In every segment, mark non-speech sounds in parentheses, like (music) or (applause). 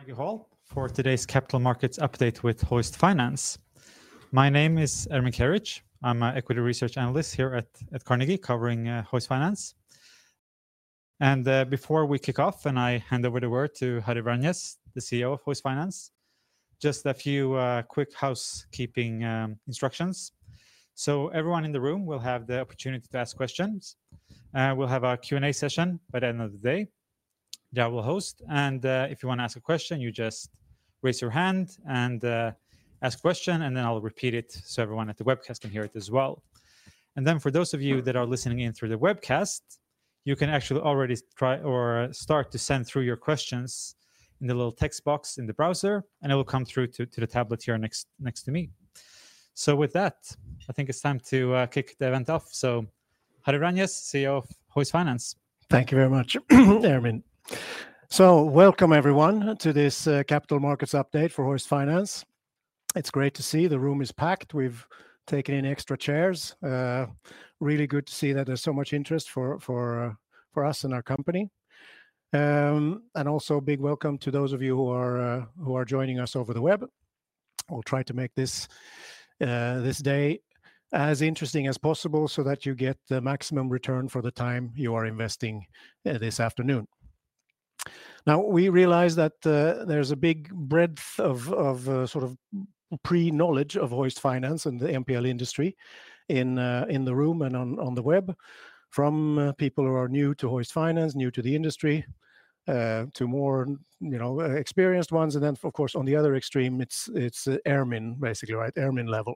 I'm here at Carnegie Hall for today's Capital Markets Update with Hoist Finance. My name is Ermin Keric. I'm an equity research analyst here at Carnegie covering Hoist Finance, and before we kick off and I hand over the word to Harry Vranjes, the CEO of Hoist Finance, just a few quick housekeeping instructions, so everyone in the room will have the opportunity to ask questions. We'll have a Q&A session by the end of the day that I will host, and if you want to ask a question, you just raise your hand and ask a question, and then I'll repeat it so everyone at the webcast can hear it as well. And then for those of you that are listening in through the webcast, you can actually already try or start to send through your questions in the little text box in the browser, and it will come through to the tablet here next to me. So with that, I think it's time to kick the event off. So Harry Vranjes, CEO of Hoist Finance. Thank you very much, Ermin. So welcome everyone to this Capital Markets Update for Hoist Finance. It's great to see the room is packed. We've taken in extra chairs. Really good to see that there's so much interest for us and our company. And also a big welcome to those of you who are joining us over the web. We'll try to make this day as interesting as possible so that you get the maximum return for the time you are investing this afternoon. Now, we realize that there's a big breadth of sort of pre-knowledge of Hoist Finance and the NPL industry in the room and on the web from people who are new to Hoist Finance, new to the industry, to more experienced ones. And then, of course, on the other extreme, it's Ermin, basically, right? Ermin level.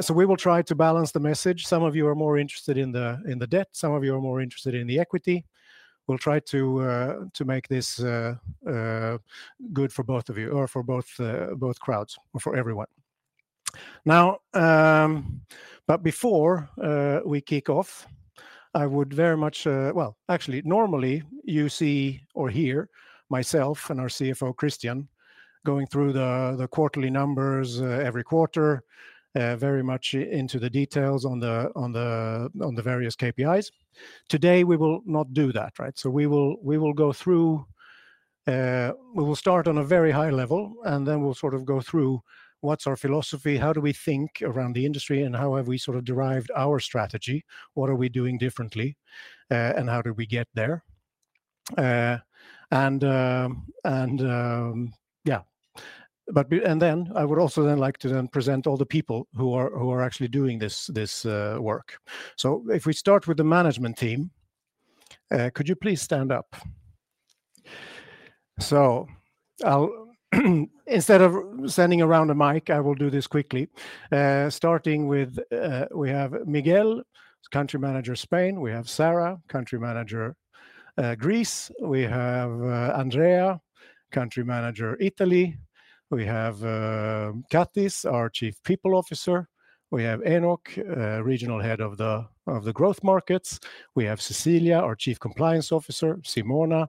So we will try to balance the message. Some of you are more interested in the debt. Some of you are more interested in the equity. We'll try to make this good for both of you or for both crowds or for everyone. Now, but before we kick off, I would very much, well, actually, normally you see or hear myself and our CFO, Christian, going through the quarterly numbers every quarter, very much into the details on the various KPIs. Today, we will not do that, right? So we will go through, we will start on a very high level, and then we'll sort of go through what's our philosophy, how do we think around the industry, and how have we sort of derived our strategy, what are we doing differently, and how did we get there. And yeah. And then I would also then like to then present all the people who are actually doing this work. If we start with the management team, could you please stand up? Instead of sending around a mic, I will do this quickly. Starting with, we have Miguel, Country Manager, Spain. We have Sarah, Country Manager, Greece. We have Andrea, Country Manager, Italy. We have Katys, our Chief People Officer. We have Enok, Regional Head of the Growth Markets. We have Cecilia, our Chief Compliance Officer, Simone,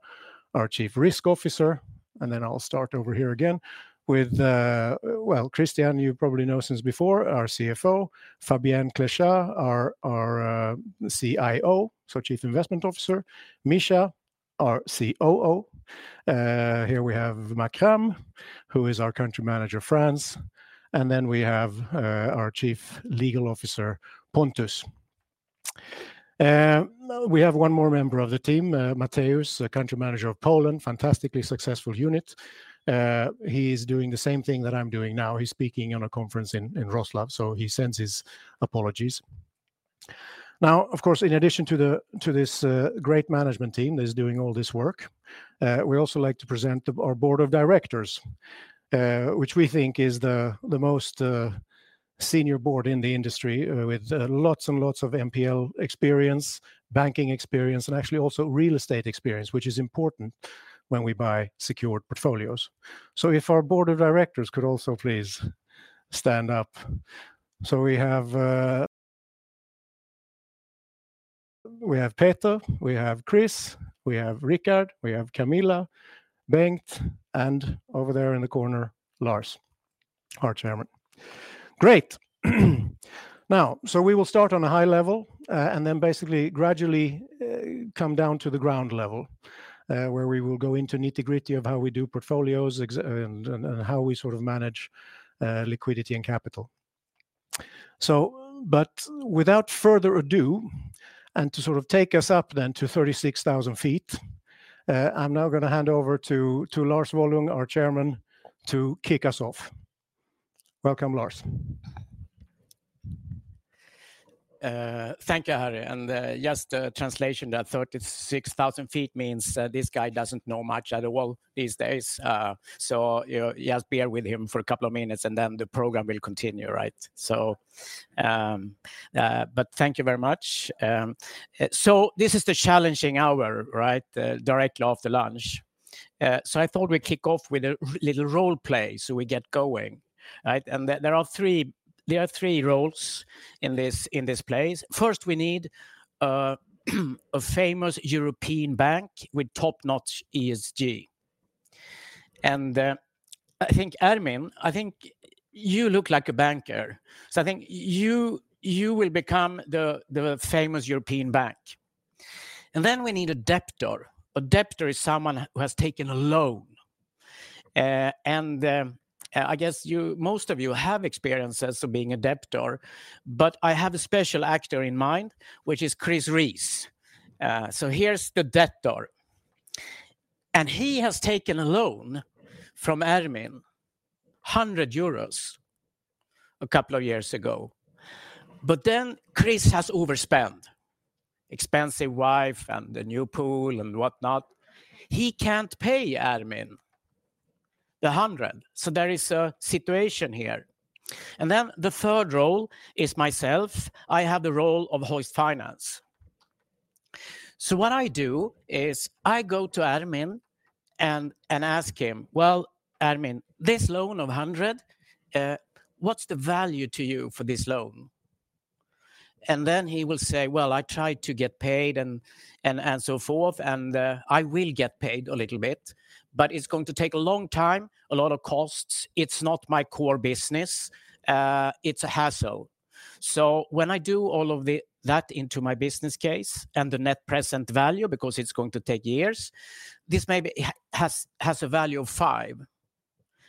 our Chief Risk Officer. Then I'll start over here again with, well, Christian, you probably know since before, our CFO, Fabien Klecha, our CIO, so Chief Investment Officer, Misha, our COO. Here we have Makram, who is our Country Manager, France. Then we have our Chief Legal Officer, Pontus. We have one more member of the team, Mateusz, Country Manager of Poland, fantastically successful unit. He is doing the same thing that I'm doing now. He's speaking on a conference in Wrocław, so he sends his apologies. Now, of course, in addition to this great management team that is doing all this work, we also like to present our Board of Directors, which we think is the most senior board in the industry with lots and lots of NPL experience, banking experience, and actually also real estate experience, which is important when we buy secured portfolios. So if our Board of Directors could also please stand up. So we have Peter, we have Chris, we have Rickard, we have Camilla, Bengt, and over there in the corner, Lars, our Chairman. Great. Now, so we will start on a high level and then basically gradually come down to the ground level where we will go into nitty-gritty of how we do portfolios and how we sort of manage liquidity and capital. Without further ado, and to sort of take us up then to 36,000 feet, I'm now going to hand over to Lars Wollung, our Chairman, to kick us off. Welcome, Lars. Thank you, Harry. And just the translation, that 36,000 feet means this guy doesn't know much at all these days. So just bear with him for a couple of minutes and then the program will continue, right? But thank you very much. So this is the challenging hour, right, directly after lunch. So I thought we'd kick off with a little role play so we get going, right? And there are three roles in this place. First, we need a famous European bank with top-notch ESG. And I think, Ermin, I think you look like a banker. So I think you will become the famous European bank. And then we need a debtor. A debtor is someone who has taken a loan. And I guess most of you have experiences of being a debtor, but I have a special actor in mind, which is Chris Rees. So here's the debtor. He has taken a loan from Ermin, 100 euros, a couple of years ago. Then Chris has overspent, expensive wife and the new pool and whatnot. He can't pay Ermin the 100. There is a situation here. Then the third role is myself. I have the role of Hoist Finance. What I do is I go to Ermin and ask him, "Well, Ermin, this loan of 100, what's the value to you for this loan?" Then he will say, "Well, I tried to get paid and so forth, and I will get paid a little bit, but it's going to take a long time, a lot of costs. It's not my core business. It's a hassle." When I do all of that into my business case and the net present value, because it's going to take years, this maybe has a value of 5.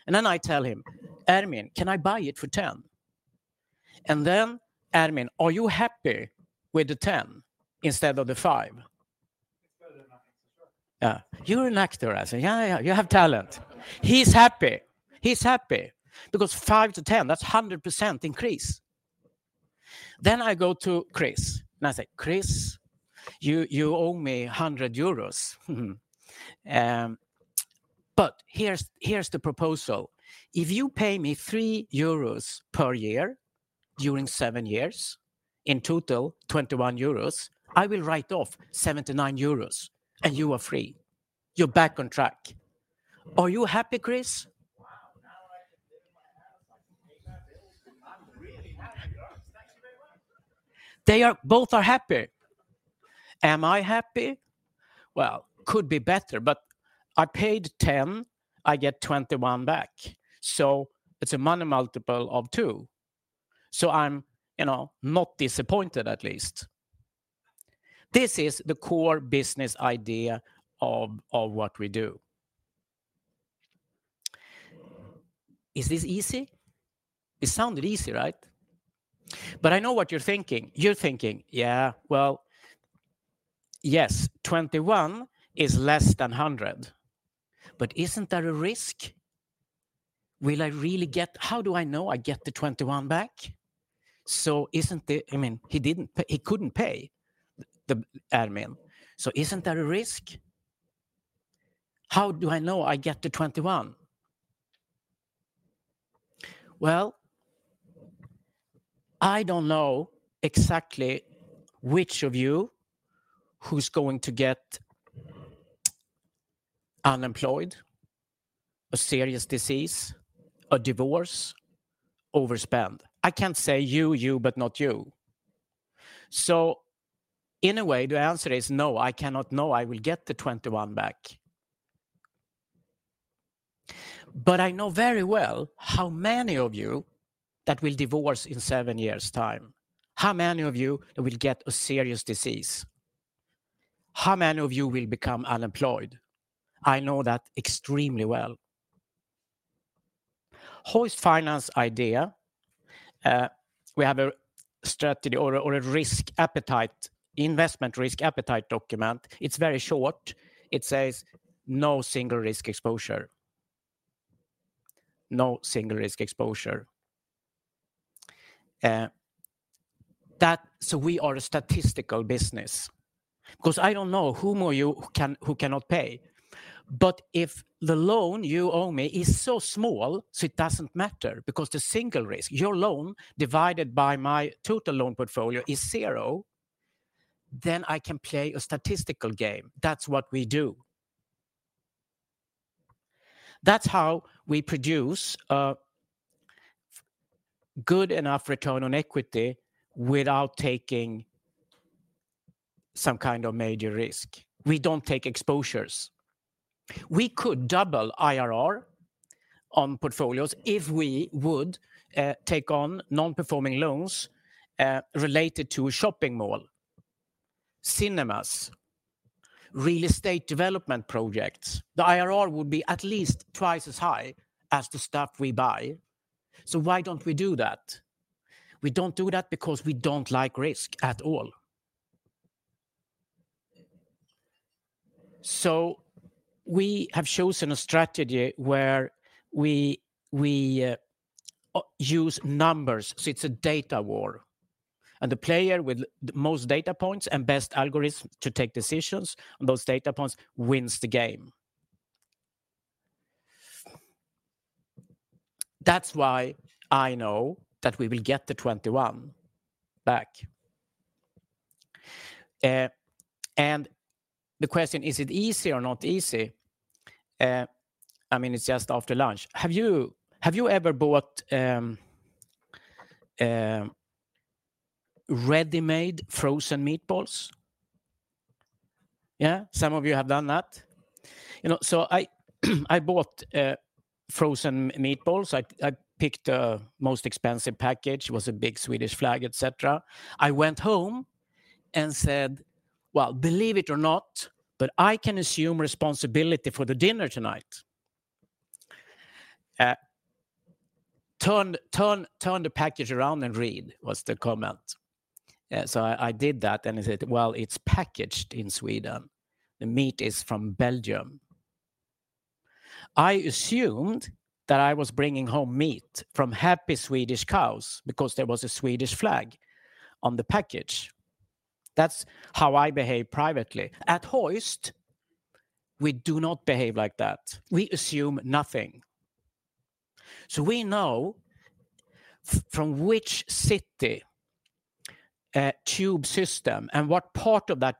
And then I tell him, "Ermin, can I buy it for 10?" And then, "Ermin, are you happy with the 10 instead of the 5? It's better than nothing, for sure. Yeah. You're an actor, I say. Yeah, yeah, you have talent. He's happy. He's happy because 5-10, that's 100% increase. Then I go to Chris and I say, "Chris, you owe me 100 euros. But here's the proposal. If you pay me 3 euros per year during seven years, in total 21 euros, I will write off 79 euros and you are free. You're back on track. Are you happy, Chris? Wow. Now I can live in my house. I can pay my bills. I'm really happy. Thank you very much. They both are happy. Am I happy? Well, could be better, but I paid 10, I get 21 back. So it's a money multiple of two. So I'm not disappointed at least. This is the core business idea of what we do. Is this easy? It sounded easy, right? But I know what you're thinking. You're thinking, "Yeah, well, yes, 21 is less than 100, but isn't there a risk? Will I really get - how do I know I get the 21 back?" So isn't the - I mean, he couldn't pay Ermin. So isn't there a risk? How do I know I get the 21? Well, I don't know exactly which of you who's going to get unemployed, a serious disease, a divorce, overspend. I can't say you, you, but not you. So in a way, the answer is no, I cannot know I will get the 21 back. But I know very well how many of you that will divorce in seven years' time, how many of you will get a serious disease, how many of you will become unemployed. I know that extremely well. Hoist Finance idea, we have a strategy or a risk appetite, investment risk appetite document. It's very short. It says no single risk exposure. No single risk exposure. So we are a statistical business because I don't know who more you who cannot pay. But if the loan you owe me is so small, so it doesn't matter because the single risk, your loan divided by my total loan portfolio is zero, then I can play a statistical game. That's what we do. That's how we produce good enough return on equity without taking some kind of major risk. We don't take exposures. We could double IRR on portfolios if we would take on non-performing loans related to a shopping mall, cinemas, real estate development projects. The IRR would be at least twice as high as the stuff we buy. So why don't we do that? We don't do that because we don't like risk at all. So we have chosen a strategy where we use numbers. So it's a data war. And the player with the most data points and best algorithm to take decisions on those data points wins the game. That's why I know that we will get the 21 back. And the question, is it easy or not easy? I mean, it's just after lunch. Have you ever bought ready-made frozen meatballs? Yeah? Some of you have done that. So I bought frozen meatballs. I picked the most expensive package. It was a big Swedish flag, et cetera. I went home and said, "Well, believe it or not, but I can assume responsibility for the dinner tonight." "Turn the package around and read," was the comment, so I did that and I said, "Well, it's packaged in Sweden. The meat is from Belgium." I assumed that I was bringing home meat from happy Swedish cows because there was a Swedish flag on the package. That's how I behave privately. At Hoist, we do not behave like that. We assume nothing, so we know from which city tube system and what part of that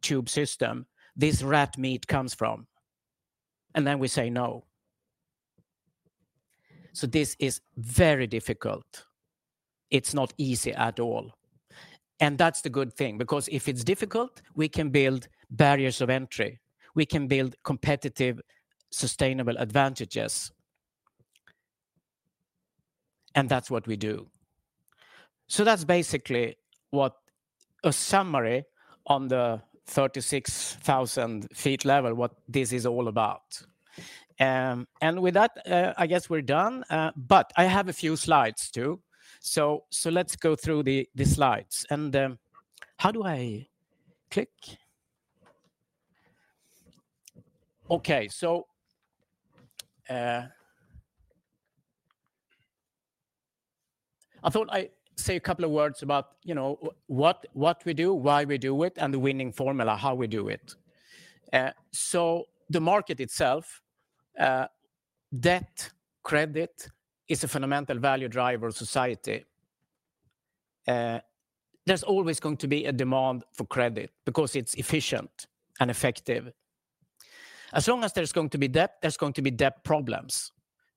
tube system this rat meat comes from, and then we say no, so this is very difficult. It's not easy at all, and that's the good thing because if it's difficult, we can build barriers of entry. We can build competitive sustainable advantages, and that's what we do. That's basically a summary on the 36,000 feet level of what this is all about. With that, I guess we're done. But I have a few slides too. Let's go through the slides. How do I click? Okay. I thought I'd say a couple of words about what we do, why we do it, and the winning formula, how we do it. The market itself, debt, credit, is a fundamental value driver of society. There's always going to be a demand for credit because it's efficient and effective. As long as there's going to be debt, there's going to be debt problems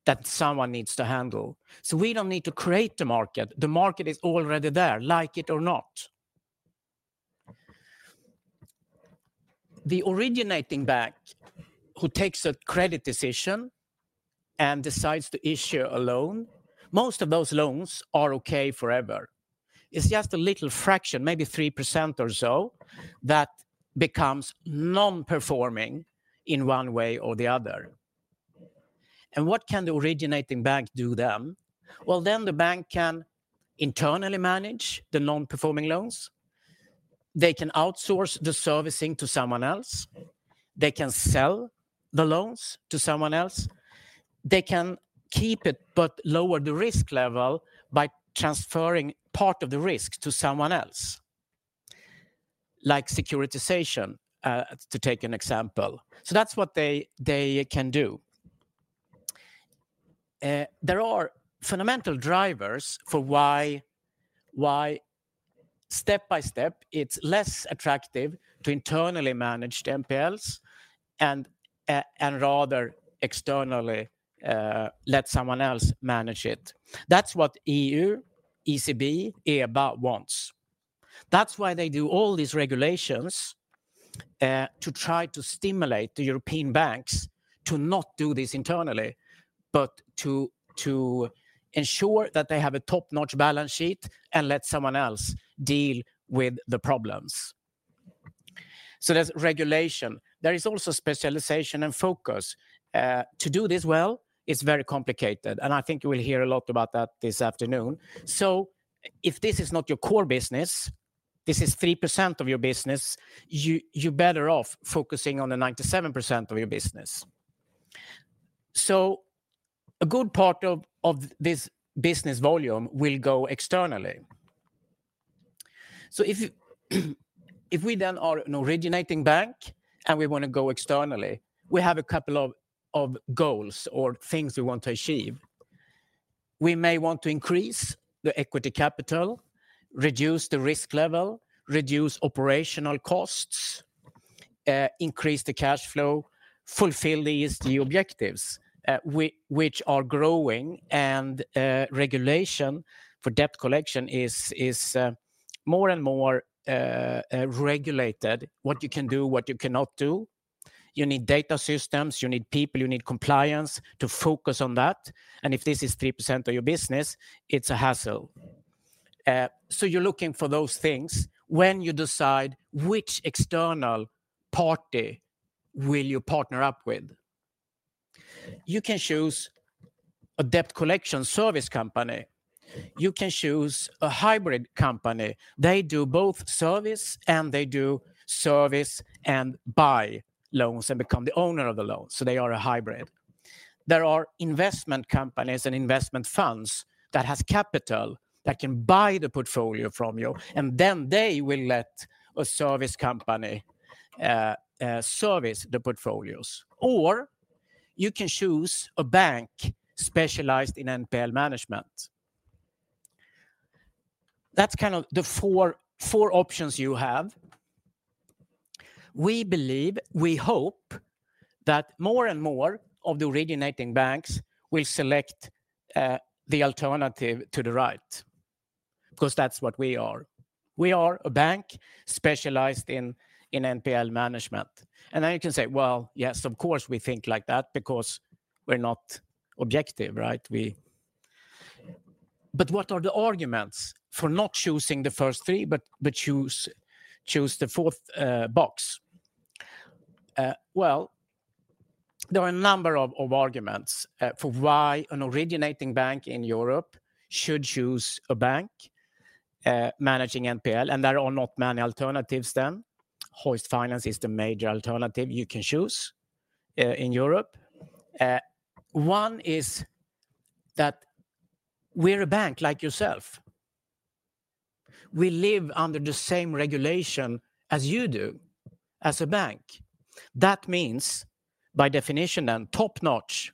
that someone needs to handle. We don't need to create the market. The market is already there, like it or not. The originating bank who takes a credit decision and decides to issue a loan, most of those loans are okay forever. It's just a little fraction, maybe 3% or so, that becomes nonperforming in one way or the other. And what can the originating bank do then? Well, then the bank can internally manage the nonperforming loans. They can outsource the servicing to someone else. They can sell the loans to someone else. They can keep it but lower the risk level by transferring part of the risk to someone else, like securitization, to take an example. So that's what they can do. There are fundamental drivers for why step by step it's less attractive to internally manage the NPLs and rather externally let someone else manage it. That's what EU, ECB, EBA wants. That's why they do all these regulations to try to stimulate the European banks to not do this internally, but to ensure that they have a top-notch balance sheet and let someone else deal with the problems. So there's regulation. There is also specialization and focus. To do this well, it's very complicated. And I think you will hear a lot about that this afternoon. So if this is not your core business, this is 3% of your business, you're better off focusing on the 97% of your business. So a good part of this business volume will go externally. So if we then are an originating bank and we want to go externally, we have a couple of goals or things we want to achieve. We may want to increase the equity capital, reduce the risk level, reduce operational costs, increase the cash flow, fulfill the ESG objectives, which are growing, and regulation for debt collection is more and more regulated, what you can do, what you cannot do. You need data systems. You need people. You need compliance to focus on that. And if this is 3% of your business, it's a hassle. So you're looking for those things when you decide which external party will you partner up with. You can choose a debt collection service company. You can choose a hybrid company. They do both service and they do service and buy loans and become the owner of the loan. So they are a hybrid. There are investment companies and investment funds that have capital that can buy the portfolio from you. They will let a service company service the portfolios. Or you can choose a bank specialized in NPL management. That's kind of the four options you have. We believe, we hope that more and more of the originating banks will select the alternative to the right because that's what we are. We are a bank specialized in NPL management. You can say, "Well, yes, of course, we think like that because we're not objective, right?" What are the arguments for not choosing the first three but choose the fourth box? There are a number of arguments for why an originating bank in Europe should choose a bank managing NPL. There are not many alternatives then. Hoist Finance is the major alternative you can choose in Europe. One is that we're a bank like yourself. We live under the same regulation as you do as a bank. That means by definition and top-notch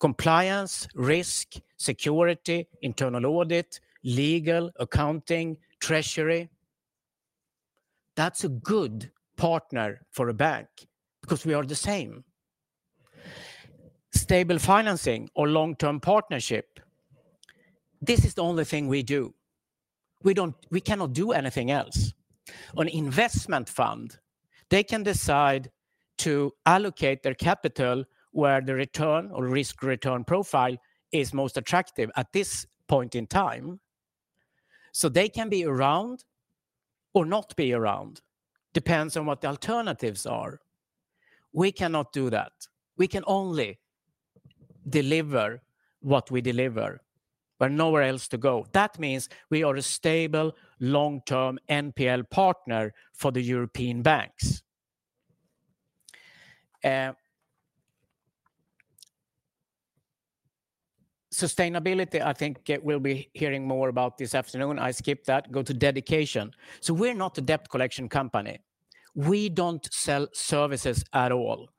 compliance, risk, security, internal audit, legal, accounting, treasury. That's a good partner for a bank because we are the same. Stable financing or long-term partnership, this is the only thing we do. We cannot do anything else. An investment fund, they can decide to allocate their capital where the return or risk-return profile is most attractive at this point in time. So they can be around or not be around. Depends on what the alternatives are. We cannot do that. We can only deliver what we deliver where nowhere else to go. That means we are a stable long-term NPL partner for the European banks. Sustainability, I think we'll be hearing more about this afternoon. I skip that. Go to dedication. So we're not a debt collection company. We don't sell services at all.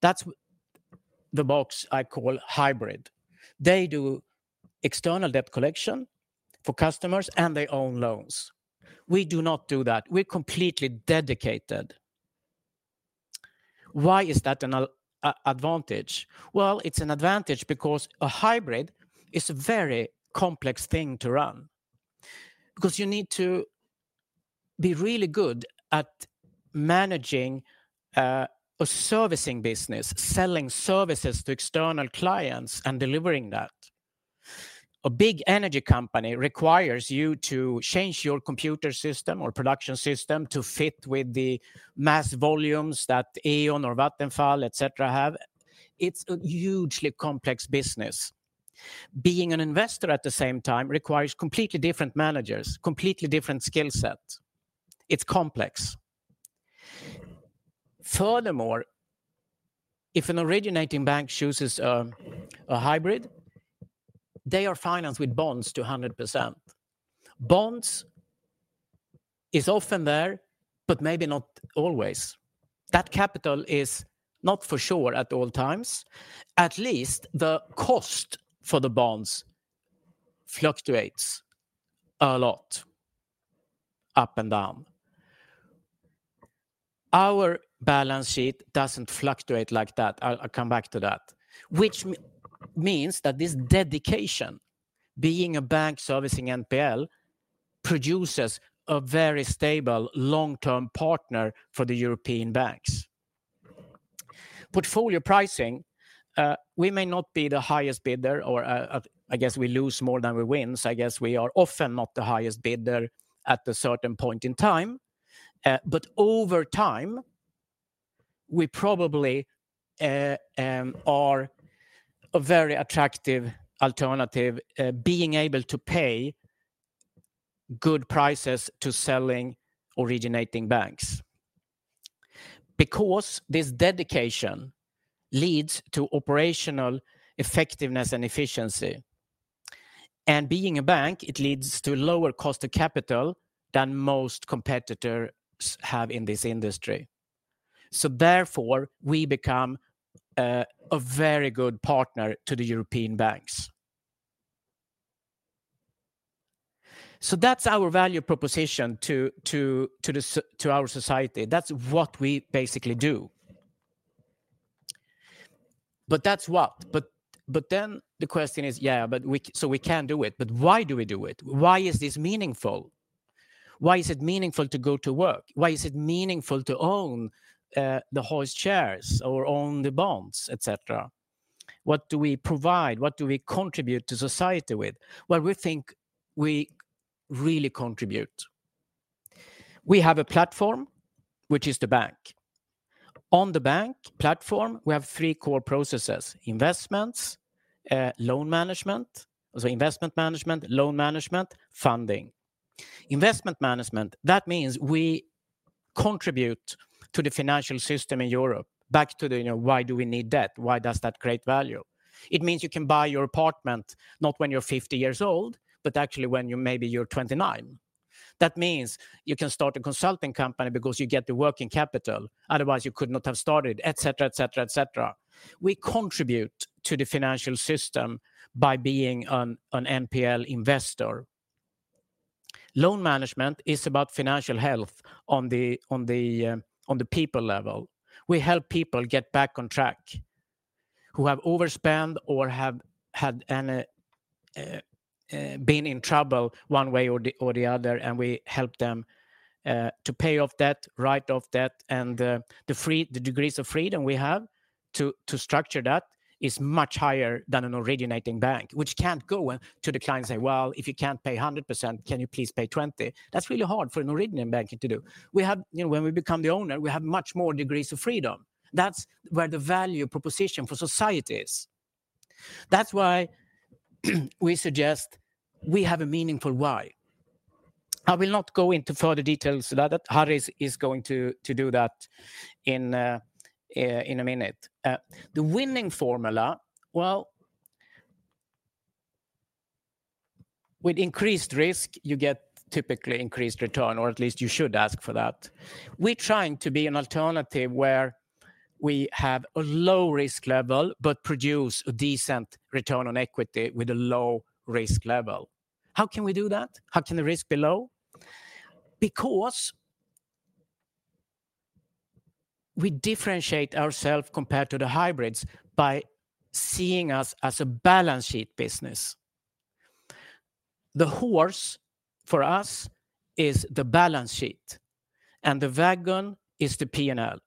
That's the box I call hybrid. They do external debt collection for customers and their own loans. We do not do that. We're completely dedicated. Why is that an advantage? Well, it's an advantage because a hybrid is a very complex thing to run because you need to be really good at managing a servicing business, selling services to external clients and delivering that. A big energy company requires you to change your computer system or production system to fit with the mass volumes that Aon or Vattenfall, et cetera, have. It's a hugely complex business. Being an investor at the same time requires completely different managers, completely different skill set. It's complex. Furthermore, if an originating bank chooses a hybrid, they are financed with bonds to 100%. Bonds is often there, but maybe not always. That capital is not for sure at all times. At least the cost for the bonds fluctuates a lot, up and down. Our balance sheet doesn't fluctuate like that. I'll come back to that, which means that this dedication, being a bank servicing NPL, produces a very stable long-term partner for the European banks. Portfolio pricing, we may not be the highest bidder or I guess we lose more than we win. So I guess we are often not the highest bidder at a certain point in time. But over time, we probably are a very attractive alternative, being able to pay good prices to selling originating banks because this dedication leads to operational effectiveness and efficiency. And being a bank, it leads to lower cost of capital than most competitors have in this industry. So therefore, we become a very good partner to the European banks. So that's our value proposition to our society. That's what we basically do. But then the question is, yeah, but so we can do it. But why do we do it? Why is this meaningful? Why is it meaningful to go to work? Why is it meaningful to own the Hoist shares or own the bonds, et cetera? What do we provide? What do we contribute to society with? Well, we think we really contribute. We have a platform, which is the bank. On the bank platform, we have three core processes: investments, loan management, so investment management, loan management, funding. Investment management, that means we contribute to the financial system in Europe. Back to the why do we need that? Why does that create value? It means you can buy your apartment not when you're 50 years old, but actually when maybe you're 29. That means you can start a consulting company because you get the working capital. Otherwise, you could not have started, et cetera, et cetera, et cetera. We contribute to the financial system by being an NPL investor. Loan management is about financial health on the people level. We help people get back on track who have overspent or have been in trouble one way or the other, and we help them to pay off debt, write off debt, and the degrees of freedom we have to structure that is much higher than an originating bank, which can't go to the client and say, "Well, if you can't pay 100%, can you please pay 20%?" That's really hard for an originating bank to do. When we become the owner, we have much more degrees of freedom. That's where the value proposition for society is. That's why we suggest we have a meaningful why. I will not go into further details. Harry is going to do that in a minute. The winning formula, well, with increased risk, you get typically increased return, or at least you should ask for that. We're trying to be an alternative where we have a low risk level but produce a decent return on equity with a low risk level. How can we do that? How can the risk be low? Because we differentiate ourselves compared to the hybrids by seeing us as a balance sheet business. The horse for us is the balance sheet, and the wagon is the P&L.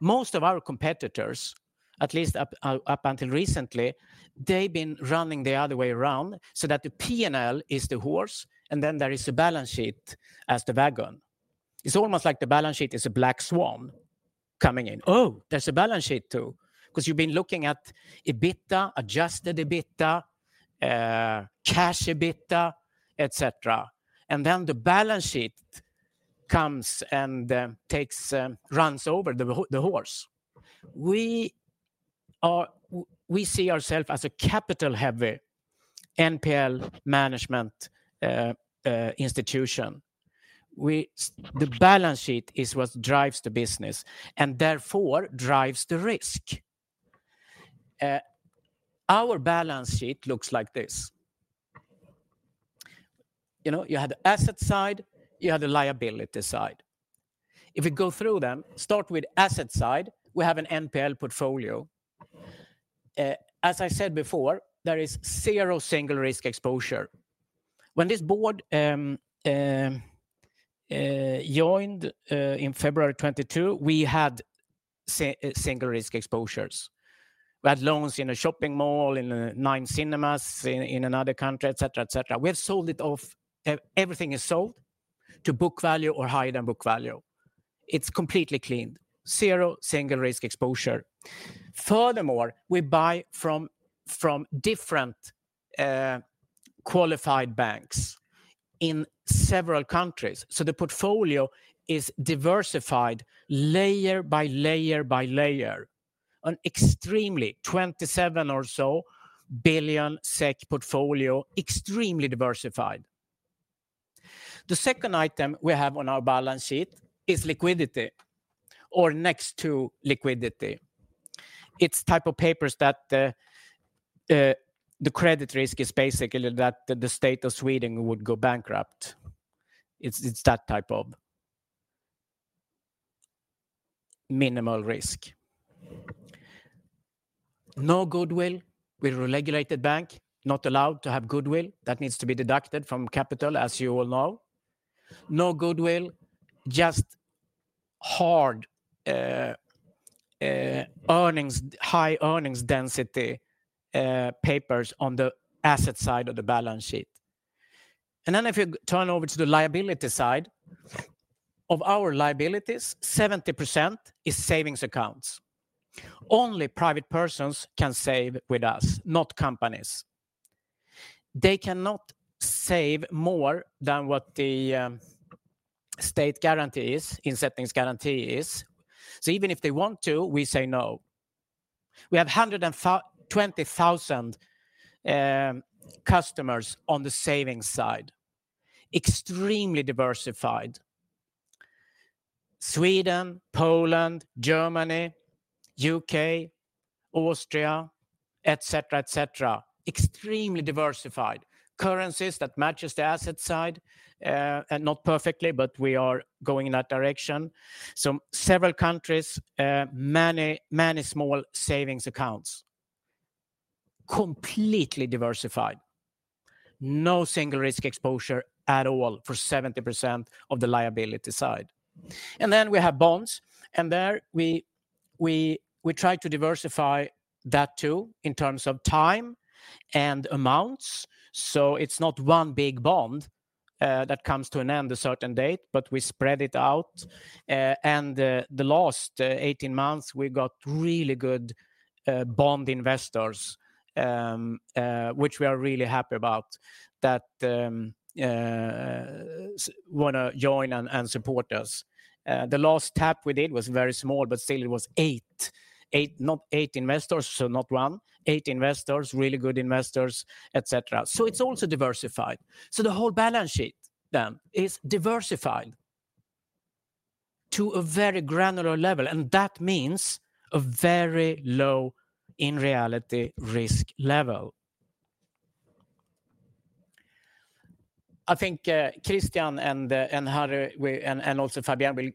Most of our competitors, at least up until recently, they've been running the other way around so that the P&L is the horse, and then there is a balance sheet as the wagon. It's almost like the balance sheet is a black swan coming in. Oh, there's a balance sheet too because you've been looking at EBITDA, adjusted EBITDA, cash EBITDA, et cetera, and then the balance sheet comes and takes, runs over the horse. We see ourselves as a capital-heavy NPL management institution. The balance sheet is what drives the business and therefore drives the risk. Our balance sheet looks like this. You had the asset side. You had the liability side. If we go through them, start with asset side, we have an NPL portfolio. As I said before, there is zero single risk exposure. When this board joined in February 2022, we had single risk exposures. We had loans in a shopping mall, in nine cinemas, in another country, et cetera, et cetera. We have sold it off. Everything is sold to book value or higher than book value. It's completely cleaned. Zero single risk exposure. Furthermore, we buy from different qualified banks in several countries, so the portfolio is diversified layer by layer by layer. An extremely 27 billion or so portfolio, extremely diversified. The second item we have on our balance sheet is liquidity or next to liquidity. It's the type of papers that the credit risk is basically that the State of Sweden would go bankrupt. It's that type of minimal risk. No goodwill with a regulated bank, not allowed to have goodwill. That needs to be deducted from capital, as you all know. No goodwill, just hard earnings, high earnings density papers on the asset side of the balance sheet, and then if you turn over to the liability side of our liabilities, 70% is savings accounts. Only private persons can save with us, not companies. They cannot save more than what the state guarantee is, incentive guarantee is. So even if they want to, we say no. We have 120,000 customers on the savings side, extremely diversified. Sweden, Poland, Germany, U.K., Austria, et cetera, et cetera, extremely diversified. Currencies that match the asset side, not perfectly, but we are going in that direction, so several countries, many, many small savings accounts, completely diversified. No single risk exposure at all for 70% of the liability side, and then we have bonds, and there we try to diversify that too in terms of time and amounts. So it's not one big bond that comes to an end a certain date, but we spread it out, and the last 18 months, we got really good bond investors, which we are really happy about that want to join and support us. The last tap we did was very small, but still it was eight, not eight investors, so not one, eight investors, really good investors, et cetera, so it's also diversified, so the whole balance sheet then is diversified to a very granular level, and that means a very low, in reality, risk level. I think Christian and Harry and also Fabien will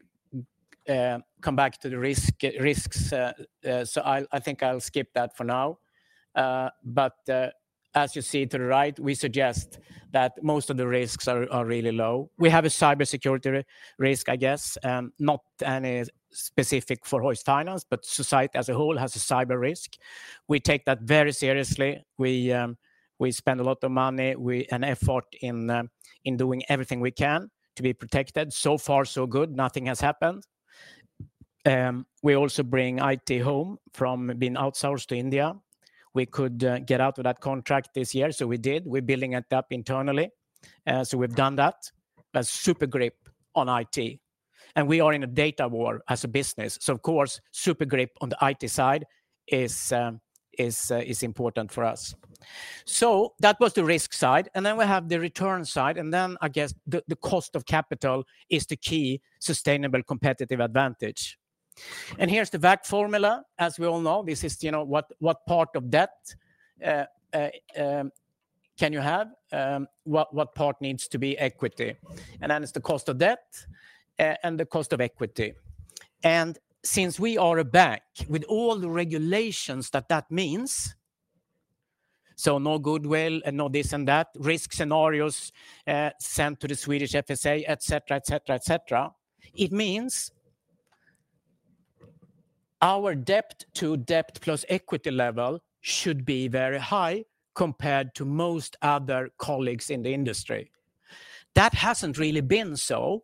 come back to the risks. So I think I'll skip that for now. But as you see to the right, we suggest that most of the risks are really low. We have a cybersecurity risk, I guess, not any specific for Hoist Finance, but society as a whole has a cyber risk. We take that very seriously. We spend a lot of money and effort in doing everything we can to be protected. So far, so good. Nothing has happened. We also bring IT home from being outsourced to India. We could get out of that contract this year, so we did. We're building it up internally. So we've done that. A super grip on IT. And we are in a data war as a business. So of course, super grip on the IT side is important for us. So that was the risk side. And then we have the return side. And then I guess the cost of capital is the key sustainable competitive advantage. And here's the VAC formula. As we all know, this is what part of debt can you have, what part needs to be equity. And then it's the cost of debt and the cost of equity. Since we are a bank with all the regulations that that means, so no goodwill and no this and that, risk scenarios sent to the Swedish FSA, et cetera, et cetera, et cetera, it means our debt to debt plus equity level should be very high compared to most other colleagues in the industry. That hasn't really been so,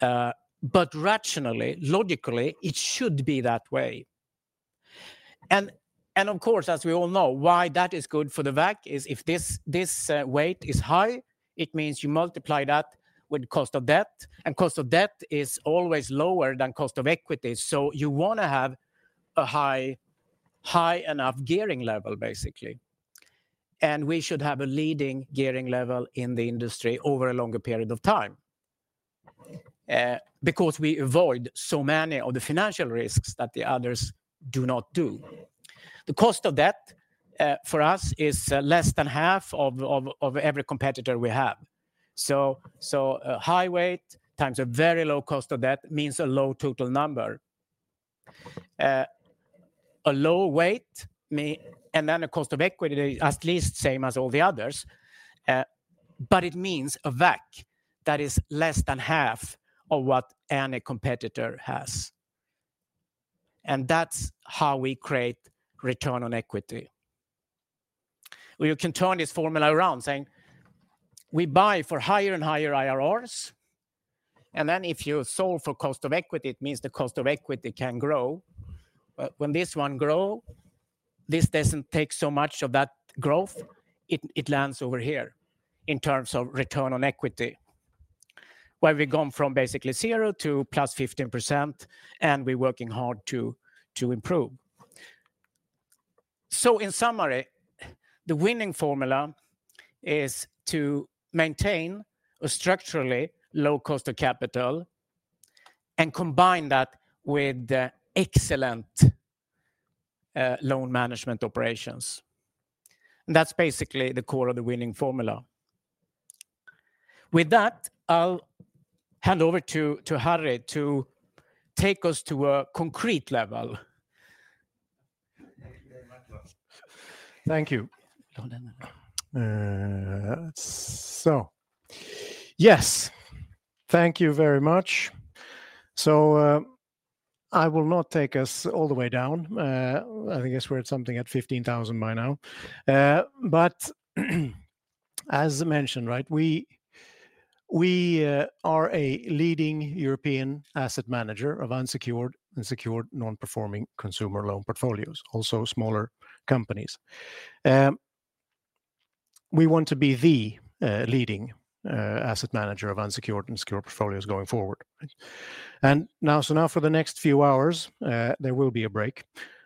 but rationally, logically, it should be that way. Of course, as we all know, why that is good for the VAC is if this weight is high, it means you multiply that with cost of debt. Cost of debt is always lower than cost of equity. You want to have a high enough gearing level, basically. We should have a leading gearing level in the industry over a longer period of time because we avoid so many of the financial risks that the others do not do. The cost of debt for us is less than half of every competitor we have. High weight times a very low cost of debt means a low total number. A low weight and then a cost of equity is at least same as all the others. It means a WACC that is less than half of what any competitor has. That's how we create return on equity. You can turn this formula around saying we buy for higher and higher IRRs. Then if you sold for cost of equity, it means the cost of equity can grow. When this one grows, this doesn't take so much of that growth. It lands over here in terms of return on equity, where we've gone from basically 0% to +15%, and we're working hard to improve. So in summary, the winning formula is to maintain a structurally low cost of capital and combine that with excellent loan management operations. And that's basically the core of the winning formula. With that, I'll hand over to Harry to take us to a concrete level. Thank you. Yes. Thank you very much. So I will not take us all the way down. I think we're at something at 15,000 by now. But as mentioned, we are a leading European asset manager of unsecured and secured nonperforming consumer loan portfolios, also smaller companies. We want to be the leading asset manager of unsecured and secured portfolios going forward. And now, so now for the next few hours, there will be a break.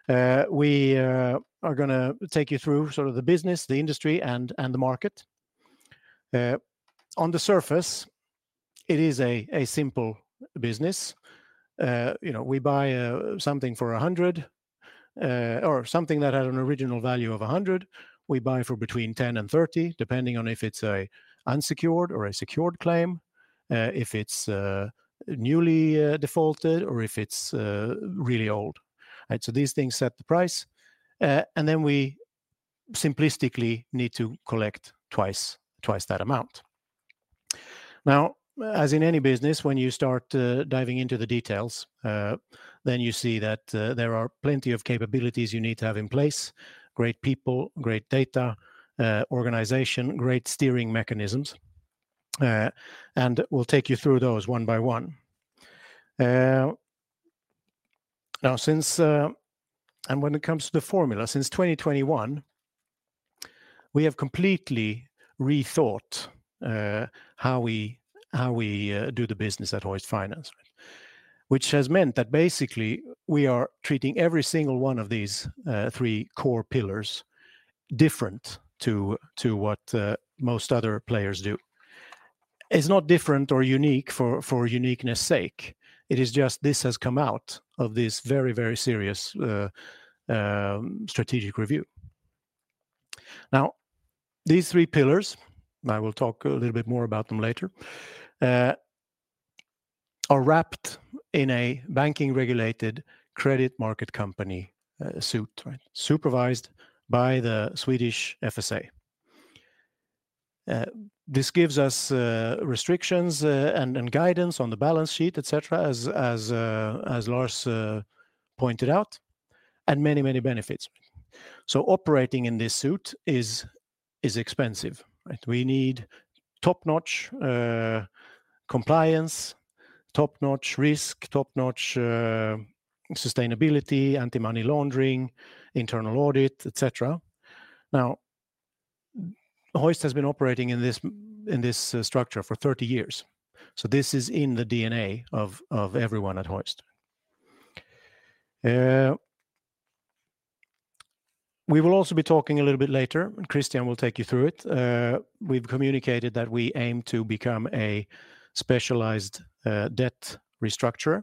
We are going to take you through sort of the business, the industry, and the market. On the surface, it is a simple business. We buy something for 100 or something that had an original value of 100. We buy for between 10 and 30, depending on if it's an unsecured or a secured claim, if it's newly defaulted, or if it's really old. So these things set the price. And then we simplistically need to collect twice that amount. Now, as in any business, when you start diving into the details, then you see that there are plenty of capabilities you need to have in place, great people, great data, organization, great steering mechanisms. And we'll take you through those one by one. Now, when it comes to the formula, since 2021, we have completely rethought how we do the business at Hoist Finance, which has meant that basically we are treating every single one of these three core pillars different to what most other players do. It's not different or unique for uniqueness sake. It is just this has come out of this very, very serious strategic review. Now, these three pillars, and I will talk a little bit more about them later, are wrapped in a banking-regulated credit market company setup supervised by the Swedish FSA. This gives us restrictions and guidance on the balance sheet, et cetera, as Lars pointed out, and many, many benefits. So operating in this setup is expensive. We need top-notch compliance, top-notch risk, top-notch sustainability, anti-money laundering, internal audit, et cetera. Now, Hoist has been operating in this structure for 30 years. This is in the DNA of everyone at Hoist. We will also be talking a little bit later. Christian will take you through it. We've communicated that we aim to become a specialized debt restructure.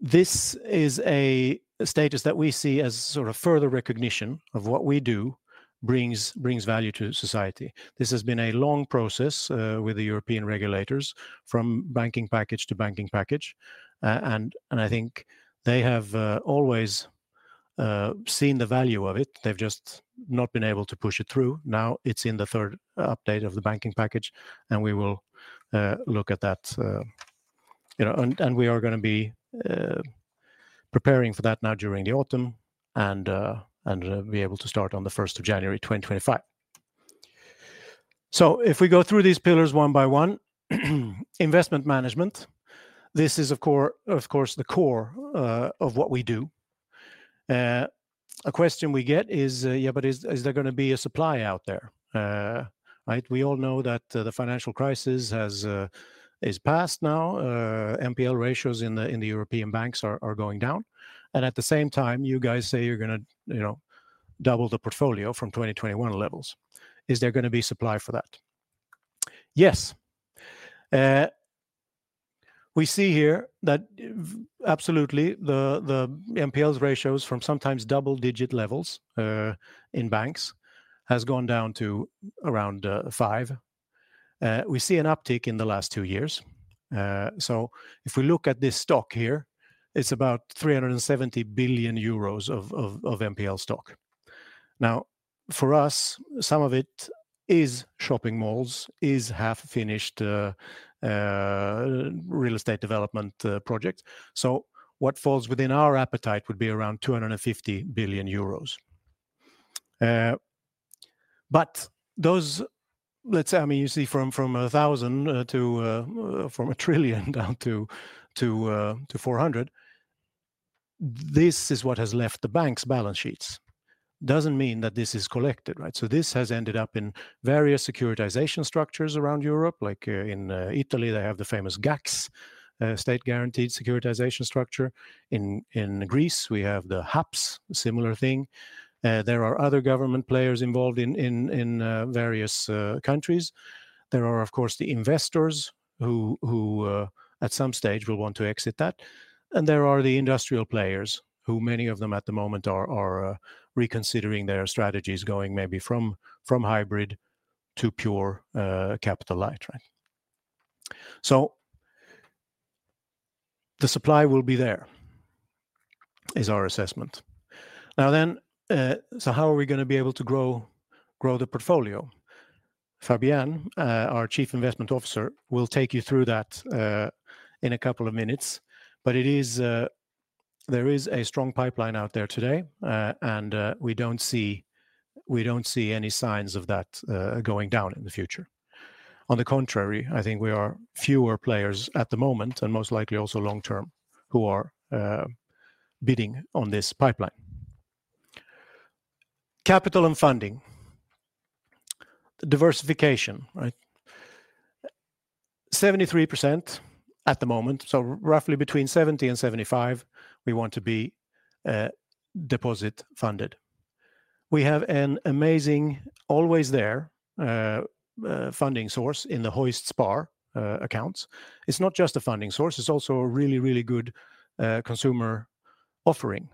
This is a status that we see as sort of further recognition of what we do brings value to society. This has been a long process with the European regulators from banking package to banking package. I think they have always seen the value of it. They've just not been able to push it through. Now it's in the third update of the banking package, and we will look at that. We are going to be preparing for that now during the autumn and be able to start on the 1st of January 2025. So if we go through these pillars one by one, investment management, this is, of course, the core of what we do. A question we get is, yeah, but is there going to be a supply out there? We all know that the financial crisis is past now. NPL ratios in the European banks are going down. And at the same time, you guys say you're going to double the portfolio from 2021 levels. Is there going to be supply for that? Yes. We see here that absolutely the NPL ratios from sometimes double-digit levels in banks have gone down to around five. We see an uptick in the last two years. So if we look at this stock here, it's about 370 billion euros of NPL stock. Now, for us, some of it is shopping malls, half-finished real estate development projects. So what falls within our appetite would be around 250 billion euros. But those, let's say, I mean, you see from 1,000 to a trillion down to 400, this is what has left the bank's balance sheets. Doesn't mean that this is collected. So this has ended up in various securitization structures around Europe. Like in Italy, they have the famous GACS, state-guaranteed securitization structure. In Greece, we have the HAPS, a similar thing. There are other government players involved in various countries. There are, of course, the investors who at some stage will want to exit that. And there are the industrial players who, many of them at the moment, are reconsidering their strategies, going maybe from hybrid to pure capital light. So the supply will be there, is our assessment. Now then, so how are we going to be able to grow the portfolio? Fabien, our Chief Investment Officer, will take you through that in a couple of minutes. But there is a strong pipeline out there today, and we don't see any signs of that going down in the future. On the contrary, I think we are fewer players at the moment and most likely also long-term who are bidding on this pipeline. Capital and funding. Diversification. 73% at the moment. So roughly between 70% and 75%, we want to be deposit funded. We have an amazing, always there funding source in the HoistSpar accounts. It's not just a funding source. It's also a really, really good consumer offering.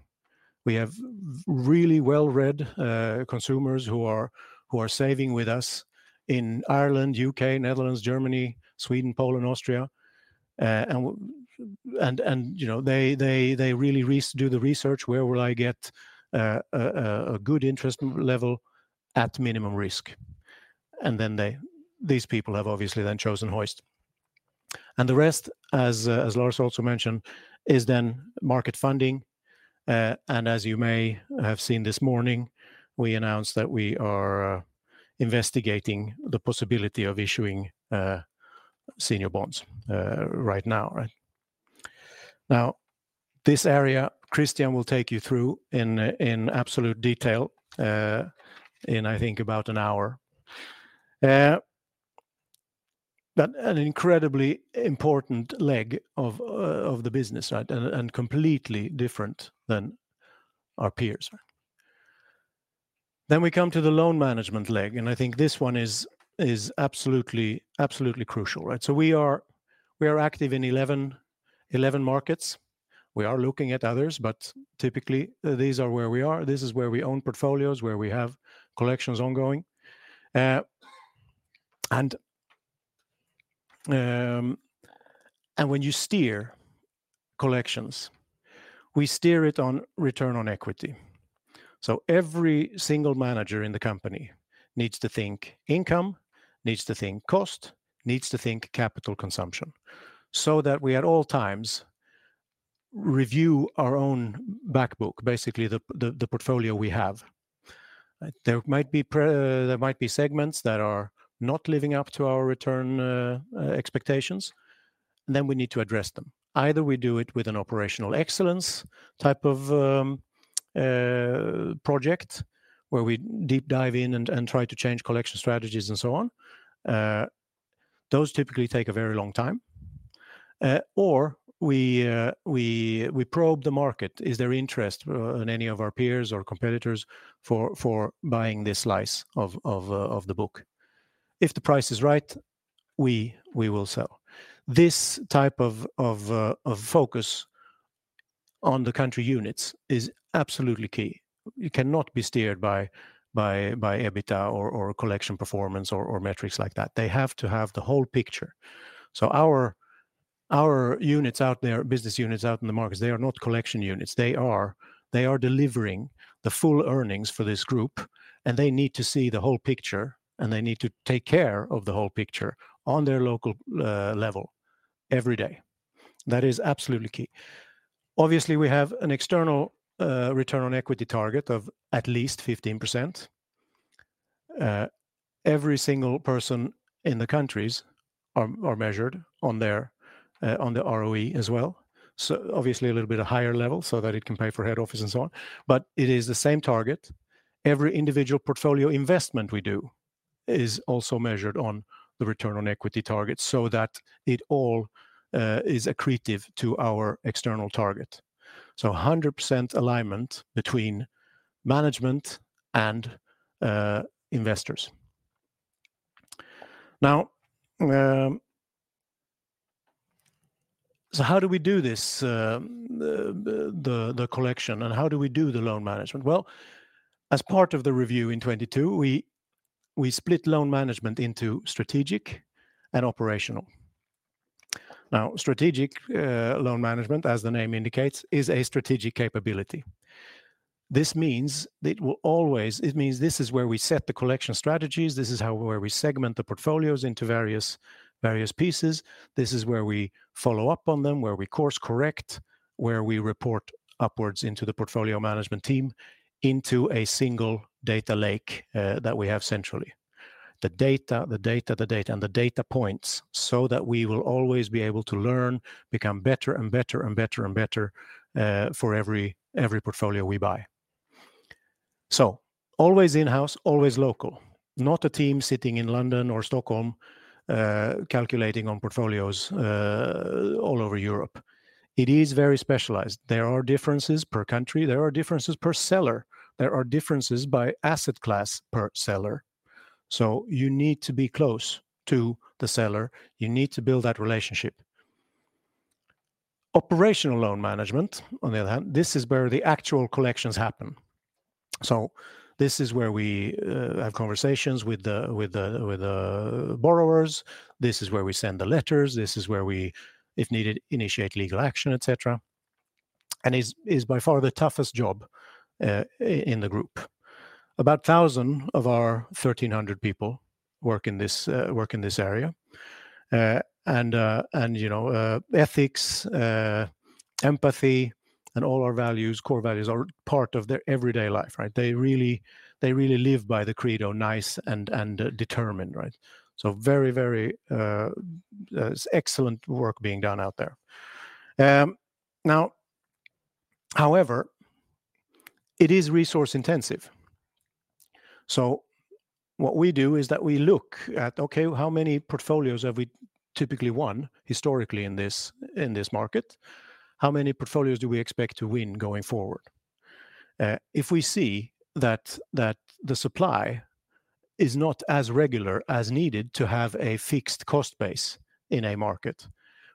We have really well-read consumers who are saving with us in Ireland, U.K., Netherlands, Germany, Sweden, Poland, Austria. And they really do the research, where will I get a good interest level at minimum risk? And then these people have obviously then chosen Hoist. And the rest, as Lars also mentioned, is then market funding. And as you may have seen this morning, we announced that we are investigating the possibility of issuing senior bonds right now. Now, this area, Christian will take you through in absolute detail in, I think, about an hour. But an incredibly important leg of the business and completely different than our peers. Then we come to the loan management leg. And I think this one is absolutely crucial. So we are active in 11 markets. We are looking at others, but typically, these are where we are. This is where we own portfolios, where we have collections ongoing. And when you steer collections, we steer it on return on equity. So every single manager in the company needs to think income, needs to think cost, needs to think capital consumption so that we at all times review our own backbook, basically the portfolio we have. There might be segments that are not living up to our return expectations. Then we need to address them. Either we do it with an operational excellence type of project where we deep dive in and try to change collection strategies and so on. Those typically take a very long time. Or we probe the market. Is there interest in any of our peers or competitors for buying this slice of the book? If the price is right, we will sell. This type of focus on the country units is absolutely key. It cannot be steered by EBITDA or collection performance or metrics like that. They have to have the whole picture. Our units out there, business units out in the markets, they are not collection units. They are delivering the full earnings for this group. And they need to see the whole picture. And they need to take care of the whole picture on their local level every day. That is absolutely key. Obviously, we have an external return on equity target of at least 15%. Every single person in the countries are measured on the ROE as well. So obviously, a little bit of higher level so that it can pay for head office and so on. But it is the same target. Every individual portfolio investment we do is also measured on the return on equity target so that it all is accretive to our external target. So 100% alignment between management and investors. Now, so how do we do this, the collection, and how do we do the loan management? Well, as part of the review in 2022, we split loan management into strategic and operational. Now, strategic loan management, as the name indicates, is a strategic capability. This means that it will always mean this is where we set the collection strategies. This is where we segment the portfolios into various pieces. This is where we follow up on them, where we course correct, where we report upwards into the portfolio management team into a single data lake that we have centrally. The data, the data, the data, and the data points, so that we will always be able to learn, become better and better and better and better for every portfolio we buy. So always in-house, always local. Not a team sitting in London or Stockholm calculating on portfolios all over Europe. It is very specialized. There are differences per country. There are differences per seller. There are differences by asset class per seller, so you need to be close to the seller. You need to build that relationship. Operational loan management, on the other hand, this is where the actual collections happen, so this is where we have conversations with the borrowers. This is where we send the letters. This is where we, if needed, initiate legal action, et cetera, and it is by far the toughest job in the group. About 1,000 of our 1,300 people work in this area, and ethics, empathy, and all our values, core values are part of their everyday life. They really live by the credo, nice and determined, so very, very excellent work being done out there. Now, however, it is resource-intensive. So what we do is that we look at, okay, how many portfolios have we typically won historically in this market? How many portfolios do we expect to win going forward? If we see that the supply is not as regular as needed to have a fixed cost base in a market,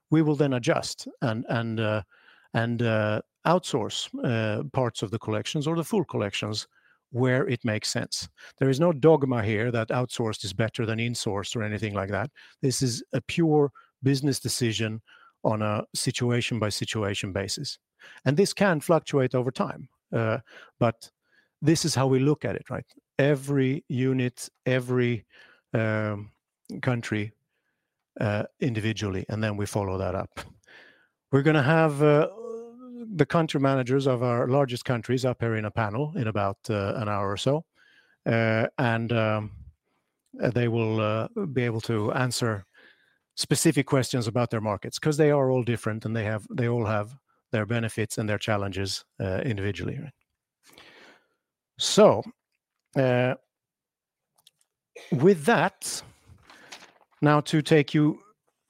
we will then adjust and outsource parts of the collections or the full collections where it makes sense. There is no dogma here that outsourced is better than insourced or anything like that. This is a pure business decision on a situation-by-situation basis, and this can fluctuate over time, but this is how we look at it. Every unit, every country individually, and then we follow that up. We're going to have the country managers of our largest countries appear in a panel in about an hour or so. They will be able to answer specific questions about their markets because they are all different and they all have their benefits and their challenges individually. So with that, now to take you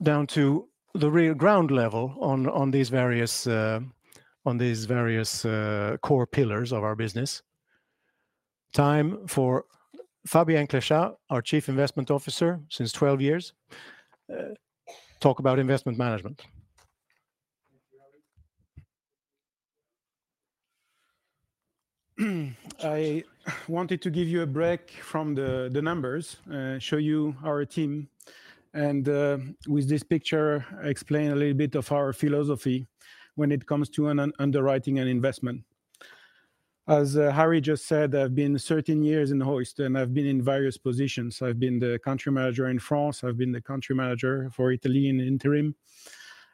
down to the real ground level on these various core pillars of our business. Time for Fabien Klecha, our Chief Investment Officer since 12 years, to talk about investment management. I wanted to give you a break from the numbers, show you our team, and with this picture, explain a little bit of our philosophy when it comes to underwriting and investment. As Harry just said, I've been 13 years in Hoist and I've been in various positions. I've been the Country Manager in France. I've been the Country Manager for Italy in interim.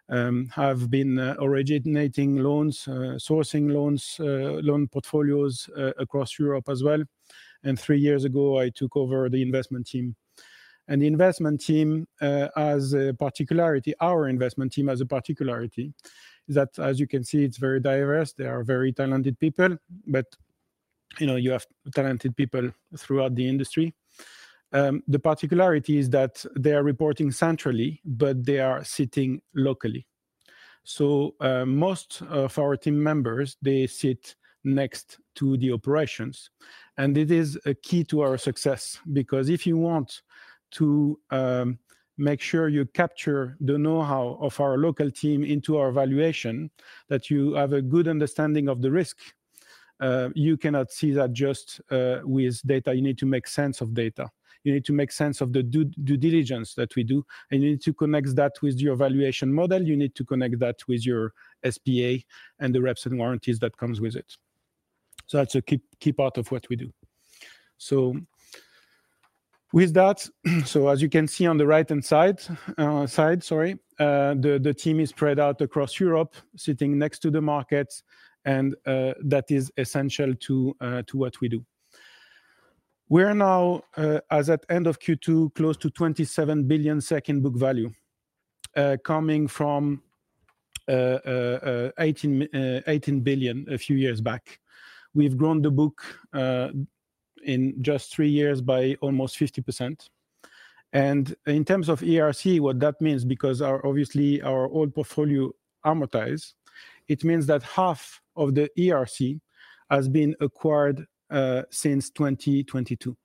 I've been originating loans, sourcing loans, loan portfolios across Europe as well. And three years ago, I took over the investment team. The investment team has a particularity. Our investment team has a particularity that, as you can see, it's very diverse. They are very talented people, but you have talented people throughout the industry. The particularity is that they are reporting centrally, but they are sitting locally. Most of our team members, they sit next to the operations. It is a key to our success because if you want to make sure you capture the know-how of our local team into our valuation, that you have a good understanding of the risk, you cannot see that just with data. You need to make sense of data. You need to make sense of the due diligence that we do. You need to connect that with your valuation model. You need to connect that with your SPA and the reps and warranties that come with it. So that's a key part of what we do. So with that, so as you can see on the right-hand side, sorry, the team is spread out across Europe, sitting next to the markets. And that is essential to what we do. We're now, as at the end of Q2, close to 27 billion second book value, coming from 18 billion a few years back. We've grown the book in just three years by almost 50%. And in terms of ERC, what that means, because obviously our old portfolio amortizes, it means that half of the ERC has been acquired since 2022.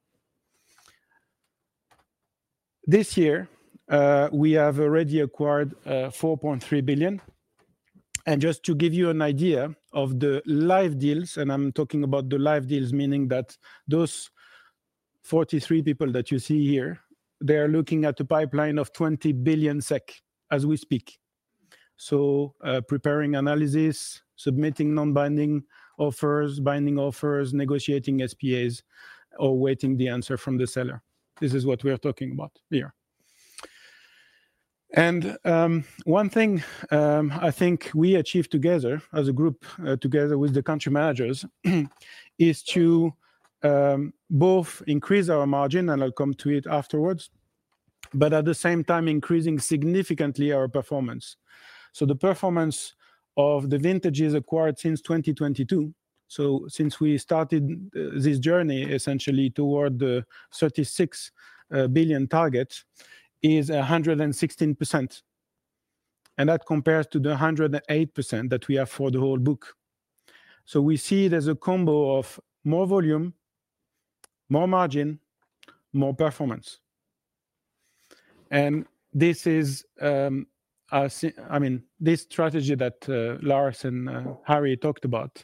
This year, we have already acquired 4.3 billion. And just to give you an idea of the live deals, and I'm talking about the live deals, meaning that those 43 people that you see here, they are looking at a pipeline of EUR 20 billion as we speak. So, preparing analysis, submitting non-binding offers, binding offers, negotiating SPAs, or waiting for the answer from the seller. This is what we are talking about here. And one thing I think we achieved together as a group, together with the country managers, is to both increase our margin, and I'll come to it afterwards, but at the same time, increasing significantly our performance. So the performance of the vintages acquired since 2022, so since we started this journey essentially toward the 36 billion target, is 116%. And that compares to the 108% that we have for the whole book. So we see it as a combo of more volume, more margin, more performance. And this is, I mean, this strategy that Lars and Harry talked about,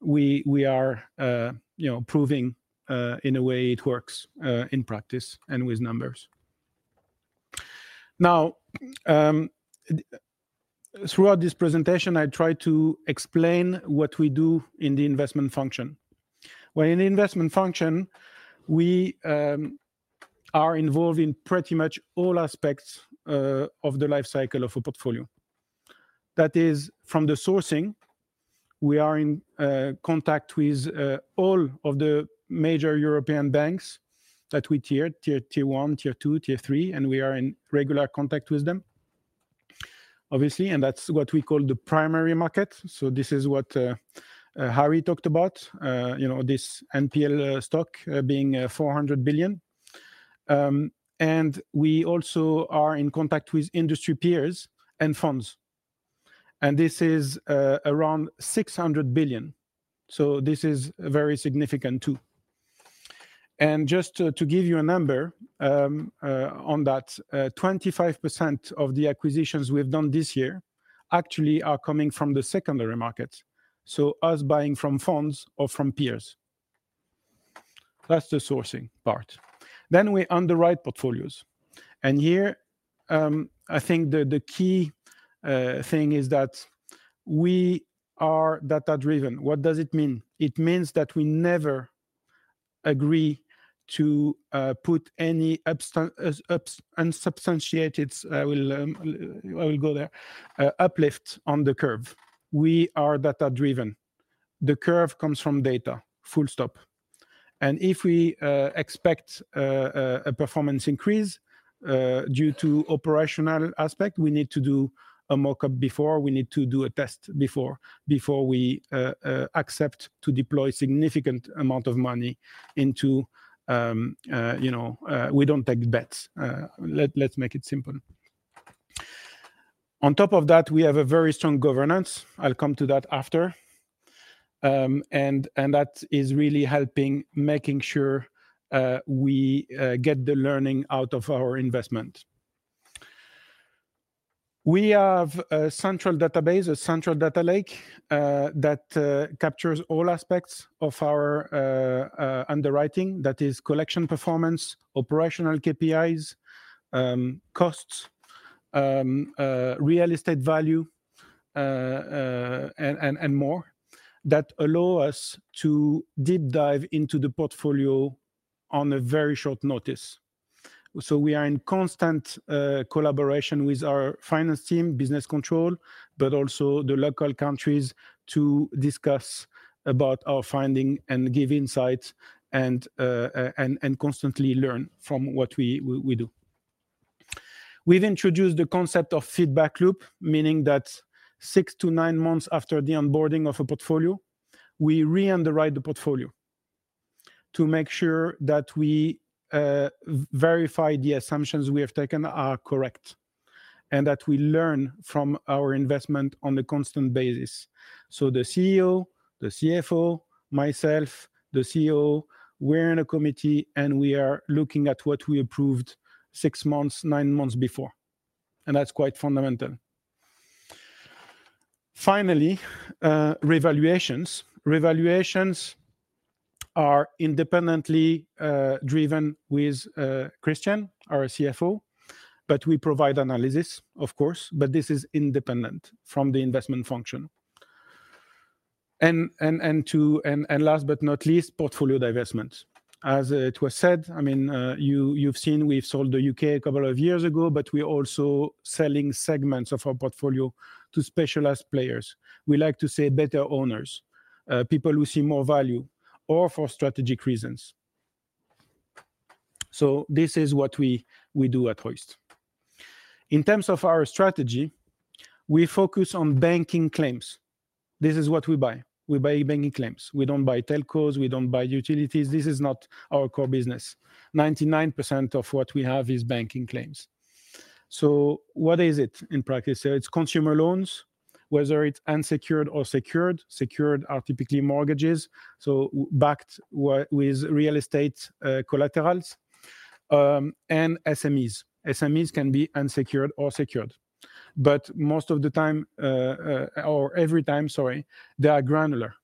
we are proving in a way it works in practice and with numbers. Now, throughout this presentation, I tried to explain what we do in the investment function. When in the investment function, we are involved in pretty much all aspects of the life cycle of a portfolio. That is, from the sourcing, we are in contact with all of the major European banks that we tiered, tier one, tier two, tier three, and we are in regular contact with them, obviously. And that's what we call the primary market. So this is what Harry talked about, this NPL stock being 400 billion. And we also are in contact with industry peers and funds. And this is around 600 billion. So this is very significant too. And just to give you a number on that, 25% of the acquisitions we've done this year actually are coming from the secondary market. So us buying from funds or from peers. That's the sourcing part. Then we underwrite portfolios. And here, I think the key thing is that we are data-driven. What does it mean? It means that we never agree to put any unsubstantiated, I will go there, uplift on the curve. We are data-driven. The curve comes from data, full stop. And if we expect a performance increase due to operational aspect, we need to do a mock-up before. We need to do a test before we accept to deploy a significant amount of money into we don't take bets. Let's make it simple. On top of that, we have a very strong governance. I'll come to that after. And that is really helping making sure we get the learning out of our investment. We have a central database, a central data lake that captures all aspects of our underwriting. That is collection performance, operational KPIs, costs, real estate value, and more that allow us to deep dive into the portfolio on a very short notice. So we are in constant collaboration with our finance team, business control, but also the local countries to discuss about our findings and give insights and constantly learn from what we do. We've introduced the concept of feedback loop, meaning that six to nine months after the onboarding of a portfolio, we re-underwrite the portfolio to make sure that we verify the assumptions we have taken are correct and that we learn from our investment on a constant basis. So the CEO, the CFO, myself, the CEO, we're in a committee and we are looking at what we approved six months, nine months before. And that's quite fundamental. Finally, revaluations. Revaluations are independently driven with Christian, our CFO, but we provide analysis, of course, but this is independent from the investment function, and last but not least, portfolio divestment. As it was said, I mean, you've seen we've sold the U.K. a couple of years ago, but we're also selling segments of our portfolio to specialized players. We like to say better owners, people who see more value or for strategic reasons, so this is what we do at Hoist. In terms of our strategy, we focus on banking claims. This is what we buy. We buy banking claims. We don't buy telcos. We don't buy utilities. This is not our core business. 99% of what we have is banking claims, so what is it in practice? It's consumer loans, whether it's unsecured or secured. Secured are typically mortgages, so backed with real estate collaterals and SMEs. SMEs can be unsecured or secured, but most of the time, or every time, sorry, they are granular.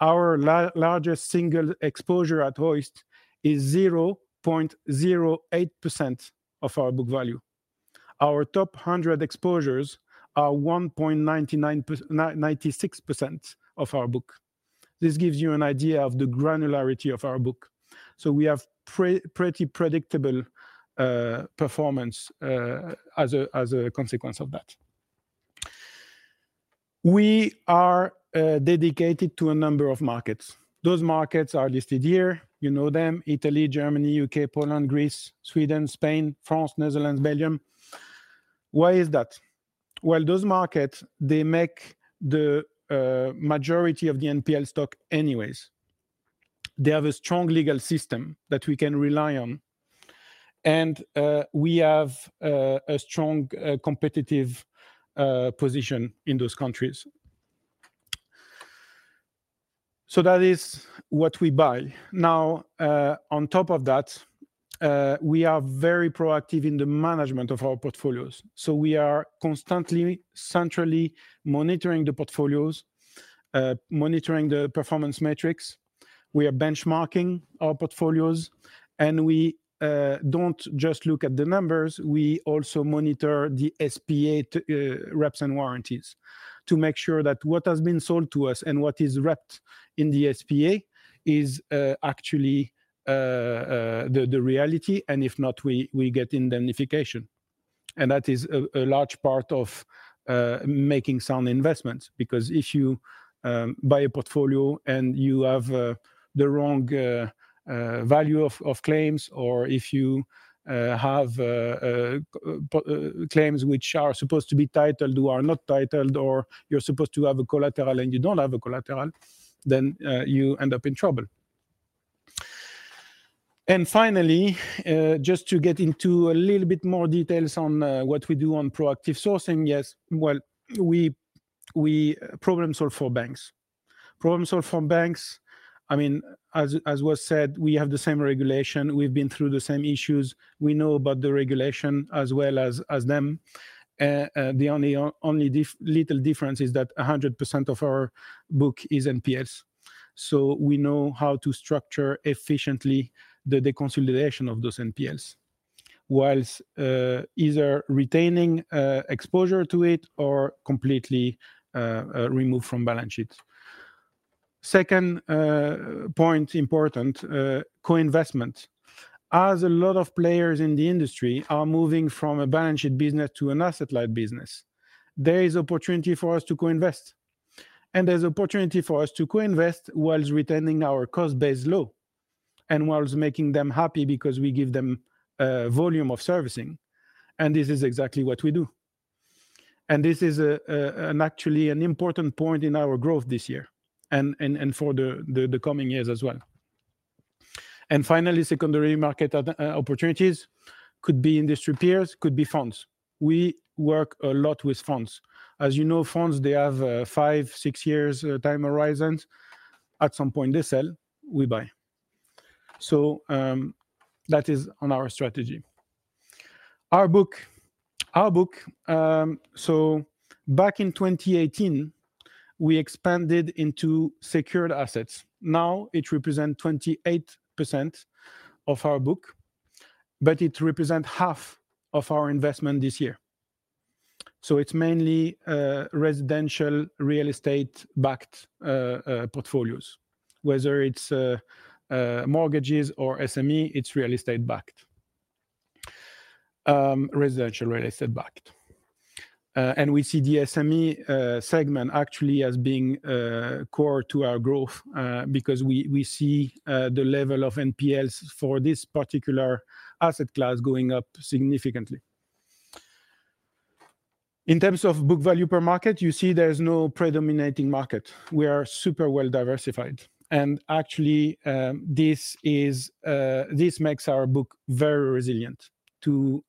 Our largest single exposure at Hoist is 0.08% of our book value. Our top 100 exposures are 1.96% of our book. This gives you an idea of the granularity of our book, so we have pretty predictable performance as a consequence of that. We are dedicated to a number of markets. Those markets are listed here. You know them: Italy, Germany, U.K., Poland, Greece, Sweden, Spain, France, Netherlands, Belgium. Why is that? Well, those markets, they make the majority of the NPL stock anyways. They have a strong legal system that we can rely on, and we have a strong competitive position in those countries, so that is what we buy. Now, on top of that, we are very proactive in the management of our portfolios. So we are constantly centrally monitoring the portfolios, monitoring the performance metrics. We are benchmarking our portfolios. And we don't just look at the numbers. We also monitor the SPA reps and warranties to make sure that what has been sold to us and what is wrapped in the SPA is actually the reality. And if not, we get indemnification. And that is a large part of making sound investments because if you buy a portfolio and you have the wrong value of claims or if you have claims which are supposed to be titled, who are not titled, or you're supposed to have a collateral and you don't have a collateral, then you end up in trouble. And finally, just to get into a little bit more details on what we do on proactive sourcing, yes, well, we problem-solve for banks. Problem-solve for banks. I mean, as was said, we have the same regulation. We've been through the same issues. We know about the regulation as well as them. The only little difference is that 100% of our book is NPLs. So we know how to structure efficiently the consolidation of those NPLs while either retaining exposure to it or completely removed from balance sheets. Second point, important co-investment. As a lot of players in the industry are moving from a balance sheet business to an asset-light business, there is opportunity for us to co-invest. And there's opportunity for us to co-invest while retaining our cost base low and while making them happy because we give them volume of servicing. And this is exactly what we do. And this is actually an important point in our growth this year and for the coming years as well. And finally, secondary market opportunities could be industry peers, could be funds. We work a lot with funds. As you know, funds, they have five, six years time horizons. At some point, they sell. We buy. So that is on our strategy. Our book, so back in 2018, we expanded into secured assets. Now it represents 28% of our book, but it represents half of our investment this year. So it's mainly residential real estate-backed portfolios, whether it's mortgages or SME, it's real estate-backed. Residential real estate-backed. And we see the SME segment actually as being core to our growth because we see the level of NPLs for this particular asset class going up significantly. In terms of book value per market, you see there's no predominating market. We are super well diversified. And actually, this makes our book very resilient to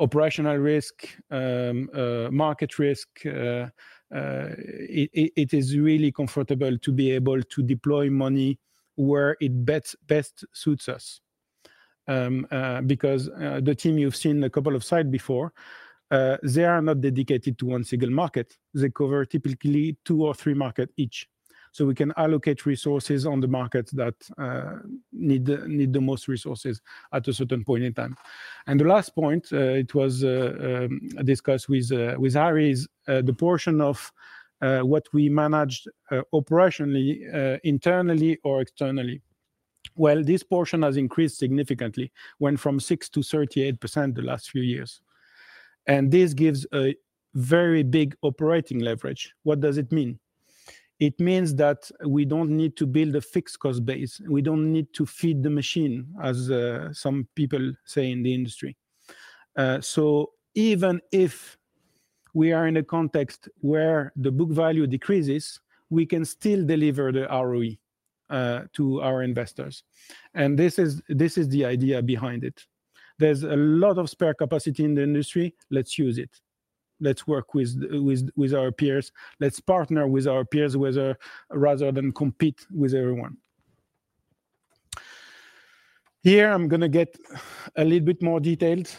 operational risk, market risk. It is really comfortable to be able to deploy money where it best suits us. Because the team you've seen a couple of slides before, they are not dedicated to one single market. They cover typically two or three markets each, so we can allocate resources on the markets that need the most resources at a certain point in time, and the last point, it was discussed with Harry, is the portion of what we managed operationally, internally or externally, well, this portion has increased significantly, went from six to 38% the last few years, and this gives a very big operating leverage. What does it mean? It means that we don't need to build a fixed cost base. We don't need to feed the machine, as some people say in the industry. So even if we are in a context where the book value decreases, we can still deliver the ROE to our investors. And this is the idea behind it. There's a lot of spare capacity in the industry. Let's use it. Let's work with our peers. Let's partner with our peers rather than compete with everyone. Here, I'm going to get a little bit more details.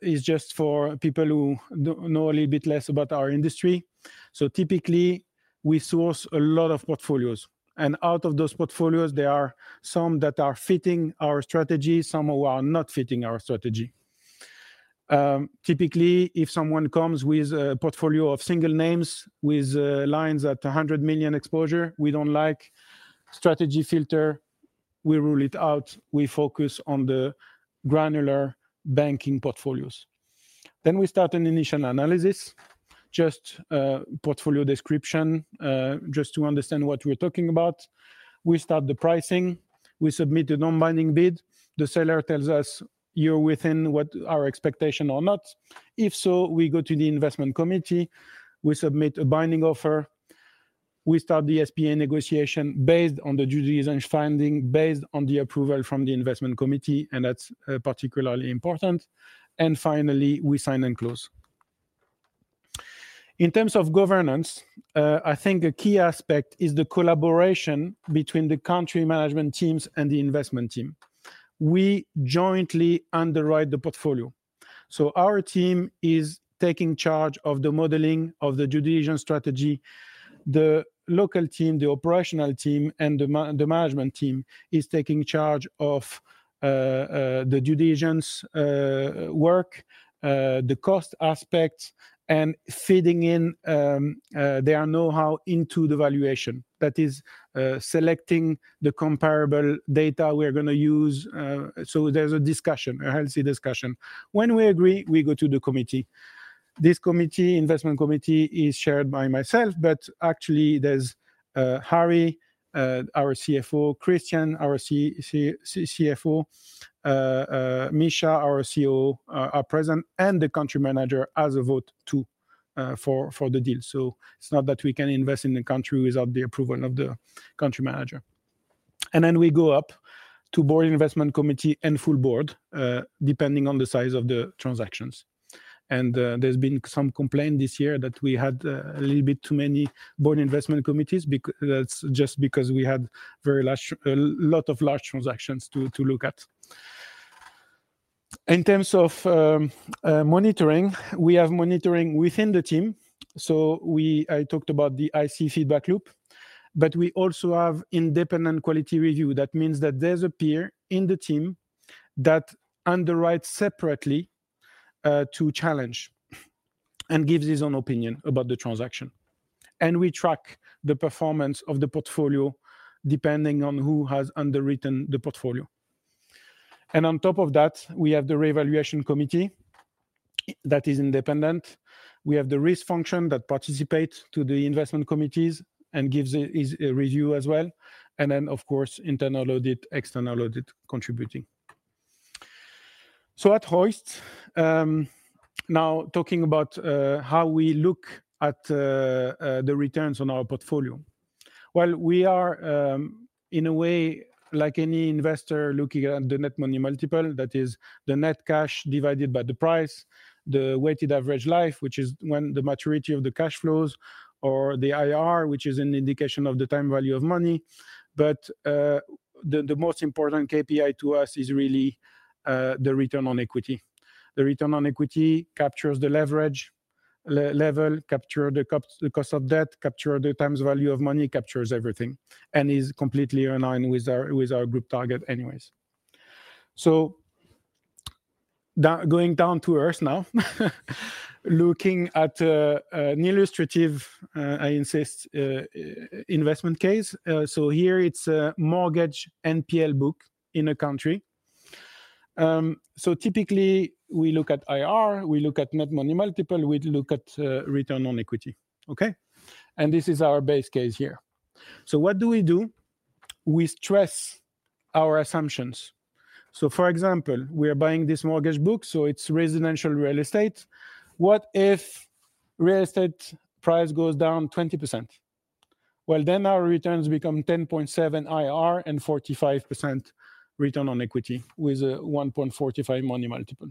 It's just for people who know a little bit less about our industry. So typically, we source a lot of portfolios. And out of those portfolios, there are some that are fitting our strategy, some who are not fitting our strategy. Typically, if someone comes with a portfolio of single names with lines at 100 million exposure, we don't like strategy filter. We rule it out. We focus on the granular banking portfolios. We start an initial analysis, just portfolio description, just to understand what we're talking about. We start the pricing. We submit the non-binding bid. The seller tells us, "You're within what our expectations or not." If so, we go to the investment committee. We submit a binding offer. We start the SPA negotiation based on the due diligence finding, based on the approval from the investment committee. That's particularly important. Finally, we sign and close. In terms of governance, I think a key aspect is the collaboration between the country management teams and the investment team. We jointly underwrite the portfolio. Our team is taking charge of the modeling of the due diligence strategy. The local team, the operational team, and the management team is taking charge of the due diligence work, the cost aspect, and feeding in their know-how into the valuation. That is selecting the comparable data we're going to use, so there's a discussion, a healthy discussion. When we agree, we go to the committee. This committee, investment committee, is chaired by myself, but actually, there's Harry, our CFO, Christian, our CFO, Misha, our CO, are present, and the country manager has a vote too for the deal, so it's not that we can invest in the country without the approval of the country manager, and then we go up to board investment committee and full board, depending on the size of the transactions, and there's been some complaints this year that we had a little bit too many board investment committees, just because we had a lot of large transactions to look at. In terms of monitoring, we have monitoring within the team, so I talked about the IC feedback loop, but we also have independent quality review. That means that there's a peer in the team that underwrites separately to challenge and gives his own opinion about the transaction. And we track the performance of the portfolio depending on who has underwritten the portfolio. And on top of that, we have the revaluation committee that is independent. We have the risk function that participates to the investment committees and gives a review as well. And then, of course, internal audit, external audit contributing. So at Hoist, now talking about how we look at the returns on our portfolio. Well, we are, in a way, like any investor looking at the net money multiple. That is the net cash divided by the price, the weighted average life, which is when the maturity of the cash flows or the IR, which is an indication of the time value of money. But the most important KPI to us is really the return on equity. The return on equity captures the leverage level, captures the cost of debt, captures the time value of money, captures everything, and is completely aligned with our group target anyways. So going down to earth now, looking at an illustrative, I insist, investment case. So here, it's a mortgage NPL book in a country. So typically, we look at IR, we look at net money multiple, we look at return on equity. Okay? And this is our base case here. So what do we do? We stress our assumptions. So for example, we are buying this mortgage book, so it's residential real estate. What if real estate price goes down 20%? Well, then our returns become 10.7 IR and 45% return on equity with a 1.45 money multiple.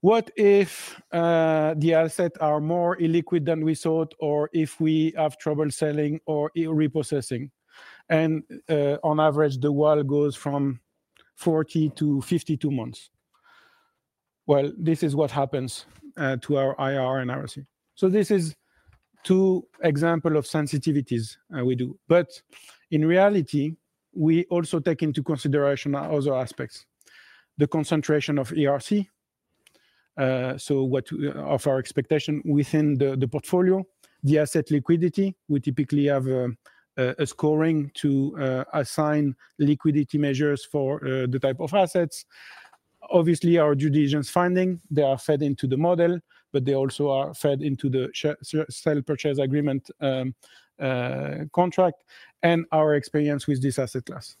What if the assets are more illiquid than we thought, or if we have trouble selling or reprocessing? And on average, the while goes from 40-52 months. Well, this is what happens to our IR and ROC. So this is two examples of sensitivities we do. But in reality, we also take into consideration other aspects. The concentration of ERC, so part of our expectation within the portfolio, the asset liquidity. We typically have a scoring to assign liquidity measures for the type of assets. Obviously, our due diligence finding. They are fed into the model, but they also are fed into the sale purchase agreement contract and our experience with this asset class.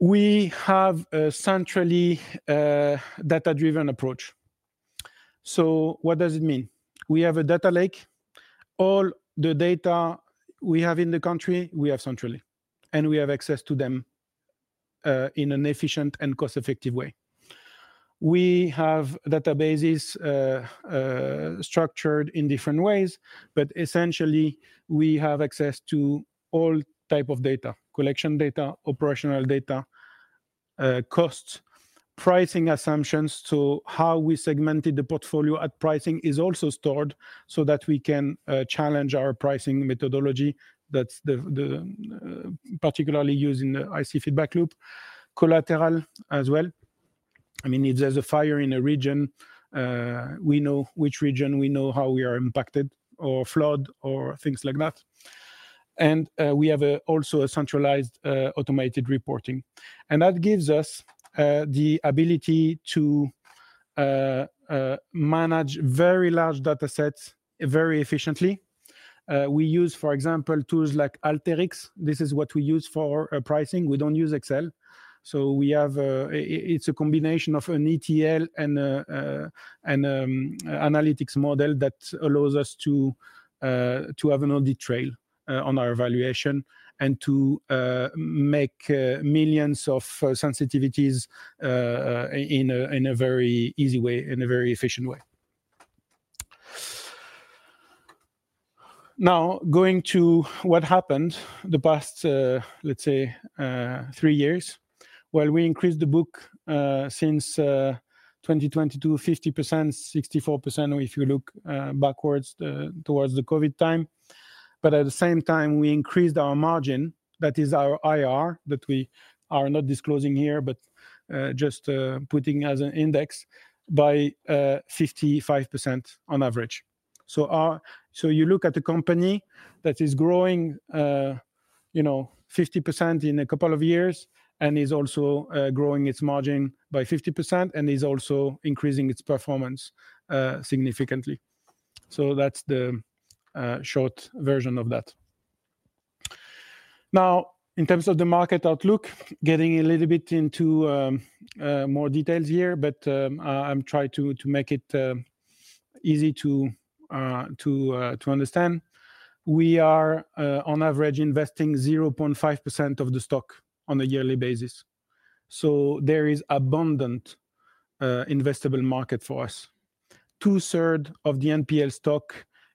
We have a central data-driven approach. So what does it mean? We have a data lake. All the data we have in the country, we have centrally. We have access to them in an efficient and cost-effective way. We have databases structured in different ways, but essentially, we have access to all types of data: collection data, operational data, costs, pricing assumptions. How we segmented the portfolio at pricing is also stored so that we can challenge our pricing methodology that's particularly used in the IC feedback loop, collateral as well. I mean, if there's a fire in a region, we know which region. We know how we are impacted or flood or things like that. We have also a centralized automated reporting. That gives us the ability to manage very large datasets very efficiently. We use, for example, tools like Alteryx. This is what we use for pricing. We don't use Excel. It's a combination of an ETL and an analytics model that allows us to have an audit trail on our evaluation and to make millions of sensitivities in a very easy way, in a very efficient way. Now, going to what happened the past, let's say, three years. Well, we increased the book since 2022, 50%, 64%, if you look backwards towards the COVID time. But at the same time, we increased our margin. That is our IR that we are not disclosing here, but just putting as an index by 55% on average. So you look at a company that is growing 50% in a couple of years and is also growing its margin by 50% and is also increasing its performance significantly. So that's the short version of that. Now, in terms of the market outlook, getting a little bit into more details here, but I'm trying to make it easy to understand. We are, on average, investing 0.5% of the stock on a yearly basis. So there is abundant investable market for us. Two-thirds of the NPL stock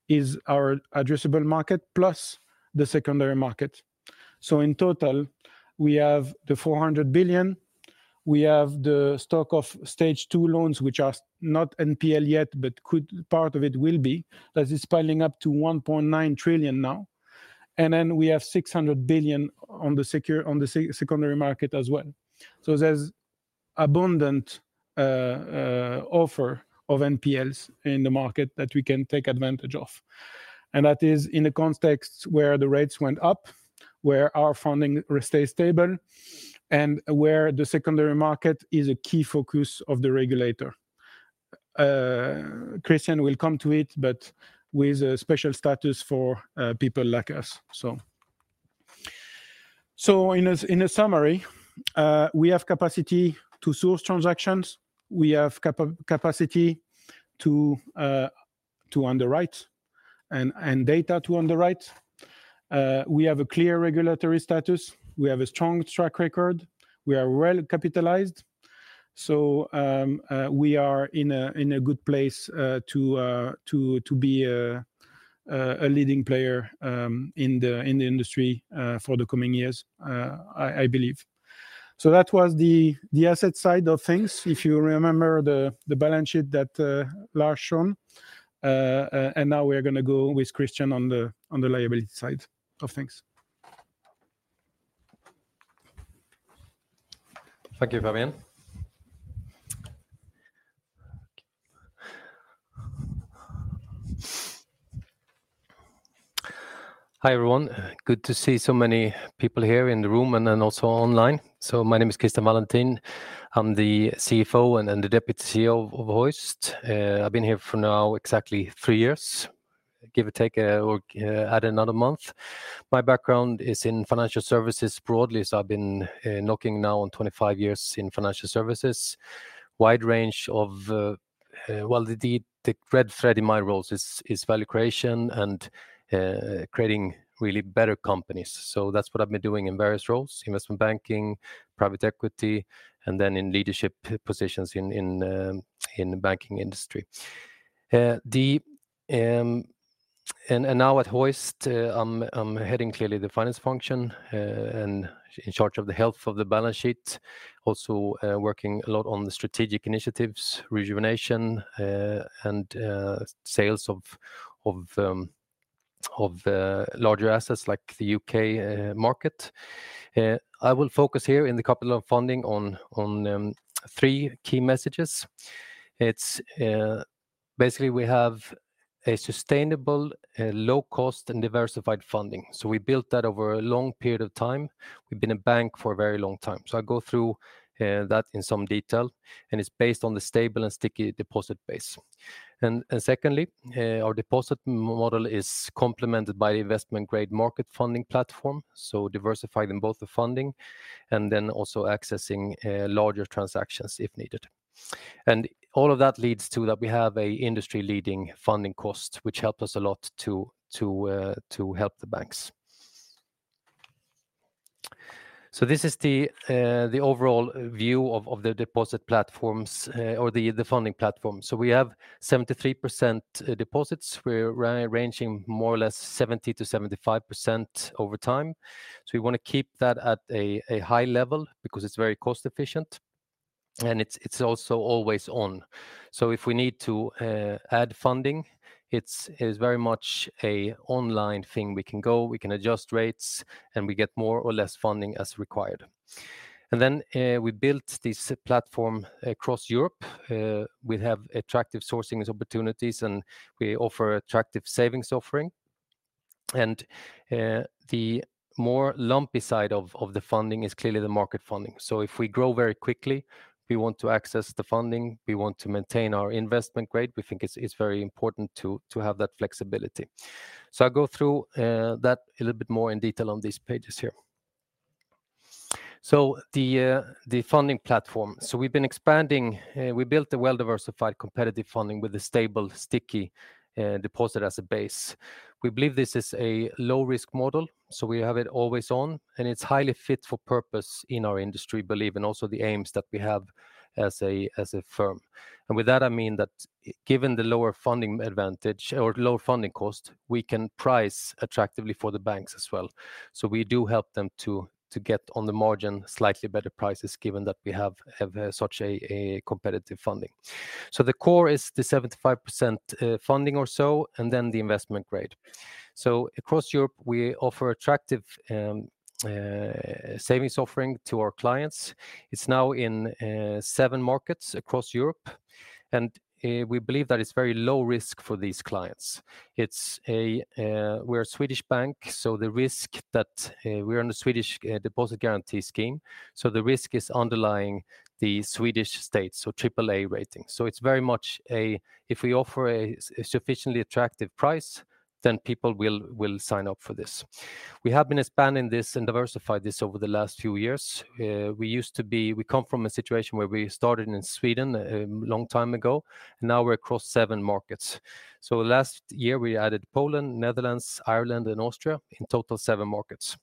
is our addressable market plus the secondary market. So in total, we have the 400 billion. We have the stock of stage two loans, which are not NPL yet, but part of it will be. That is piling up to 1.9 trillion now, and then we have 600 billion on the secondary market as well. So there's abundant offer of NPLs in the market that we can take advantage of. And that is in a context where the rates went up, where our funding stays stable, and where the secondary market is a key focus of the regulator. Christian will come to it, but with a special status for people like us, so. So, in a summary, we have capacity to source transactions. We have capacity to underwrite and data to underwrite. We have a clear regulatory status. We have a strong track record. We are well capitalized. So, we are in a good place to be a leading player in the industry for the coming years, I believe. So, that was the asset side of things. If you remember the balance sheet that Lars showed. And now we're going to go with Christian on the liability side of things. Thank you, Fabien. Hi everyone. Good to see so many people here in the room and then also online, so my name is Christian Wallentin. I'm the CFO and the Deputy CEO of Hoist. I've been here for now exactly three years, give or take or add another month. My background is in financial services broadly, so I've been knocking now on 25 years in financial services. Wide range of, well, the red thread in my roles is value creation and creating really better companies, so that's what I've been doing in various roles, investment banking, private equity, and then in leadership positions in the banking industry, and now at Hoist, I'm heading clearly the finance function and in charge of the health of the balance sheet, also working a lot on the strategic initiatives, rejuvenation, and sales of larger assets like the U.K. market. I will focus here in the capital funding on three key messages. Basically, we have a sustainable, low-cost, and diversified funding, so we built that over a long period of time. We've been a bank for a very long time, so I'll go through that in some detail, and it's based on the stable and sticky deposit base. And secondly, our deposit model is complemented by the investment-grade market funding platform, so diversified in both the funding and then also accessing larger transactions if needed, and all of that leads to that we have an industry-leading funding cost, which helps us a lot to help the banks, so this is the overall view of the deposit platforms or the funding platform. So we have 73% deposits, we're ranging more or less 70%-75% over time, so we want to keep that at a high level because it's very cost-efficient. It's also always on. If we need to add funding, it's very much an online thing. We can go, we can adjust rates, and we get more or less funding as required. Then we built this platform across Europe. We have attractive sourcing opportunities, and we offer attractive savings offering. The more lumpy side of the funding is clearly the market funding. If we grow very quickly, we want to access the funding. We want to maintain our investment grade. We think it's very important to have that flexibility. I'll go through that a little bit more in detail on these pages here. The funding platform. We've been expanding. We built a well-diversified competitive funding with a stable, sticky deposit as a base. We believe this is a low-risk model. We have it always on. It's highly fit for purpose in our industry, I believe, and also the aims that we have as a firm. With that, I mean that given the lower funding advantage or lower funding cost, we can price attractively for the banks as well. We do help them to get on the margin slightly better prices given that we have such a competitive funding. The core is the 75% funding or so, and then the investment grade. Across Europe, we offer attractive savings offering to our clients. It's now in seven markets across Europe. We believe that it's very low risk for these clients. We're a Swedish bank, so the risk that we're on the Swedish deposit guarantee scheme, so the risk is underlying the Swedish state, so AAA rating. So it's very much a, if we offer a sufficiently attractive price, then people will sign up for this. We have been expanding this and diversifying this over the last few years. We used to be, we come from a situation where we started in Sweden a long time ago, and now we're across seven markets. So last year, we added Poland, Netherlands, Ireland, and Austria in total seven markets.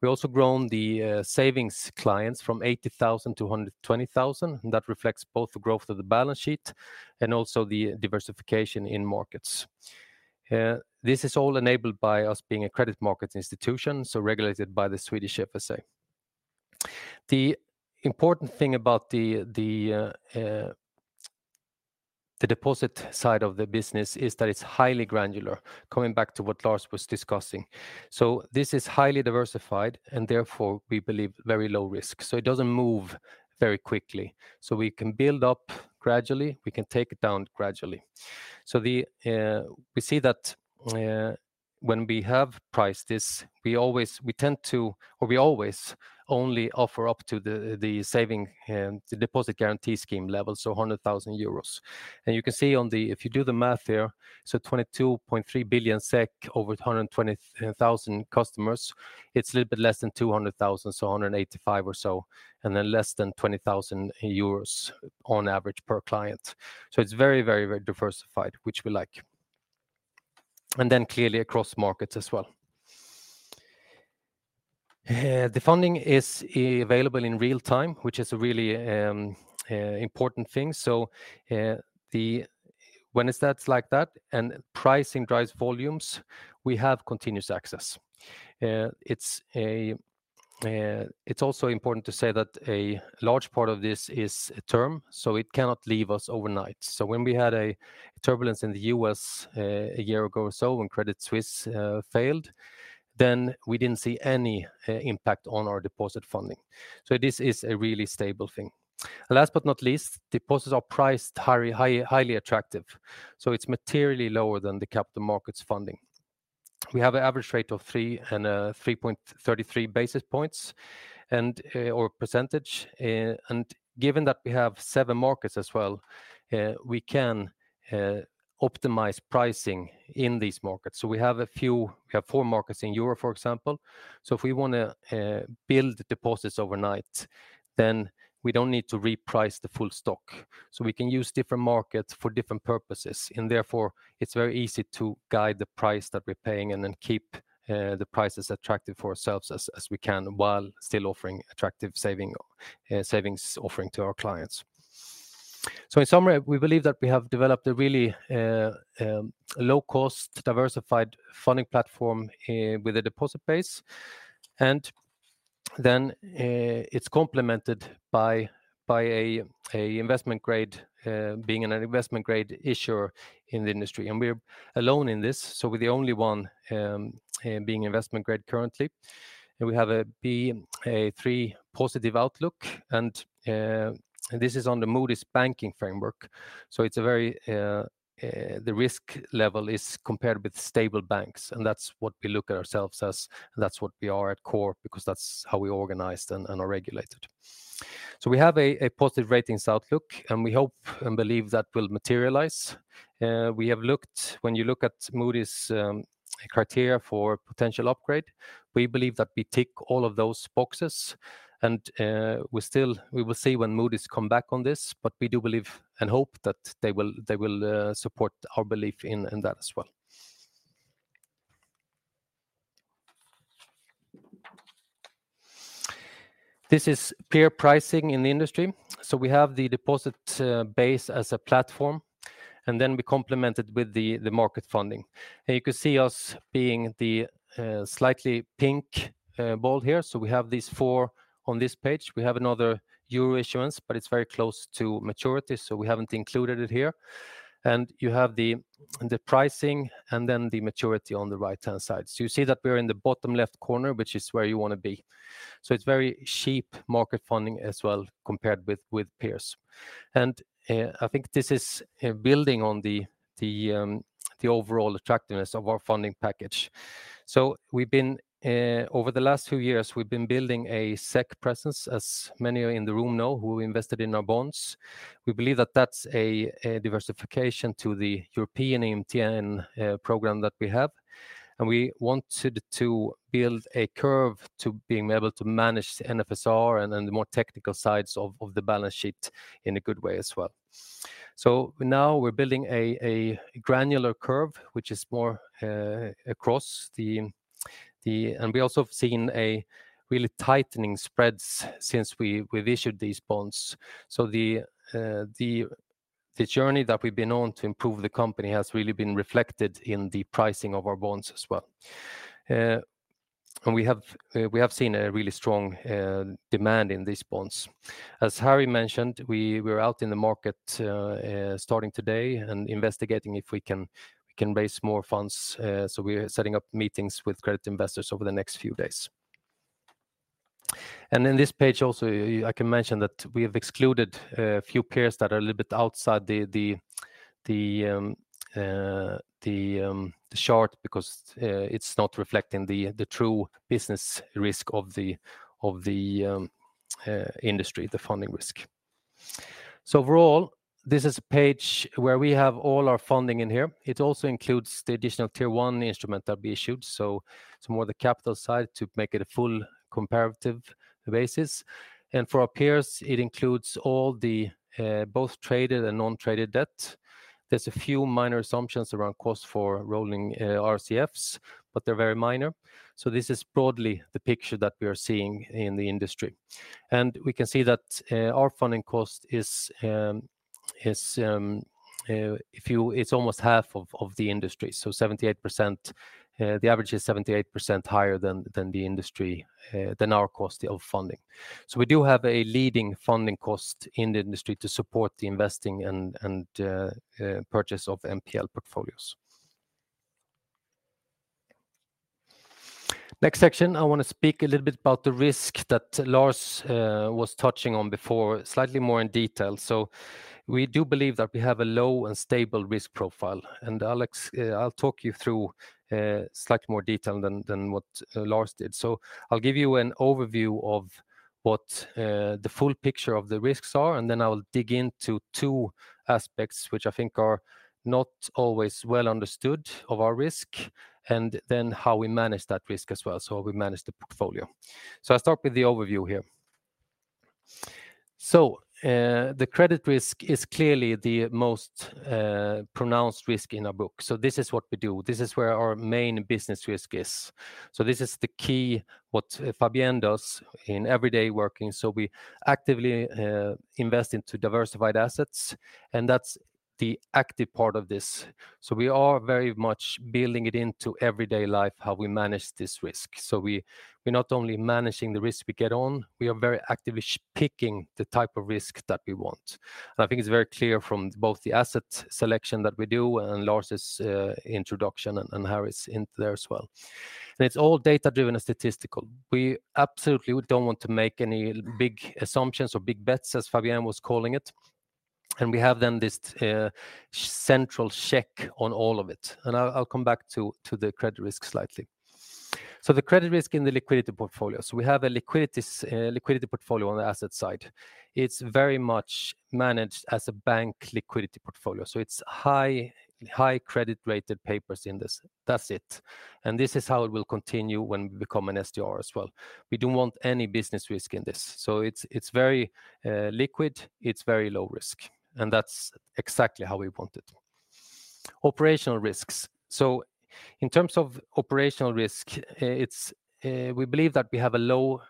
We have also grown the savings clients from 80,000 to 120,000. That reflects both the growth of the balance sheet and also the diversification in markets. This is all enabled by us being a credit market institution, so regulated by the Swedish FSA. The important thing about the deposit side of the business is that it's highly granular, coming back to what Lars was discussing. So this is highly diversified, and therefore we believe very low risk. It doesn't move very quickly. We can build up gradually. We can take it down gradually. We see that when we have priced this, we always, we tend to, or we always only offer up to the savings, the deposit guarantee scheme level, so 100,000 euros. You can see on the, if you do the math here, so 22.3 billion SEK over 120,000 customers, it's a little bit less than 200,000, so 185 or so, and then less than 20,000 euros on average per client. It's very, very, very diversified, which we like. Then clearly across markets as well. The funding is available in real time, which is a really important thing. When it's like that and pricing drives volumes, we have continuous access. It's also important to say that a large part of this is term, so it cannot leave us overnight. So when we had a turbulence in the US a year ago or so when Credit Suisse failed, then we didn't see any impact on our deposit funding. So this is a really stable thing. Last but not least, deposits are priced highly attractive. So it's materially lower than the capital markets funding. We have an average rate of 3.33 basis points or percentage. And given that we have seven markets as well, we can optimize pricing in these markets. So we have a few, we have four markets in Europe, for example. So if we want to build deposits overnight, then we don't need to reprice the full stock. So we can use different markets for different purposes. And therefore, it's very easy to guide the price that we're paying and then keep the prices attractive for ourselves as we can while still offering attractive savings offering to our clients. So in summary, we believe that we have developed a really low-cost, diversified funding platform with a deposit base. And then it's complemented by an investment grade, being an investment grade issuer in the industry. And we're alone in this. So we're the only one being investment grade currently. And we have a B3 positive outlook. And this is on the Moody's banking framework. So it's a very, the risk level is compared with stable banks. And that's what we look at ourselves as. That's what we are at core because that's how we're organized and are regulated. So we have a positive ratings outlook, and we hope and believe that will materialize. We have looked, when you look at Moody's criteria for potential upgrade, we believe that we tick all of those boxes. We will see when Moody's come back on this, but we do believe and hope that they will support our belief in that as well. This is peer pricing in the industry. We have the deposit base as a platform, and then we complement it with the market funding. You can see us being the slightly pink ball here. We have these four on this page. We have another euro issuance, but it's very close to maturity, so we haven't included it here. You have the pricing and then the maturity on the right-hand side. You see that we're in the bottom left corner, which is where you want to be. It's very cheap market funding as well compared with peers. And I think this is building on the overall attractiveness of our funding package. So over the last few years, we've been building a SEC presence, as many in the room know who invested in our bonds. We believe that that's a diversification to the European EMTN program that we have. And we want to build a curve to being able to manage the NFSR and the more technical sides of the balance sheet in a good way as well. So now we're building a granular curve, which is more across the, and we've also seen a really tightening spreads since we've issued these bonds. So the journey that we've been on to improve the company has really been reflected in the pricing of our bonds as well. And we have seen a really strong demand in these bonds. As Harry mentioned, we were out in the market starting today and investigating if we can raise more funds. So we're setting up meetings with credit investors over the next few days. And in this page also, I can mention that we have excluded a few peers that are a little bit outside the chart because it's not reflecting the true business risk of the industry, the funding risk. So overall, this is a page where we have all our funding in here. It also includes the additional tier one instrument that we issued. So it's more the capital side to make it a full comparative basis. And for our peers, it includes all the both traded and non-traded debt. There's a few minor assumptions around cost for rolling RCFs, but they're very minor. So this is broadly the picture that we are seeing in the industry. We can see that our funding cost is almost half of the industry. The average is 78% higher than the industry, than our cost of funding. We do have a leading funding cost in the industry to support the investing and purchase of NPL portfolios. Next section, I want to speak a little bit about the risk that Lars was touching on before, slightly more in detail. We do believe that we have a low and stable risk profile. Alex, I'll talk you through slightly more detail than what Lars did. I'll give you an overview of what the full picture of the risks are, and then I'll dig into two aspects which I think are not always well understood of our risk, and then how we manage that risk as well, so how we manage the portfolio. I'll start with the overview here. The credit risk is clearly the most pronounced risk in our book. This is what we do. This is where our main business risk is. This is the key what Fabien does in everyday working. We actively invest into diversified assets, and that's the active part of this. We are very much building it into everyday life, how we manage this risk. We're not only managing the risk we get on, we are very actively picking the type of risk that we want. I think it's very clear from both the asset selection that we do and Lars's introduction and Harry's in there as well. It's all data-driven and statistical. We absolutely don't want to make any big assumptions or big bets, as Fabien was calling it. We have then this central check on all of it. I'll come back to the credit risk slightly. The credit risk in the liquidity portfolio. We have a liquidity portfolio on the asset side. It's very much managed as a bank liquidity portfolio. It's high, high credit-rated papers in this. That's it. This is how it will continue when we become an SDR as well. We don't want any business risk in this. It's very liquid, it's very low risk. That's exactly how we want it. Operational risks. In terms of operational risk, we believe that we have a low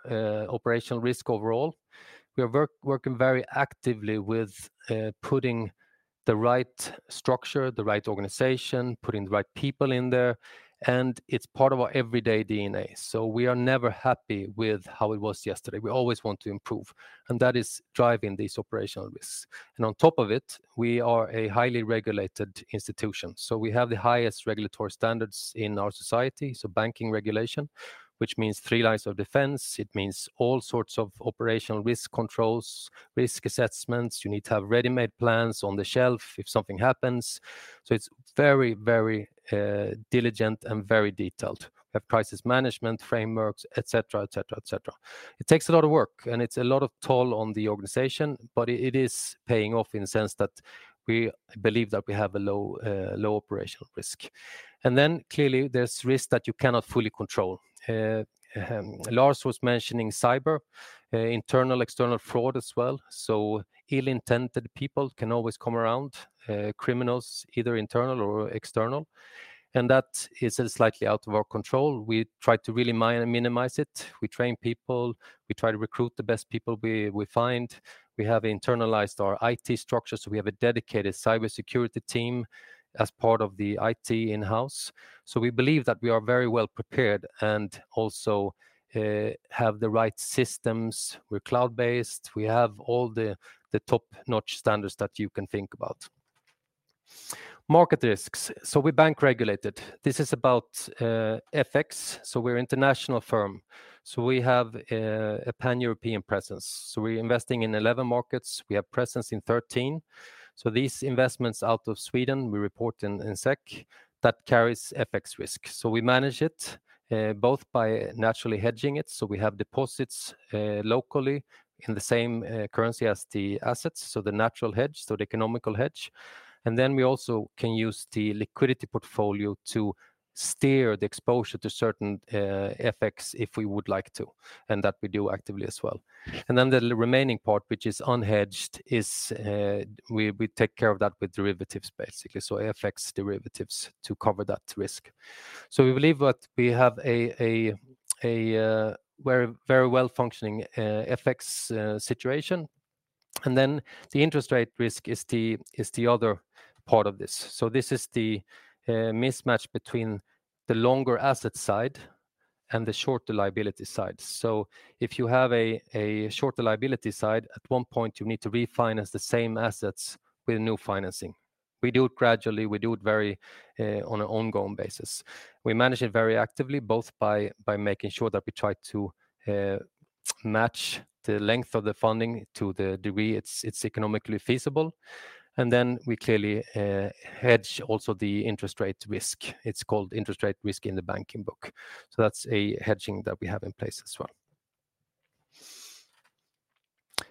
operational risk overall. We are working very actively with putting the right structure, the right organization, putting the right people in there. It's part of our everyday DNA. We are never happy with how it was yesterday. We always want to improve, and that is driving these operational risks, and on top of it, we are a highly regulated institution. So we have the highest regulatory standards in our society, so banking regulation, which means three lines of defense. It means all sorts of operational risk controls, risk assessments. You need to have ready-made plans on the shelf if something happens, so it's very, very diligent and very detailed. We have crisis management frameworks, etc., etc., etc. It takes a lot of work, and it's a lot of toll on the organization, but it is paying off in the sense that we believe that we have a low operational risk, and then clearly, there's risk that you cannot fully control. Lars was mentioning cyber, internal, external fraud as well, so ill-intended people can always come around, criminals, either internal or external. That is slightly out of our control. We try to really minimize it. We train people. We try to recruit the best people we find. We have internalized our IT structure. We have a dedicated cybersecurity team as part of the IT in-house. We believe that we are very well prepared and also have the right systems. We're cloud-based. We have all the top-notch standards that you can think about. Market risks. We're bank-regulated. This is about FX. We're an international firm. We have a pan-European presence. We're investing in 11 markets. We have presence in 13. These investments out of Sweden, we report in SEK, that carries FX risk. We manage it both by naturally hedging it. We have deposits locally in the same currency as the assets, so the natural hedge, so the economic hedge. And then we also can use the liquidity portfolio to steer the exposure to certain FX if we would like to, and that we do actively as well. And then the remaining part, which is unhedged, is we take care of that with derivatives, basically. So FX derivatives to cover that risk. So we believe that we have a very well-functioning FX situation. And then the interest rate risk is the other part of this. So this is the mismatch between the longer asset side and the shorter liability side. So if you have a shorter liability side, at one point, you need to refinance the same assets with new financing. We do it gradually. We do it very on an ongoing basis. We manage it very actively, both by making sure that we try to match the length of the funding to the degree it's economically feasible. And then we clearly hedge also the interest rate risk. It's called interest rate risk in the banking book. So that's a hedging that we have in place as well.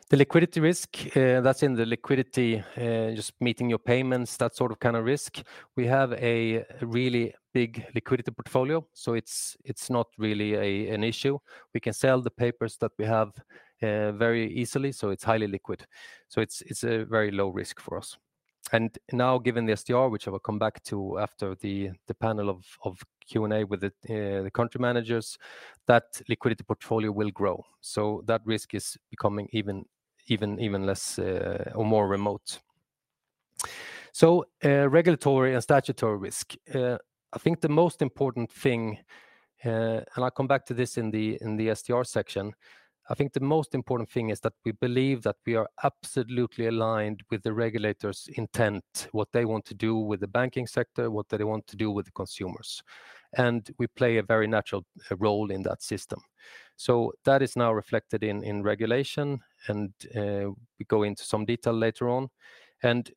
The liquidity risk, that's in the liquidity, just meeting your payments, that sort of kind of risk. We have a really big liquidity portfolio, so it's not really an issue. We can sell the papers that we have very easily, so it's highly liquid. So it's a very low risk for us. And now, given the SDR, which I will come back to after the panel of Q&A with the country managers, that liquidity portfolio will grow. So that risk is becoming even less or more remote. So regulatory and statutory risk. I think the most important thing, and I'll come back to this in the SDR section. I think the most important thing is that we believe that we are absolutely aligned with the regulator's intent, what they want to do with the banking sector, what they want to do with the consumers. And we play a very natural role in that system. So that is now reflected in regulation, and we go into some detail later on. And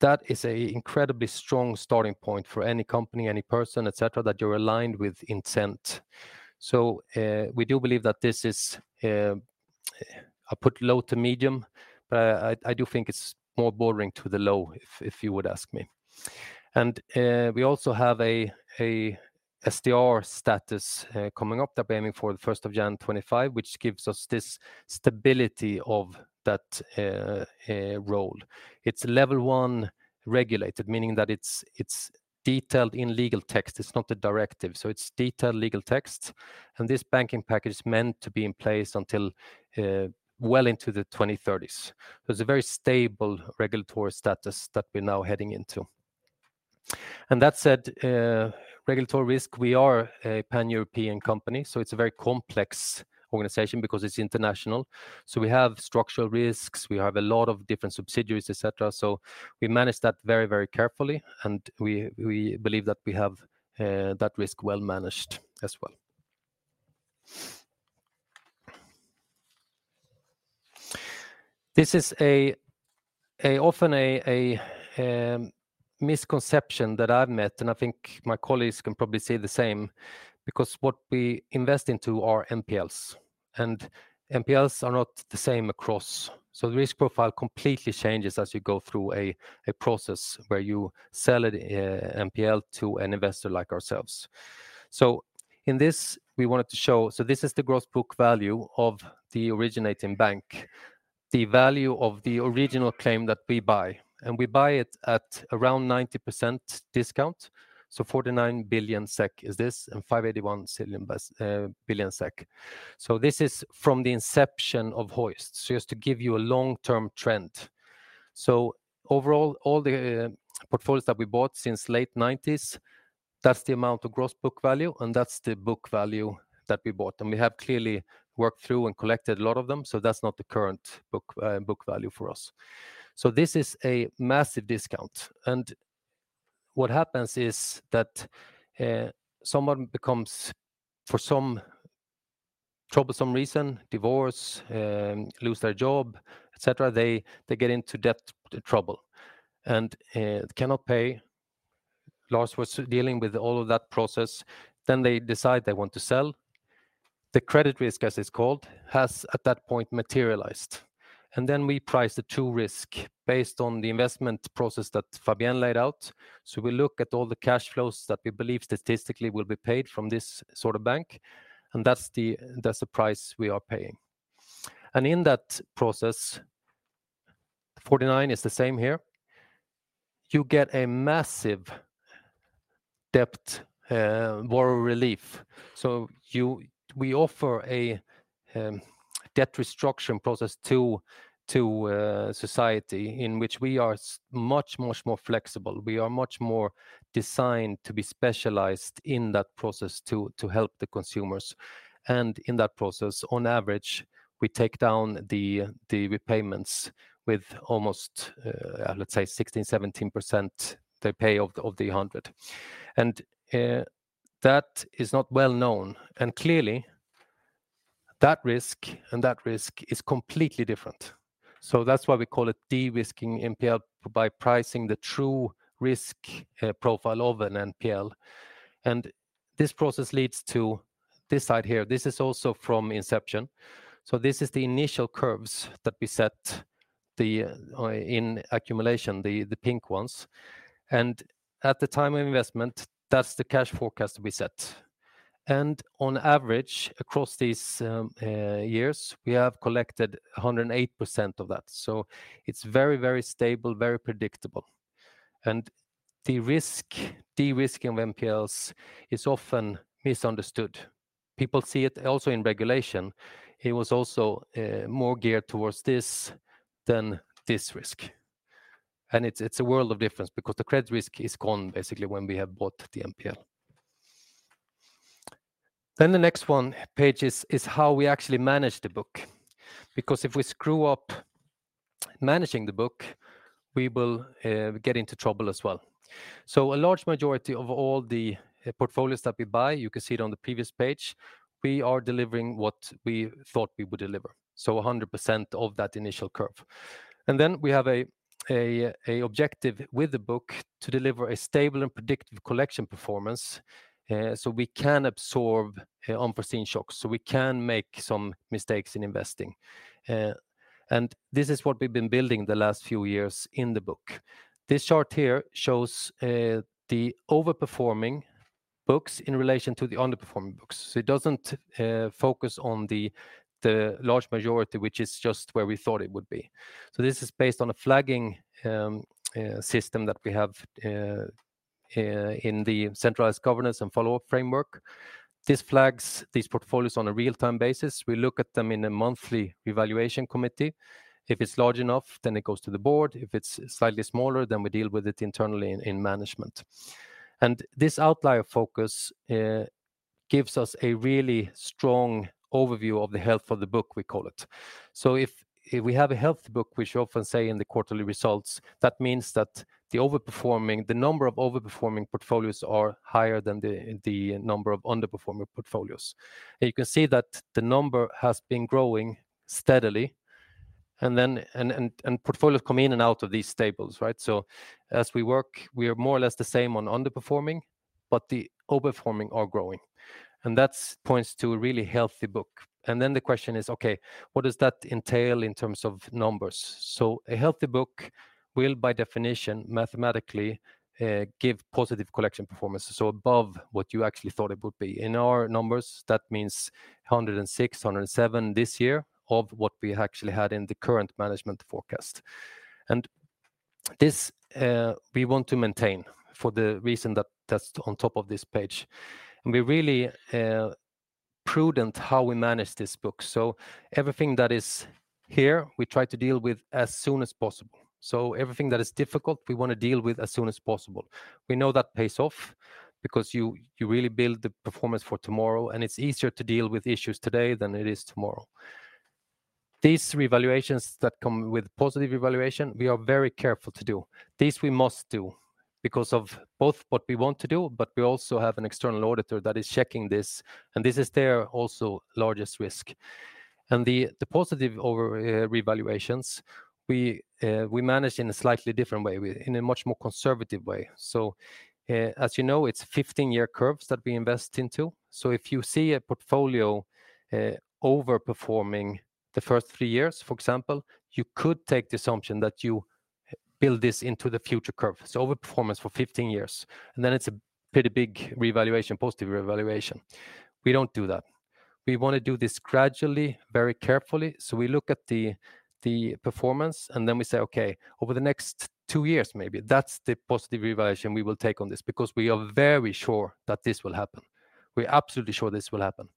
that is an incredibly strong starting point for any company, any person, etc., that you're aligned with intent. So we do believe that this is. I put low to medium, but I do think it's more bordering to the low, if you would ask me. And we also have an SDR status coming up that we're aiming for the 1st of January 2025, which gives us this stability of that role. It's level one regulated, meaning that it's detailed in legal text. It's not a directive, so it's detailed legal text, and this banking package is meant to be in place until well into the 2030s, so it's a very stable regulatory status that we're now heading into, and that said, regulatory risk, we are a pan-European company, so it's a very complex organization because it's international, so we have structural risks. We have a lot of different subsidiaries, etc., so we manage that very, very carefully, and we believe that we have that risk well managed as well. This is often a misconception that I've met, and I think my colleagues can probably say the same, because what we invest into are NPLs, and NPLs are not the same across. So the risk profile completely changes as you go through a process where you sell an NPL to an investor like ourselves. So in this, we wanted to show, so this is the gross book value of the originating bank, the value of the original claim that we buy. And we buy it at around 90% discount. So 49 billion SEK is this and 581 billion SEK. So this is from the inception of Hoist. So just to give you a long-term trend. So overall, all the portfolios that we bought since late 1990s, that's the amount of gross book value, and that's the book value that we bought. And we have clearly worked through and collected a lot of them. So that's not the current book value for us. So this is a massive discount. And what happens is that someone becomes, for some troublesome reason, divorce, lose their job, etc., they get into debt trouble and cannot pay. Lars was dealing with all of that process. Then they decide they want to sell. The credit risk, as it's called, has at that point materialized. And then we price the true risk based on the investment process that Fabien laid out. So we look at all the cash flows that we believe statistically will be paid from this sort of bank. And that's the price we are paying. And in that process, 49 is the same here. You get a massive debt borrow relief. So we offer a debt restructuring process to society in which we are much, much more flexible. We are much more designed to be specialized in that process to help the consumers. In that process, on average, we take down the repayments with almost, let's say, 16%-17% they pay of the 100, and that is not well known, and clearly, that risk and that risk is completely different, so that's why we call it de-risking NPL by pricing the true risk profile of an NPL, and this process leads to this side here. This is also from inception, so this is the initial curves that we set in accumulation, the pink ones, and at the time of investment, that's the cash forecast we set, and on average, across these years, we have collected 108% of that, so it's very, very stable, very predictable, and the risk, de-risking of NPLs is often misunderstood. People see it also in regulation. It was also more geared towards this than this risk. It's a world of difference because the credit risk is gone basically when we have bought the NPL. Then the next one page is how we actually manage the book. Because if we screw up managing the book, we will get into trouble as well. So a large majority of all the portfolios that we buy, you can see it on the previous page, we are delivering what we thought we would deliver. So 100% of that initial curve. And then we have an objective with the book to deliver a stable and predictive collection performance so we can absorb unforeseen shocks, so we can make some mistakes in investing. And this is what we've been building the last few years in the book. This chart here shows the overperforming books in relation to the underperforming books. So it doesn't focus on the large majority, which is just where we thought it would be. So this is based on a flagging system that we have in the centralized governance and follow-up framework. This flags these portfolios on a real-time basis. We look at them in a monthly evaluation committee. If it's large enough, then it goes to the board. If it's slightly smaller, then we deal with it internally in management. And this outlier focus gives us a really strong overview of the health of the book, we call it. So if we have a health book, which often say in the quarterly results, that means that the number of overperforming portfolios are higher than the number of underperforming portfolios. And you can see that the number has been growing steadily. And portfolios come in and out of these tables, right? As we work, we are more or less the same on underperforming, but the overperforming are growing. And that points to a really healthy book. And then the question is, okay, what does that entail in terms of numbers? A healthy book will, by definition, mathematically give positive collection performance, so above what you actually thought it would be. In our numbers, that means 106-107 this year of what we actually had in the current management forecast. And this we want to maintain for the reason that that's on top of this page. And we're really prudent how we manage this book. So everything that is here, we try to deal with as soon as possible. So everything that is difficult, we want to deal with as soon as possible. We know that pays off because you really build the performance for tomorrow. It's easier to deal with issues today than it is tomorrow. These revaluations that come with positive evaluation, we are very careful to do. These we must do because of both what we want to do, but we also have an external auditor that is checking this. And this is their also largest risk. And the positive revaluations, we manage in a slightly different way, in a much more conservative way. So as you know, it's 15-year curves that we invest into. So if you see a portfolio overperforming the first three years, for example, you could take the assumption that you build this into the future curve. So overperformance for 15 years. And then it's a pretty big revaluation, positive revaluation. We don't do that. We want to do this gradually, very carefully. So we look at the performance and then we say, okay, over the next two years, maybe that's the positive revaluation we will take on this because we are very sure that this will happen. We're absolutely sure this will happen.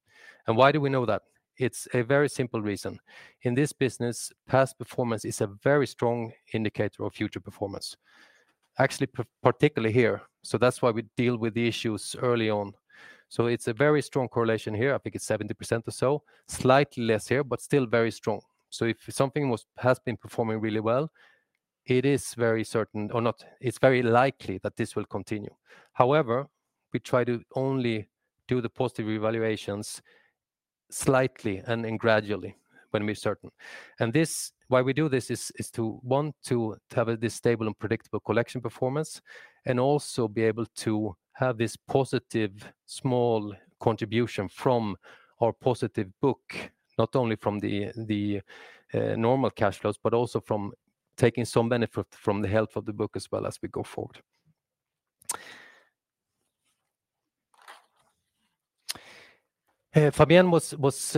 And why do we know that? It's a very simple reason. In this business, past performance is a very strong indicator of future performance, actually particularly here. So that's why we deal with the issues early on. So it's a very strong correlation here. I think it's 70% or so, slightly less here, but still very strong. So if something has been performing really well, it is very certain or not, it's very likely that this will continue. However, we try to only do the positive revaluations slightly and gradually when we're certain. And why we do this is to want to have a stable and predictable collection performance and also be able to have this positive small contribution from our positive book, not only from the normal cash flows, but also from taking some benefit from the health of the book as well as we go forward. Fabien was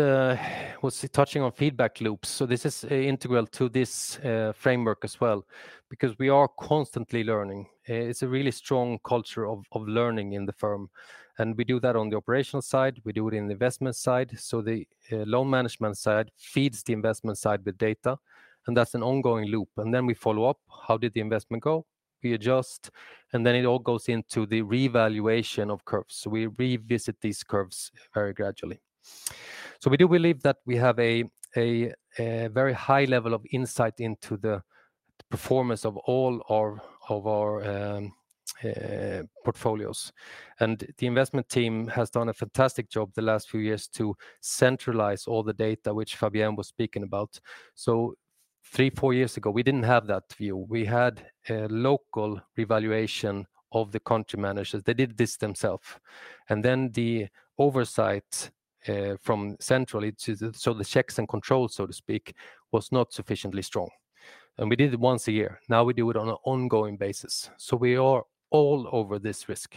touching on feedback loops. So this is integral to this framework as well because we are constantly learning. It's a really strong culture of learning in the firm. And we do that on the operational side. We do it in the investment side. So the loan management side feeds the investment side with data. And that's an ongoing loop. And then we follow up. How did the investment go? We adjust. And then it all goes into the revaluation of curves. So we revisit these curves very gradually. So we do believe that we have a very high level of insight into the performance of all our portfolios, and the investment team has done a fantastic job the last few years to centralize all the data which Fabien was speaking about, so three, four years ago, we didn't have that view. We had a local revaluation of the country managers. They did this themselves, and then the oversight from central, so the checks and controls, so to speak, was not sufficiently strong, and we did it once a year. Now we do it on an ongoing basis, so we are all over this risk,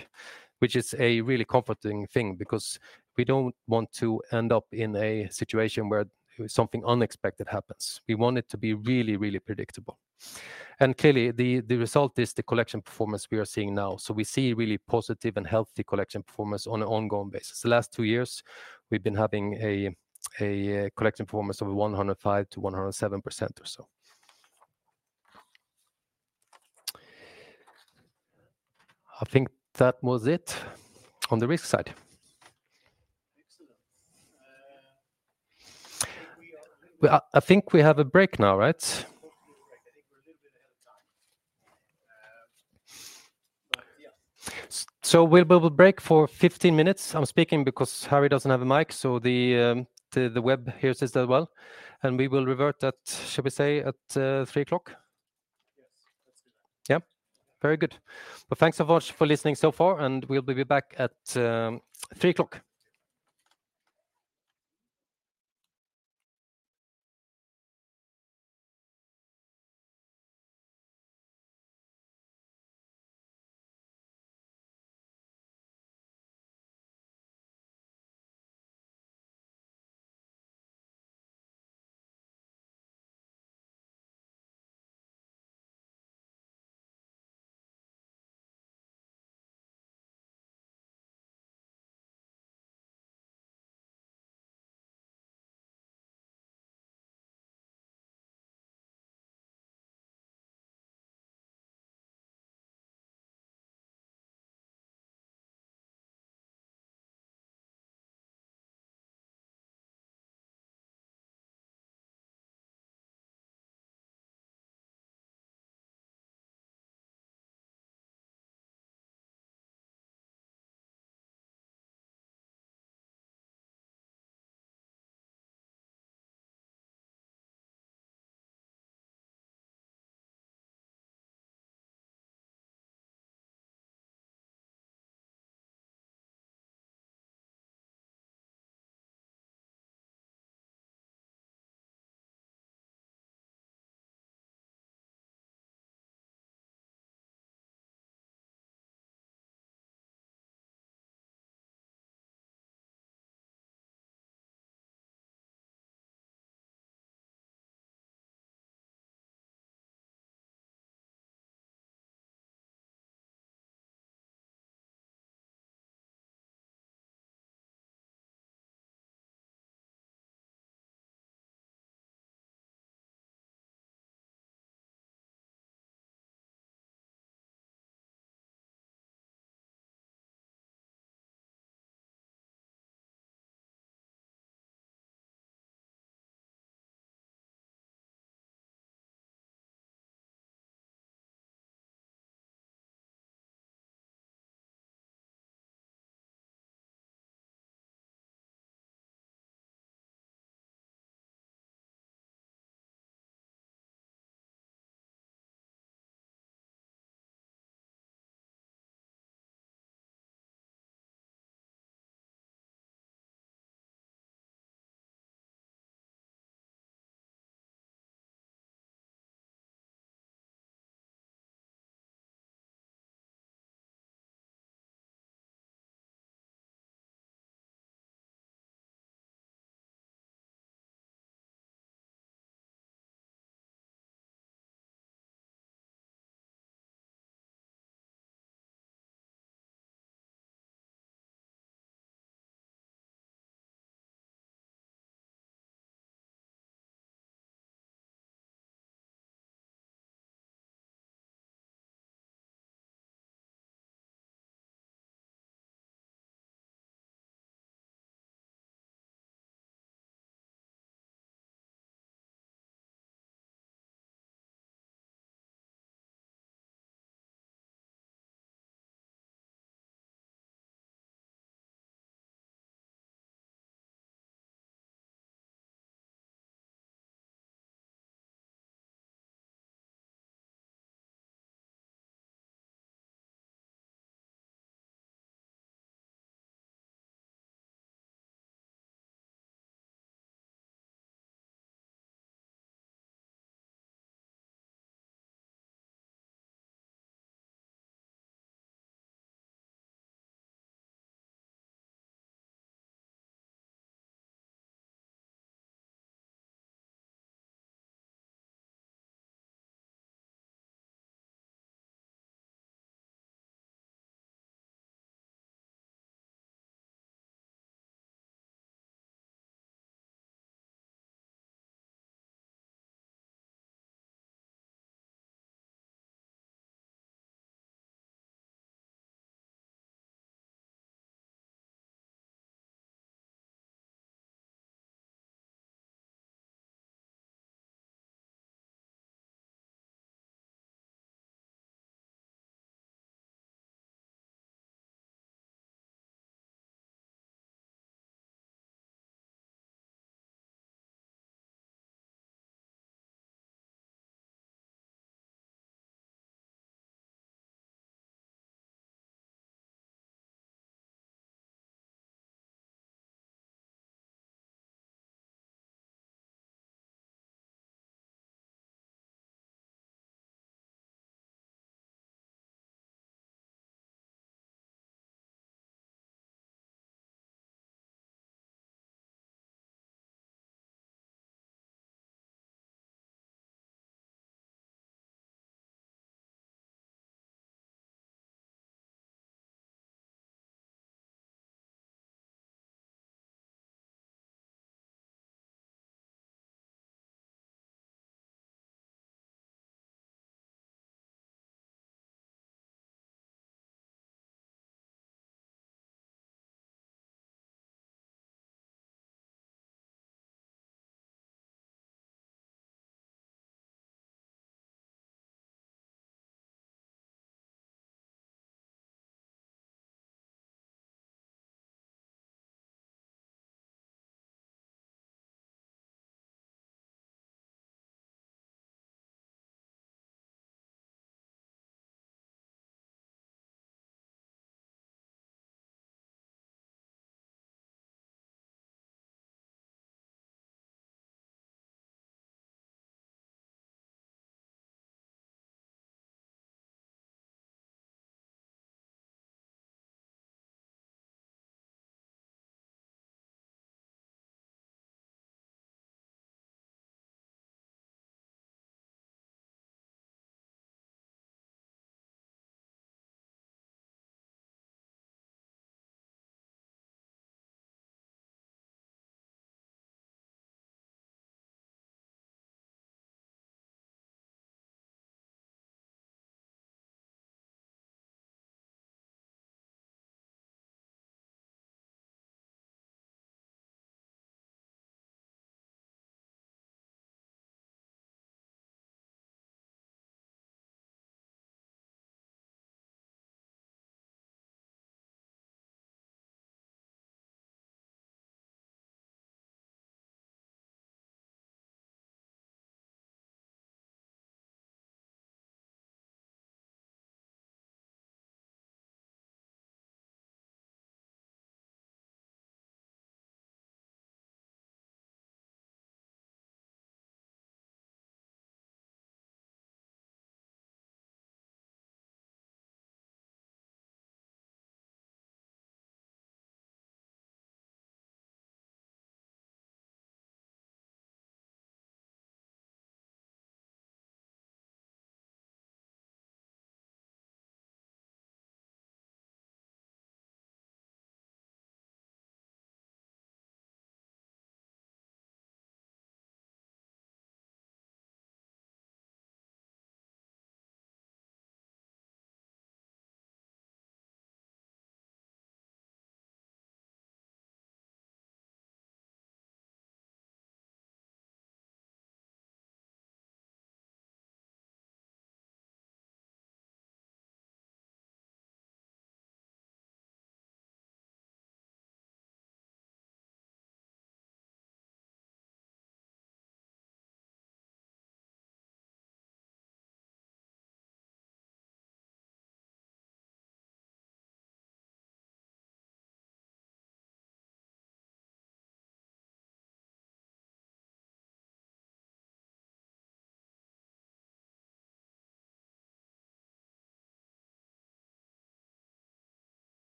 which is a really comforting thing because we don't want to end up in a situation where something unexpected happens. We want it to be really, really predictable, and clearly, the result is the collection performance we are seeing now. So we see really positive and healthy collection performance on an ongoing basis. The last two years, we've been having a collection performance of 105%-107% or so. I think that was it on the risk side. I think we have a break now, right? I think we're a little bit ahead of time. So we'll break for 15 minutes. I'm speaking because Harry doesn't have a mic. So the web hears this as well. And we will revert that, shall we say, at 3:00 P.M.? Yes, that's good. Yeah, very good. Well, thanks so much for listening so far. And we'll be back at 3:00 P.M.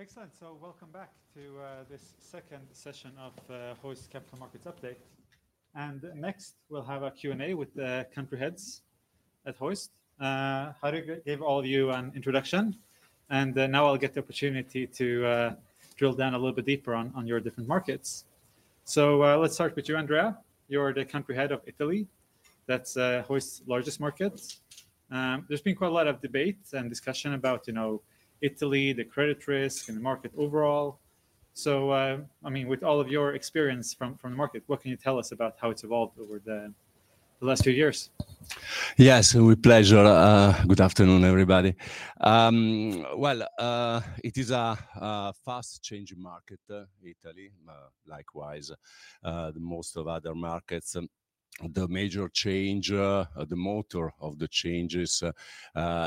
Excellent. So welcome back to this second session of Hoist Capital Markets Update. And next, we'll have a Q&A with the country heads at Hoist. Harry, give all of you an introduction. Now I'll get the opportunity to drill down a little bit deeper on your different markets. Let's start with you, Andrea. You're the country head of Italy. That's Hoist's largest market. There's been quite a lot of debate and discussion about, you know, Italy, the credit risk, and the market overall. I mean, with all of your experience from the market, what can you tell us about how it's evolved over the last few years? Yes, it's my pleasure. Good afternoon, everybody. It is a fast-changing market, Italy, likewise most of other markets. The major change, the motor of the changes,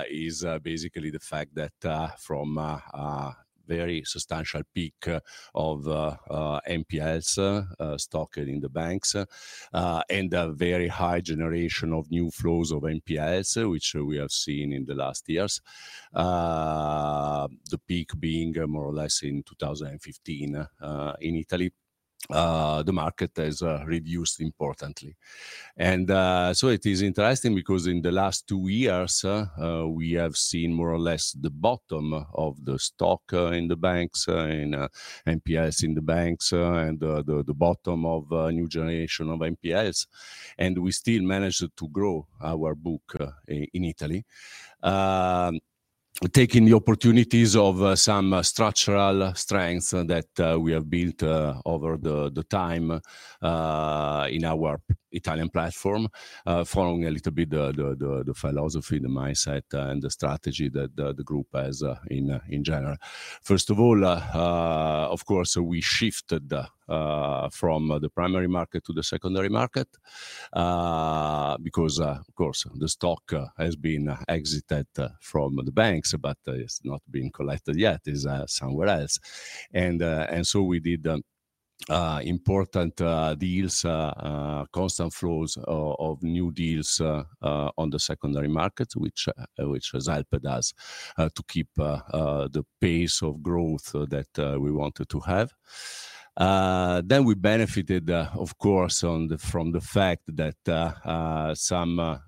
is basically the fact that from a very substantial peak ofNPLs stocked in the banks and a very high generation of new flows of NPLs, which we have seen in the last years, the peak being more or less in 2015 in Italy, the market has reduced importantly, and so it is interesting because in the last two years, we have seen more or less the bottom of the stock in the banks and NPLs in the banks and the bottom of a new generation of NPLs, and we still managed to grow our book in Italy, taking the opportunities of some structural strengths that we have built over the time in our Italian platform, following a little bit the philosophy, the mindset, and the strategy that the group has in general. First of all, of course, we shifted from the primary market to the secondary market because, of course, the stock has been exited from the banks, but it's not been collected yet, it's somewhere else, and so we did important deals, constant flows of new deals on the secondary markets, which has helped us to keep the pace of growth that we wanted to have, then we benefited, of course, from the fact that some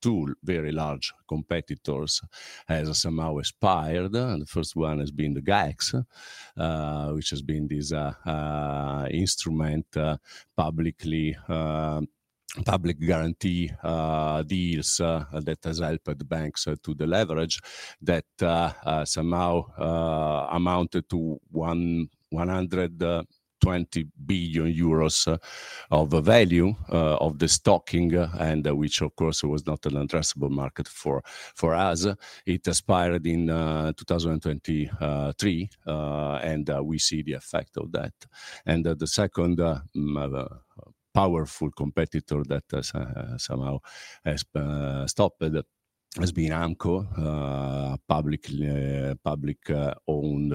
two very large competitors have somehow expired, and the first one has been the GAICs, which has been this instrument, public guarantee deals that have helped the banks to the leverage that somehow amounted to 120 billion euros of value of the stock, and which, of course, was not an addressable market for us. It expired in 2023, and we see the effect of that. The second powerful competitor that has somehow stopped has been AMCO, publicly owned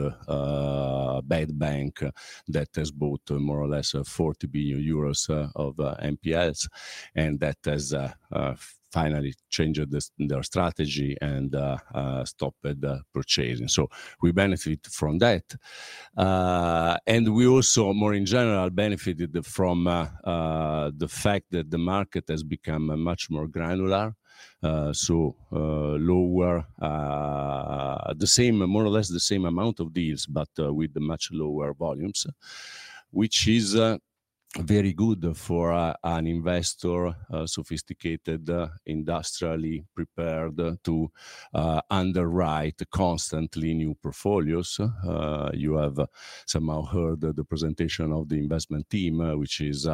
bad bank that has bought more or less 40 billion euros of NPLs, and that has finally changed their strategy and stopped purchasing. We benefited from that. We also, more in general, benefited from the fact that the market has become much more granular, so lower, the same, more or less the same amount of deals, but with much lower volumes, which is very good for an investor, sophisticated, industrially prepared to underwrite constantly new portfolios. You have somehow heard the presentation of the investment team, which is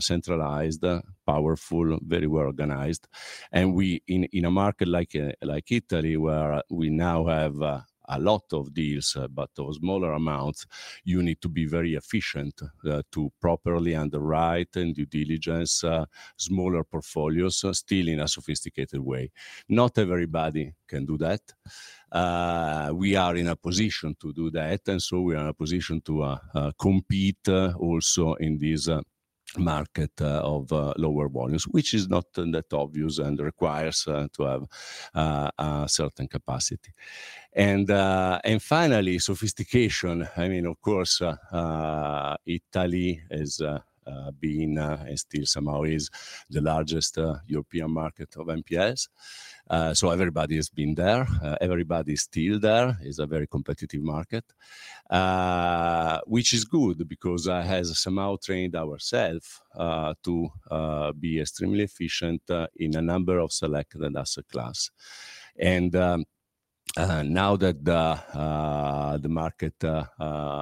centralized, powerful, very well organized. We, in a market like Italy, where we now have a lot of deals, but those smaller amounts, you need to be very efficient to properly underwrite and do due diligence, smaller portfolios, still in a sophisticated way. Not everybody can do that. We are in a position to do that, and so we are in a position to compete also in this market of lower volumes, which is not that obvious and requires to have a certain capacity, and finally, sophistication, I mean, of course, Italy has been and still somehow is the largest European market of NPLs, so everybody has been there. Everybody's still there. It's a very competitive market, which is good because it has somehow trained ourselves to be extremely efficient in a number of selected asset classes, and now that the market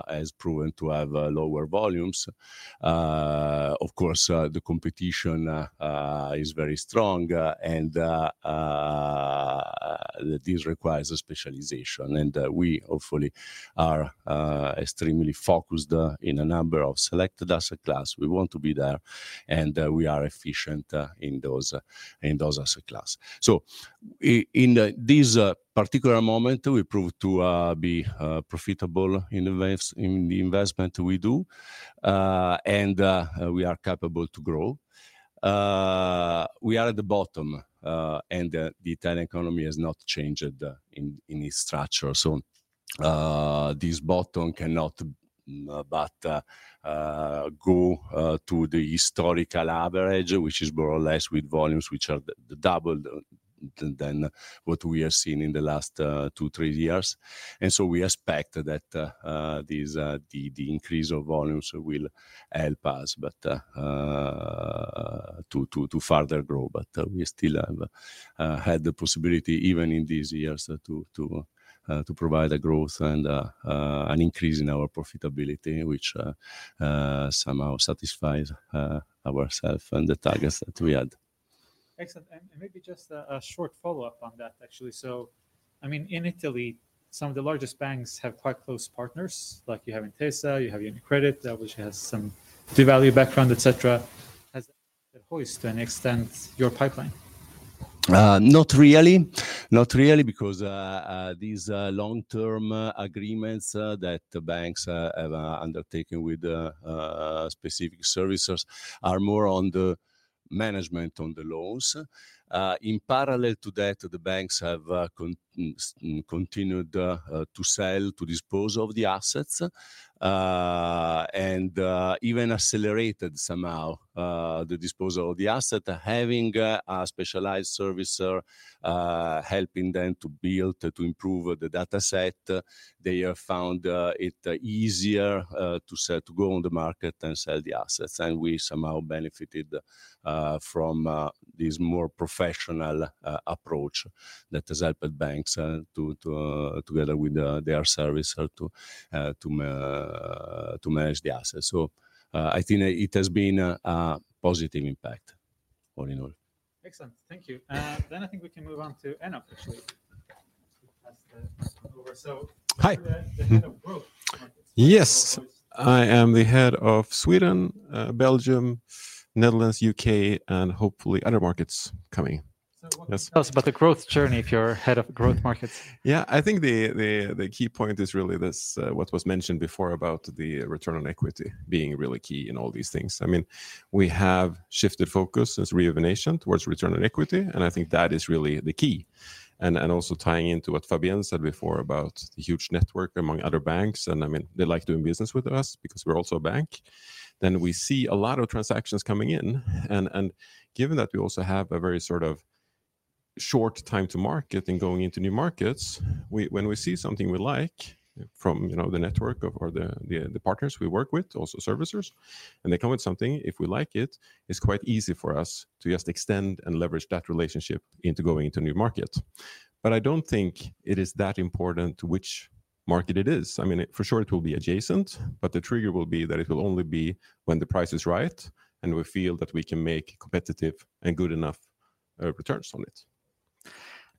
has proven to have lower volumes, of course, the competition is very strong, and this requires specialization, and we, hopefully, are extremely focused in a number of selected asset classes. We want to be there, and we are efficient in those asset classes. So in this particular moment, we prove to be profitable in the investment we do, and we are capable to grow. We are at the bottom, and the Italian economy has not changed in its structure. So this bottom cannot but go to the historical average, which is more or less with volumes which are doubled than what we have seen in the last two, three years. And so we expect that the increase of volumes will help us to further grow, but we still have had the possibility, even in these years, to provide a growth and an increase in our profitability, which somehow satisfies ourselves and the targets that we had. Excellent. And maybe just a short follow-up on that, actually. So, I mean, in Italy, some of the largest banks have quite close partners, like you have Intesa, you have UniCredit, which has some devalued background, etc. Has Hoist, to an extent, your pipeline? Not really. Not really, because these long-term agreements that banks have undertaken with specific services are more on the management of the loans. In parallel to that, the banks have continued to sell, to dispose of the assets, and even accelerated somehow the disposal of the assets, having a specialized servicer helping them to build, to improve the dataset. They have found it easier to go on the market and sell the assets. And we somehow benefited from this more professional approach that has helped banks together with their servicer to manage the assets. So I think it has been a positive impact, all in all. Excellent. Thank you. Then I think we can move on to Enok, actually. Hi. The Head of Growth Markets. Yes. I am the Head of Sweden, Belgium, Netherlands, UK, and hopefully other markets coming. Yes. But the growth journey, if you're Head of Growth Markets. Yeah, I think the key point is really this, what was mentioned before about the return on equity being really key in all these things. I mean, we have shifted focus since rejuvenation towards return on equity, and I think that is really the key. And also tying into what Fabien said before about the huge network among other banks, and I mean, they like doing business with us because we're also a bank, then we see a lot of transactions coming in. And given that we also have a very sort of short time to market and going into new markets, when we see something we like from the network or the partners we work with, also servicers, and they come with something, if we like it, it's quite easy for us to just extend and leverage that relationship into going into new markets. But I don't think it is that important which market it is. I mean, for sure, it will be adjacent, but the trigger will be that it will only be when the price is right and we feel that we can make competitive and good enough returns on it.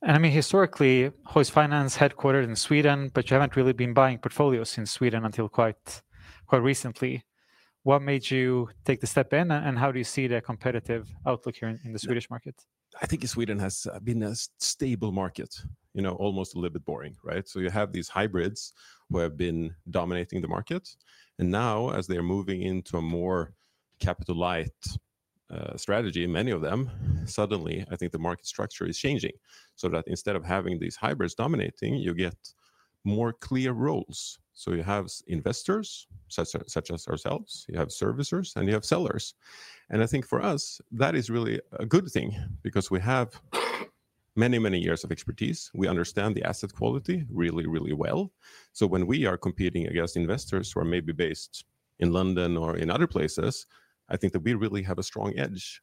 And I mean, historically, Hoist Finance is headquartered in Sweden, but you haven't really been buying portfolios in Sweden until quite recently. What made you take the step in, and how do you see the competitive outlook here in the Swedish market? I think Sweden has been a stable market, almost a little bit boring, right, so you have these hybrids who have been dominating the market, and now, as they're moving into a more capital-light strategy, many of them, suddenly, I think the market structure is changing, so that instead of having these hybrids dominating, you get more clear roles, so you have investors, such as ourselves, you have servicers, and you have sellers, and I think for us, that is really a good thing because we have many, many years of expertise. We understand the asset quality really, really well, so when we are competing against investors who are maybe based in London or in other places, I think that we really have a strong edge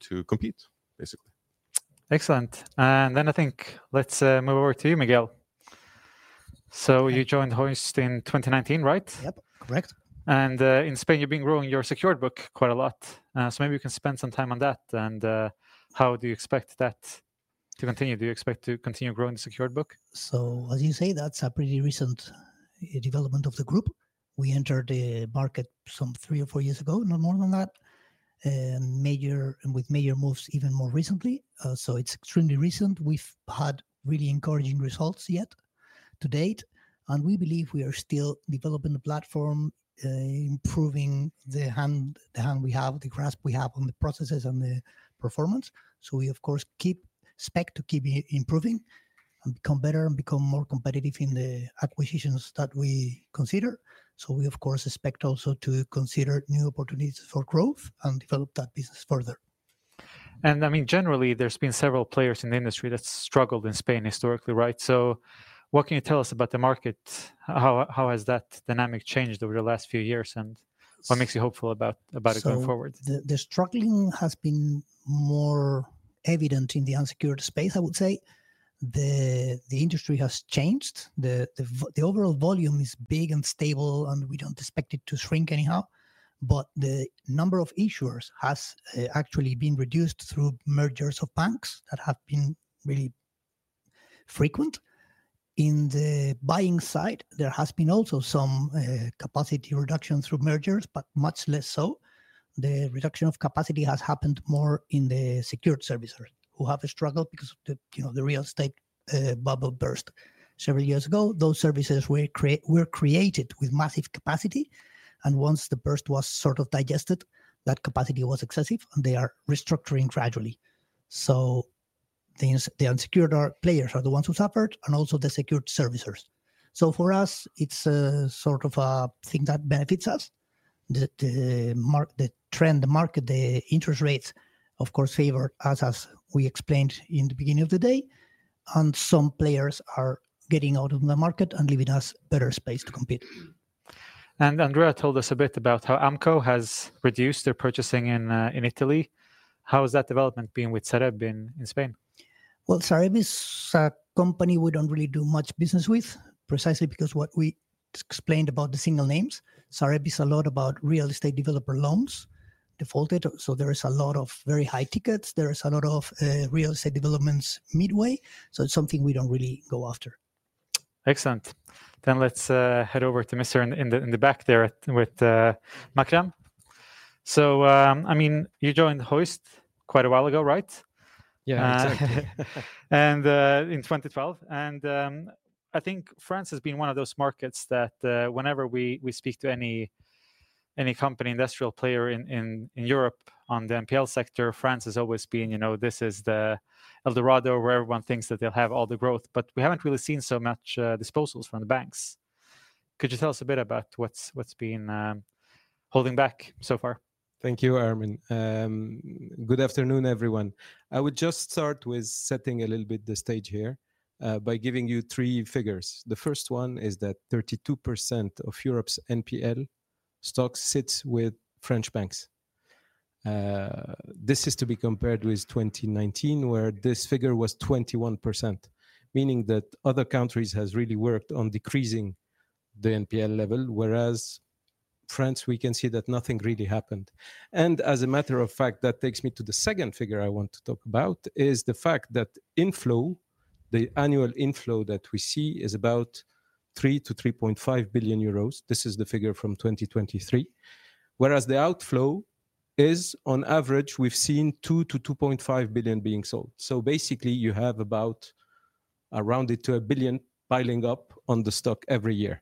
to compete, basically. Excellent. And then I think let's move over to you, Miguel. So you joined Hoist in 2019, right? Yep, correct. And in Spain, you've been growing your secured book quite a lot. So maybe you can spend some time on that. And how do you expect that to continue? Do you expect to continue growing the secured book? So as you say, that's a pretty recent development of the group. We entered the market some three or four years ago, not more than that, with major moves even more recently. So it's extremely recent. We've had really encouraging results yet to date. And we believe we are still developing the platform, improving the hand we have, the grasp we have on the processes and the performance. So we, of course, expect to keep improving and become better and become more competitive in the acquisitions that we consider. We, of course, expect also to consider new opportunities for growth and develop that business further. I mean, generally, there's been several players in the industry that struggled in Spain historically, right? What can you tell us about the market? How has that dynamic changed over the last few years? What makes you hopeful about it going forward? The struggling has been more evident in the unsecured space, I would say. The industry has changed. The overall volume is big and stable, and we don't expect it to shrink anyhow. The number of issuers has actually been reduced through mergers of banks that have been really frequent. In the buying side, there has been also some capacity reduction through mergers, but much less so. The reduction of capacity has happened more in the secured servicers who have struggled because of the real estate bubble burst several years ago. Those servicers were created with massive capacity, and once the burst was sort of digested, that capacity was excessive, and they are restructuring gradually, so the unsecured players are the ones who suffered, and also the secured servicers, so for us, it's sort of a thing that benefits us. The trend, the market, the interest rates, of course, favor us, as we explained in the beginning of the day, and Andrea told us a bit about how AMCO has reduced their purchasing in Italy. How has that development been with Sareb in Spain? Sareb is a company we don't really do much business with, precisely because what we explained about the single names. Sareb is a lot about real estate developer loans defaulted. So there is a lot of very high tickets. There is a lot of real estate developments midway. So it's something we don't really go after. Excellent. Let's head over to Mr. in the back there with Makram. I mean, you joined Hoist quite a while ago, right? Yeah, exactly. And in 2012. I think France has been one of those markets that whenever we speak to any company industrial player in Europe on the NPL sector, France has always been, you know, this is the El Dorado where everyone thinks that they'll have all the growth. But we haven't really seen so much disposals from the banks. Could you tell us a bit about what's been holding back so far? Thank you, Ermin. Good afternoon, everyone. I would just start with setting a little bit the stage here by giving you three figures. The first one is that 32% of Europe's NPL stocks sit with French banks. This is to be compared with 2019, where this figure was 21%, meaning that other countries have really worked on decreasing the NPL level, whereas France, we can see that nothing really happened, and as a matter of fact, that takes me to the second figure I want to talk about, is the fact that inflow, the annual inflow that we see is about 3-3.5 billion euros. This is the figure from 2023, whereas the outflow is, on average, we've seen 2-2.5 billion being sold. Basically, you have around 1 billion piling up on the stock every year.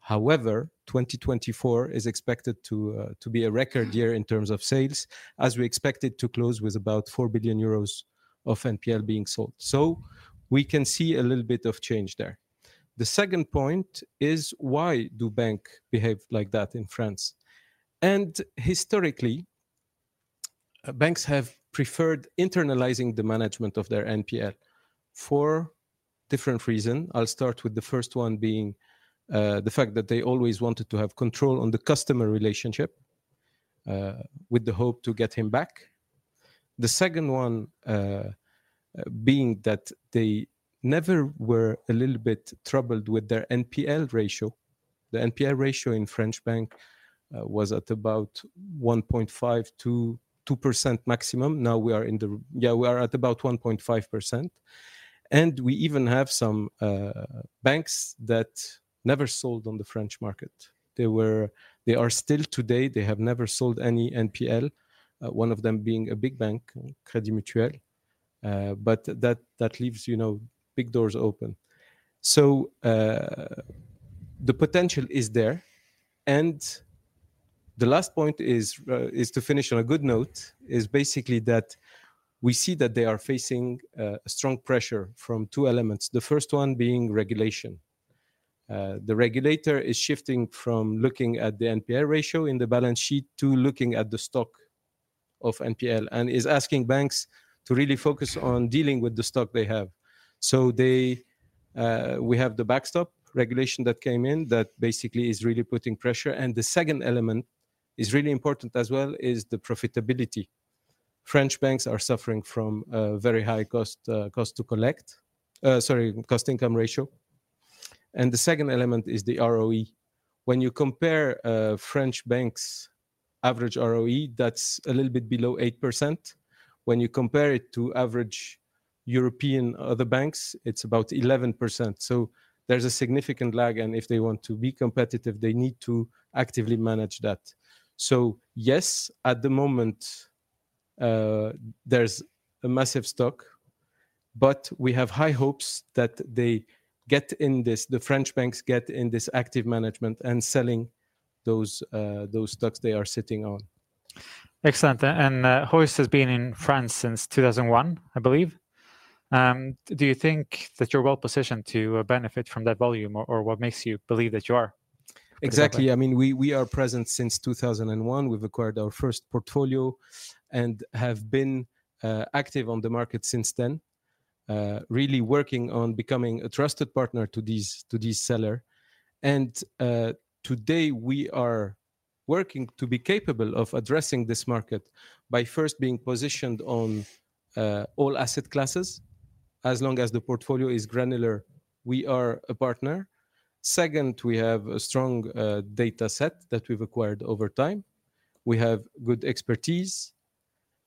However, 2024 is expected to be a record year in terms of sales, as we expected to close with about 4 billion euros of NPL being sold. So we can see a little bit of change there. The second point is why do banks behave like that in France. Historically, banks have preferred internalizing the management of their NPL for different reasons. I'll start with the first one being the fact that they always wanted to have control on the customer relationship with the hope to get him back. The second one being that they never were a little bit troubled with their NPL ratio. The NPL ratio in French banks was at about 1.5%-2% maximum. Now we are at about 1.5%. We even have some banks that never sold on the French market. They are still today. They have never sold any NPL, one of them being a big bank, Crédit Mutuel. But that leaves big doors open. So the potential is there. The last point is to finish on a good note is basically that we see that they are facing strong pressure from two elements. The first one being regulation. The regulator is shifting from looking at the NPL ratio in the balance sheet to looking at the stock of NPL and is asking banks to really focus on dealing with the stock they have. So we have the backstop regulation that came in that basically is really putting pressure. The second element is really important as well is the profitability. French banks are suffering from a very high cost to collect, sorry, cost income ratio. The second element is the ROE. When you compare French banks' average ROE, that's a little bit below 8%. When you compare it to average European other banks, it's about 11%. There's a significant lag. If they want to be competitive, they need to actively manage that. Yes, at the moment, there's a massive stock, but we have high hopes that they get in this, the French banks get in this active management and selling those stocks they are sitting on. Excellent. Hoist has been in France since 2001, I believe. Do you think that you're well positioned to benefit from that volume or what makes you believe that you are? Exactly. I mean, we are present since 2001. We've acquired our first portfolio and have been active on the market since then, really working on becoming a trusted partner to this seller. And today, we are working to be capable of addressing this market by first being positioned on all asset classes. As long as the portfolio is granular, we are a partner. Second, we have a strong data set that we've acquired over time. We have good expertise.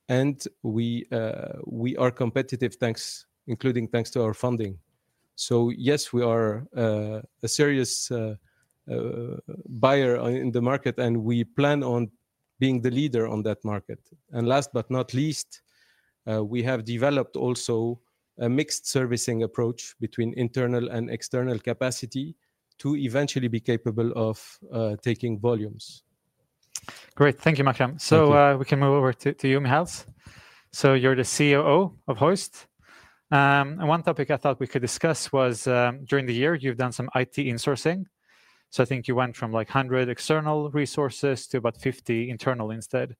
And we are competitive, including thanks to our funding. So yes, we are a serious buyer in the market, and we plan on being the leader on that market. And last but not least, we have developed also a mixed servicing approach between internal and external capacity to eventually be capable of taking volumes. Great. Thank you, Makram. So we can move over to you, Mihails. So you're the COO of Hoist Finance. And one topic I thought we could discuss was during the year, you've done some IT insourcing. I think you went from like 100 external resources to about 50 internal instead.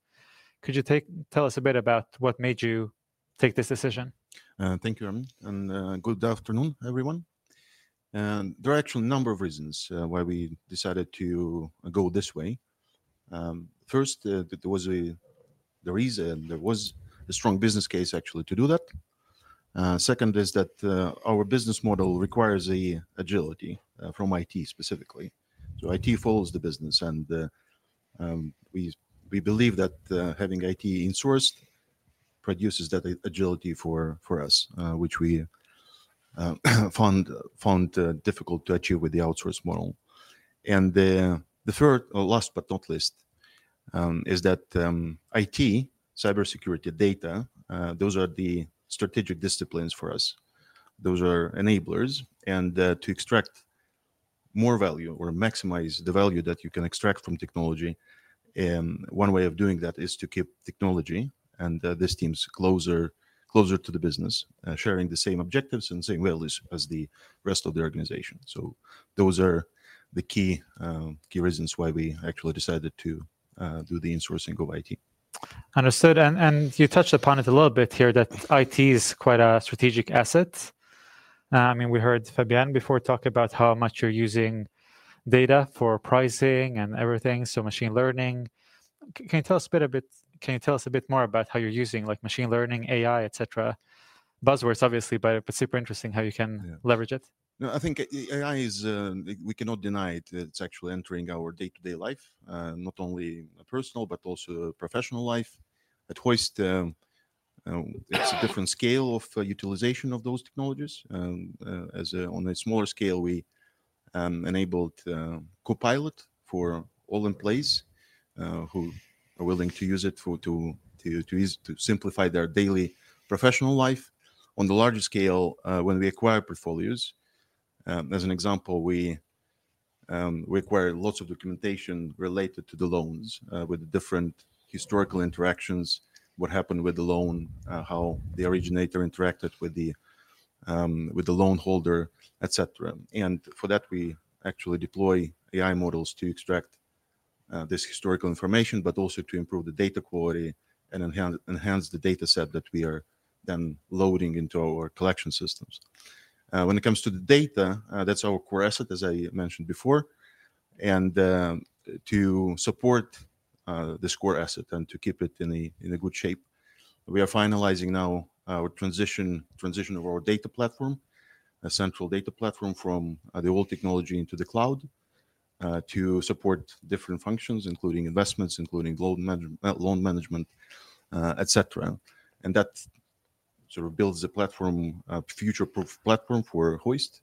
Could you tell us a bit about what made you take this decision? Thank you, Ermin. Good afternoon, everyone. There are actually a number of reasons why we decided to go this way. First, there was a reason, there was a strong business case actually to do that. Second is that our business model requires agility from IT specifically, so IT follows the business, and we believe that having IT insourced produces that agility for us, which we found difficult to achieve with the outsource model, and the third, last but not least, is that IT, cybersecurity, data, those are the strategic disciplines for us. Those are enablers. To extract more value or maximize the value that you can extract from technology, one way of doing that is to keep technology and these teams closer to the business, sharing the same objectives and same values as the rest of the organization. Those are the key reasons why we actually decided to do the insourcing of IT. Understood. You touched upon it a little bit here that IT is quite a strategic asset. I mean, we heard Fabien before talk about how much you're using data for pricing and everything, so machine learning. Can you tell us a bit more about how you're using machine learning, AI, etc.? Buzzwords, obviously, but super interesting how you can leverage it. I think AI is, we cannot deny it. It's actually entering our day-to-day life, not only personal, but also professional life. At Hoist, it's a different scale of utilization of those technologies. On a smaller scale, we enabled Copilot for all employees who are willing to use it to simplify their daily professional life. On the larger scale, when we acquire portfolios, as an example, we acquire lots of documentation related to the loans with different historical interactions, what happened with the loan, how the originator interacted with the loan holder, etc. And for that, we actually deploy AI models to extract this historical information, but also to improve the data quality and enhance the data set that we are then loading into our collection systems. When it comes to the data, that's our core asset, as I mentioned before. And to support this core asset and to keep it in a good shape, we are finalizing now our transition of our data platform, a central data platform from the old technology into the cloud to support different functions, including investments, including loan management, etc. And that sort of builds a future-proof platform for Hoist,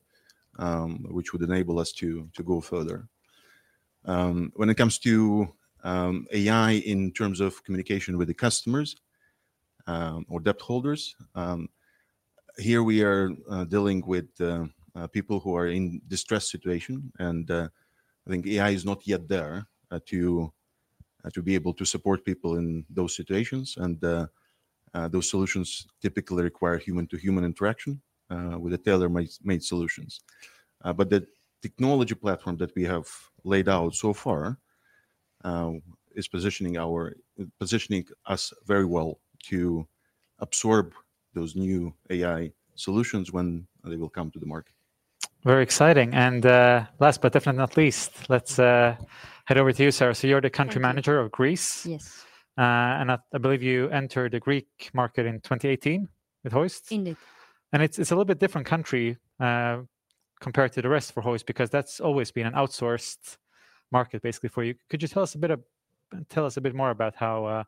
which would enable us to go further. When it comes to AI in terms of communication with the customers or debt holders, here we are dealing with people who are in a distressed situation. And I think AI is not yet there to be able to support people in those situations. And those solutions typically require human-to-human interaction with tailor-made solutions. But the technology platform that we have laid out so far is positioning us very well to absorb those new AI solutions when they will come to the market. Very exciting. Last, but definitely not least, let's head over to you, Sarah. So you're the country manager of Greece. Yes. And I believe you entered the Greek market in 2018 with Hoist. Indeed. And it's a little bit different country compared to the rest for Hoist because that's always been an outsourced market basically for you. Could you tell us a bit more about how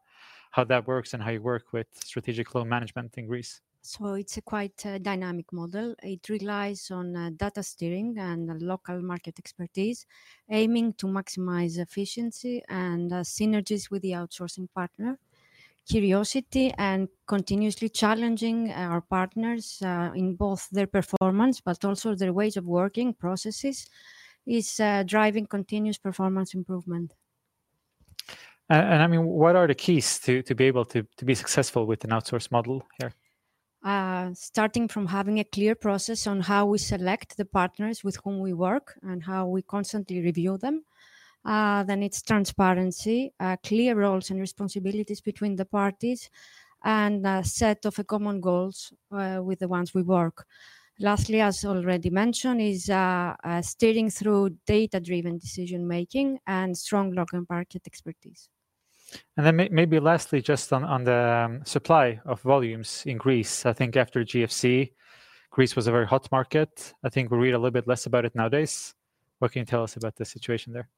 that works and how you work with strategic loan management in Greece? So it's a quite dynamic model. It relies on data steering and local market expertise, aiming to maximize efficiency and synergies with the outsourcing partner. Curiosity and continuously challenging our partners in both their performance, but also their ways of working, processes, is driving continuous performance improvement. And I mean, what are the keys to be able to be successful with an outsource model here? Starting from having a clear process on how we select the partners with whom we work and how we constantly review them. Then it's transparency, clear roles and responsibilities between the parties, and a set of common goals with the ones we work. Lastly, as already mentioned, is steering through data-driven decision-making and strong local market expertise, and then maybe lastly, just on the supply of volumes in Greece. I think after GFC, Greece was a very hot market. I think we read a little bit less about it nowadays. What can you tell us about the situation there?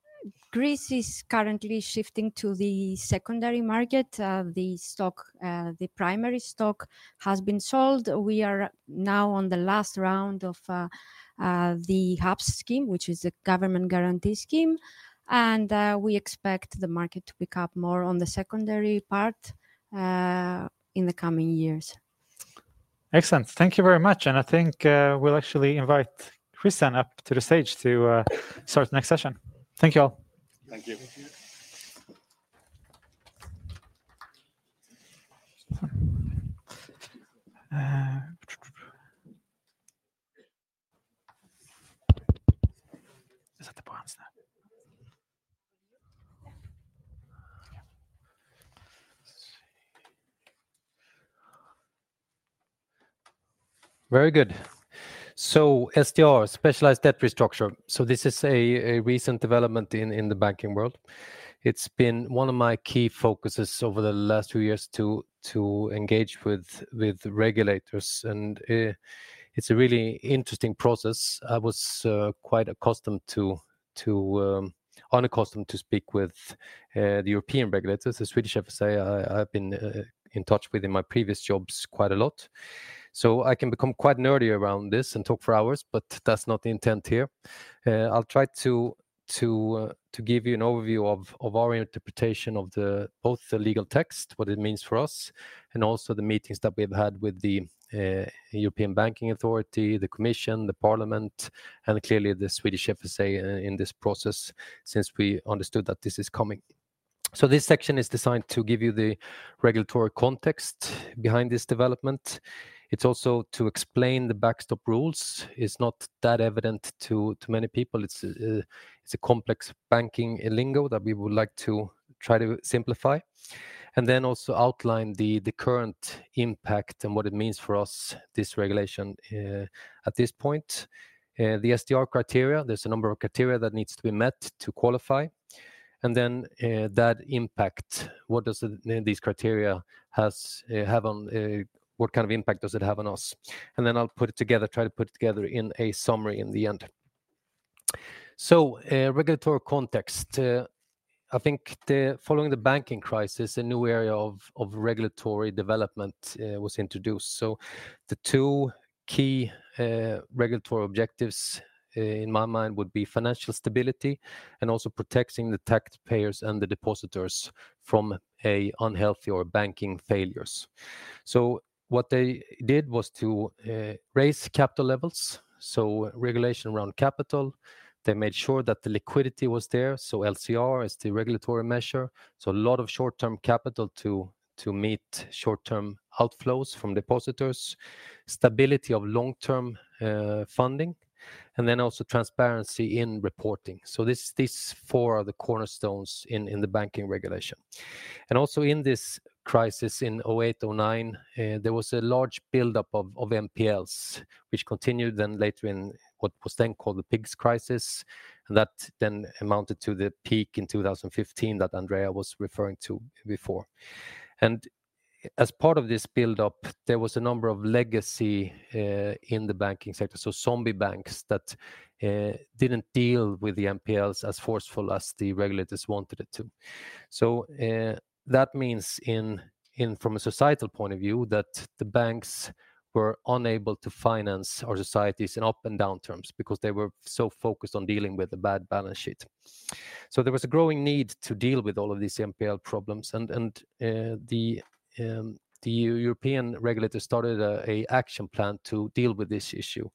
Greece is currently shifting to the secondary market. The primary stock has been sold. We are now on the last round of the HAPS scheme, which is a government guarantee scheme, and we expect the market to pick up more on the secondary part in the coming years. Excellent. Thank you very much. I think we'll actually invite Christian up to the stage to start the next session. Thank you all. Thank you. Very good. SDR, specialized debt restructure. This is a recent development in the banking world. It's been one of my key focuses over the last few years to engage with regulators. It's a really interesting process. I was quite unaccustomed to speak with the European regulators, the Swedish FSA. I have been in touch with in my previous jobs quite a lot. I can become quite nerdy around this and talk for hours, but that's not the intent here. I'll try to give you an overview of our interpretation of both the legal text, what it means for us, and also the meetings that we've had with the European Banking Authority, the Commission, the Parliament, and clearly the Swedish FSA in this process since we understood that this is coming. So this section is designed to give you the regulatory context behind this development. It's also to explain the backstop rules. It's not that evident to many people. It's a complex banking lingo that we would like to try to simplify. And then also outline the current impact and what it means for us, this regulation at this point. The SDR criteria, there's a number of criteria that needs to be met to qualify. And then that impact, what does these criteria have on what kind of impact does it have on us? I'll put it together, try to put it together in a summary in the end. Regulatory context. I think following the banking crisis, a new area of regulatory development was introduced. The two key regulatory objectives in my mind would be financial stability and also protecting the taxpayers and the depositors from unhealthy or banking failures. What they did was to raise capital levels. Regulation around capital. They made sure that the liquidity was there. LCR is the regulatory measure. A lot of short-term capital to meet short-term outflows from depositors, stability of long-term funding, and then also transparency in reporting. These four are the cornerstones in the banking regulation. Also in this crisis in 2008, 2009, there was a large buildup of NPLs, which continued then later in what was then called the PIGS crisis. That then amounted to the peak in 2015 that Andrea was referring to before. As part of this buildup, there was a number of legacies in the banking sector, so zombie banks that didn't deal with the NPLs as forcefully as the regulators wanted it to. That means from a societal point of view that the banks were unable to finance our societies in up and down terms because they were so focused on dealing with a bad balance sheet. There was a growing need to deal with all of these NPL problems. The European regulators started an action plan to deal with this issue.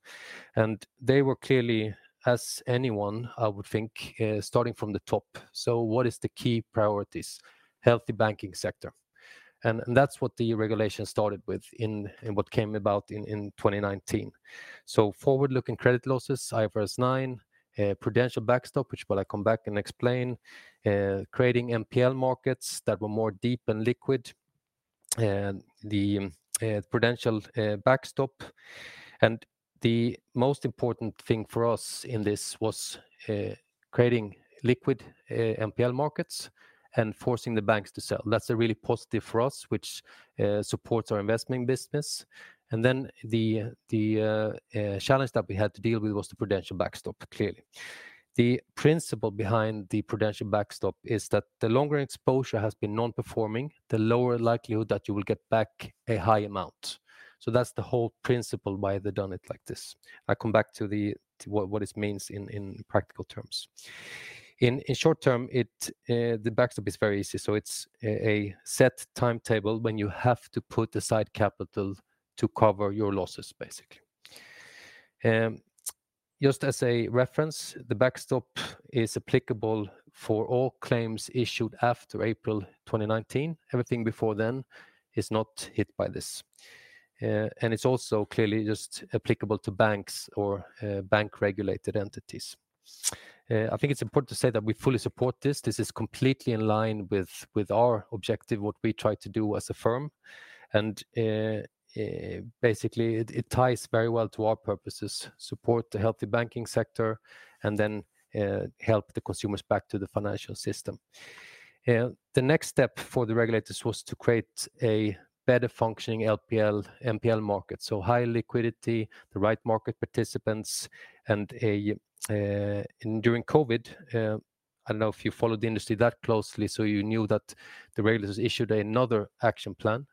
They were clearly, as anyone I would think, starting from the top. What are the key priorities? Healthy banking sector. That's what the regulation started with in what came about in 2019. So, forward-looking credit losses, IFRS 9, prudential backstop, which will I come back and explain, creating NPL markets that were more deep and liquid, the prudential backstop. And the most important thing for us in this was creating liquid NPL markets and forcing the banks to sell. That's really positive for us, which supports our investment business. And then the challenge that we had to deal with was the prudential backstop, clearly. The principle behind the prudential backstop is that the longer exposure has been non-performing, the lower likelihood that you will get back a high amount. So that's the whole principle why they've done it like this. I come back to what it means in practical terms. In short term, the backstop is very easy. So it's a set timetable when you have to put aside capital to cover your losses, basically. Just as a reference, the backstop is applicable for all claims issued after April 2019. Everything before then is not hit by this, and it's also clearly just applicable to banks or bank-regulated entities. I think it's important to say that we fully support this. This is completely in line with our objective, what we try to do as a firm, and basically, it ties very well to our purposes: support the healthy banking sector and then help the consumers back to the financial system. The next step for the regulators was to create a better-functioning NPL market, so high liquidity, the right market participants, and during COVID, I don't know if you followed the industry that closely, so you knew that the regulators issued another action plan,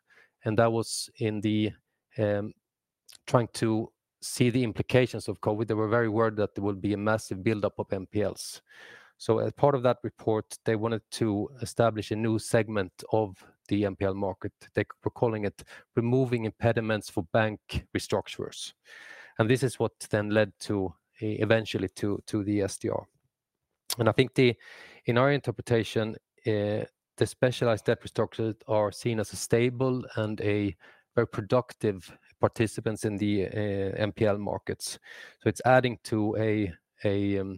and that was in trying to see the implications of COVID. They were very worried that there would be a massive buildup of NPLs, so as part of that report, they wanted to establish a new segment of the NPL market. They were calling it removing impediments for bank restructurers, and this is what then led eventually to the SDR, and I think in our interpretation, the specialized debt restructurers are seen as stable and very productive participants in the NPL markets, so it's adding to the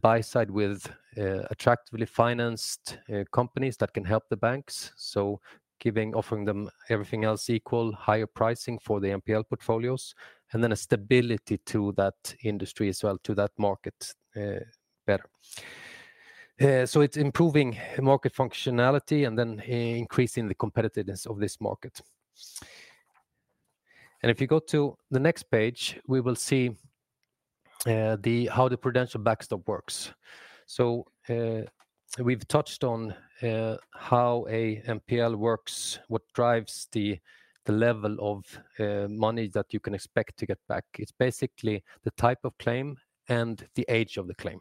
buy-side with attractively financed companies that can help the banks, so offering them everything else equal, higher pricing for the NPL portfolios, and then a stability to that industry as well, to that market better, so it's improving market functionality and then increasing the competitiveness of this market, and if you go to the next page, we will see how the prudential backstop works. We've touched on how an NPL works, what drives the level of money that you can expect to get back. It's basically the type of claim and the age of the claim.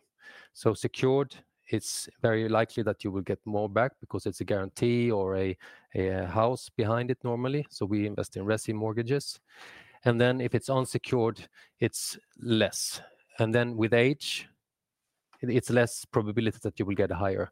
So secured, it's very likely that you will get more back because it's a guarantee or a house behind it normally. So we invest in resi mortgages. And then if it's unsecured, it's less. And then with age, it's less probability that you will get a higher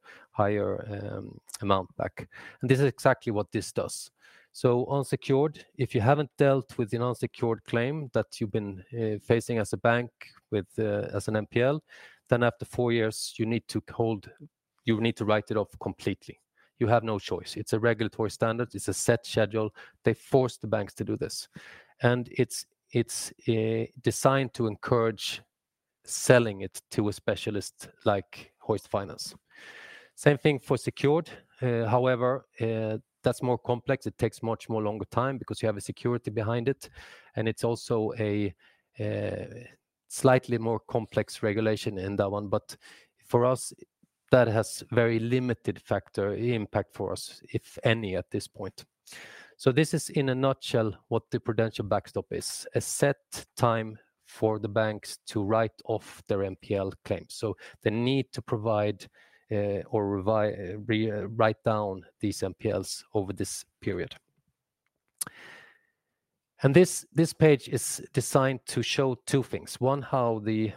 amount back. And this is exactly what this does. So unsecured, if you haven't dealt with an unsecured claim that you've been facing as a bank as an NPL, then after four years, you need to write it off completely. You have no choice. It's a regulatory standard. It's a set schedule. They force the banks to do this. And it's designed to encourage selling it to a specialist like Hoist Finance. Same thing for secured. However, that's more complex. It takes much more longer time because you have a security behind it. And it's also a slightly more complex regulation in that one. But for us, that has very limited impact for us, if any, at this point. So this is in a nutshell what the prudential backstop is: a set time for the banks to write off their NPL claims. So they need to provide or write down these NPLs over this period. And this page is designed to show two things. One, how the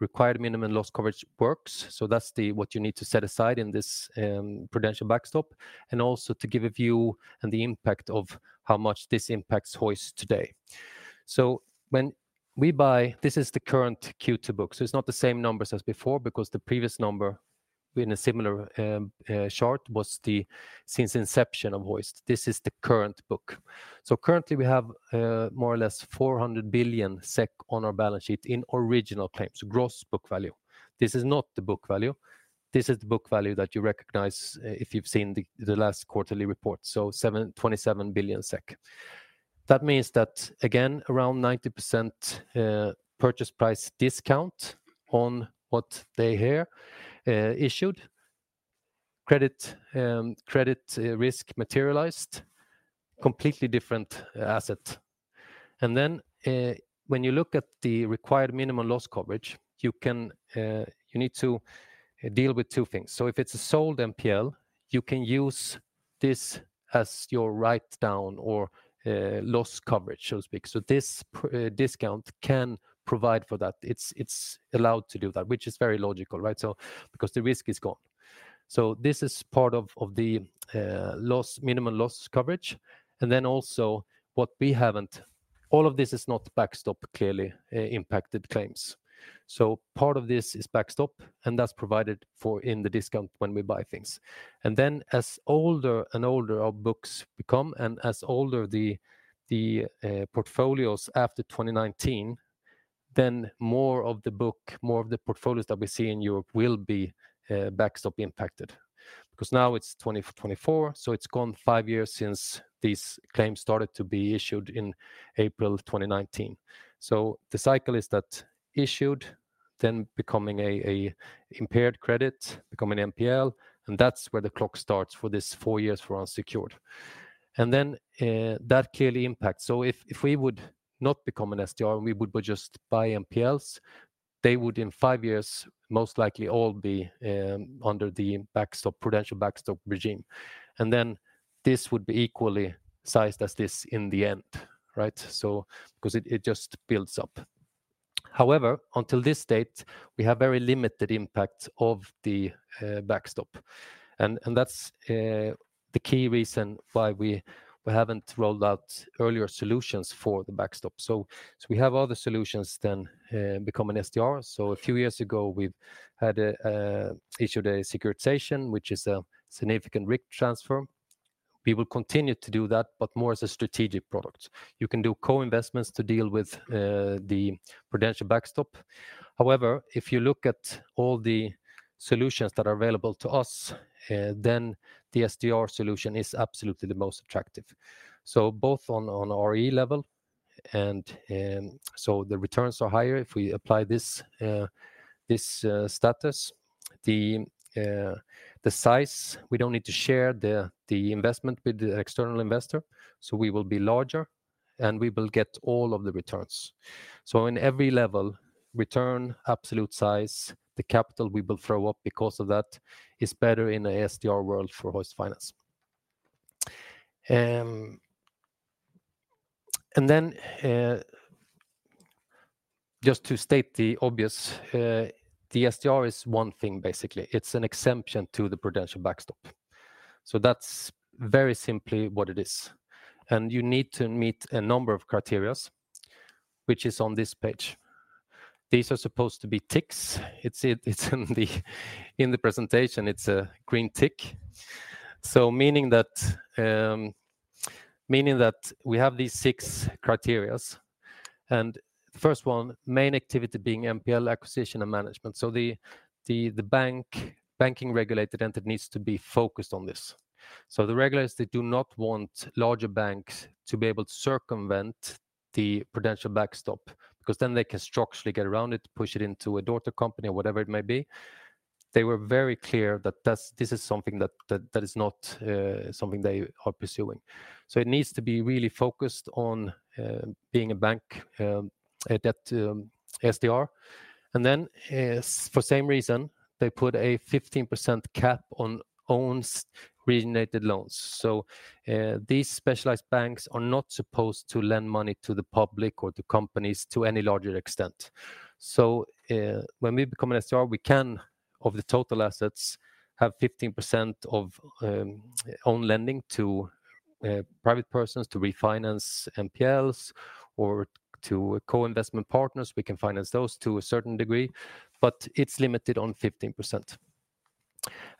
required minimum loss coverage works. So that's what you need to set aside in this prudential backstop. And also to give a view and the impact of how much this impacts Hoist today. So when we buy, this is the current Q2 book. So it's not the same numbers as before because the previous number in a similar chart was since inception of Hoist. This is the current book. So currently, we have more or less 400 billion SEK on our balance sheet in original claims, gross book value. This is not the book value. This is the book value that you recognize if you've seen the last quarterly report, so 27 billion SEK. That means that, again, around 90% purchase price discount on what they issued, credit risk materialized, completely different asset. And then when you look at the required minimum loss coverage, you need to deal with two things. So if it's a sold NPL, you can use this as your write-down or loss coverage, so to speak. So this discount can provide for that. It's allowed to do that, which is very logical, right? So because the risk is gone. So this is part of the minimum loss coverage. And then also what we haven't, all of this is not backstop clearly impacted claims. So part of this is backstop, and that's provided for in the discount when we buy things. And then as older and older our books become, and as older the portfolios after 2019, then more of the book, more of the portfolios that we see in Europe will be backstop impacted. Because now it's 2024, so it's gone five years since these claims started to be issued in April 2019. So the cycle is that issued, then becoming an impaired credit, becoming an NPL, and that's where the clock starts for this four years for unsecured. And then that clearly impacts. So if we would not become an SDR and we would just buyNPLs, they would in five years most likely all be under the prudential backstop regime. And then this would be equally sized as this in the end, right? So because it just builds up. However, until this date, we have very limited impact of the backstop. And that's the key reason why we haven't rolled out earlier solutions for the backstop. So we have other solutions than becoming an SDR. So a few years ago, we've issued a securitization, which is a significant risk transfer. We will continue to do that, but more as a strategic product. You can do co-investments to deal with the prudential backstop. However, if you look at all the solutions that are available to us, then the SDR solution is absolutely the most attractive. So both on RE level, and so the returns are higher if we apply this status. The size, we don't need to share the investment with the external investor. So we will be larger, and we will get all of the returns. So in every level, return, absolute size, the capital we will throw up because of that is better in an SDR world for Hoist Finance. And then just to state the obvious, the SDR is one thing, basically. It's an exemption to the prudential backstop. So that's very simply what it is. And you need to meet a number of criteria, which is on this page. These are supposed to be ticks. It's in the presentation. It's a green tick. So meaning that we have these six criteria. And first one, main activity being NPL acquisition and management. So the banking-regulated entity needs to be focused on this. So the regulators do not want larger banks to be able to circumvent the prudential backstop because then they can structurally get around it, push it into a daughter company or whatever it may be. They were very clear that this is something that is not something they are pursuing. So it needs to be really focused on being a bank debt SDR. And then for the same reason, they put a 15% cap on owned originated loans. So these specialized banks are not supposed to lend money to the public or to companies to any larger extent. So when we become an SDR, we can, of the total assets, have 15% of own lending to private persons to refinance NPLs or to co-investment partners. We can finance those to a certain degree, but it's limited to 15%.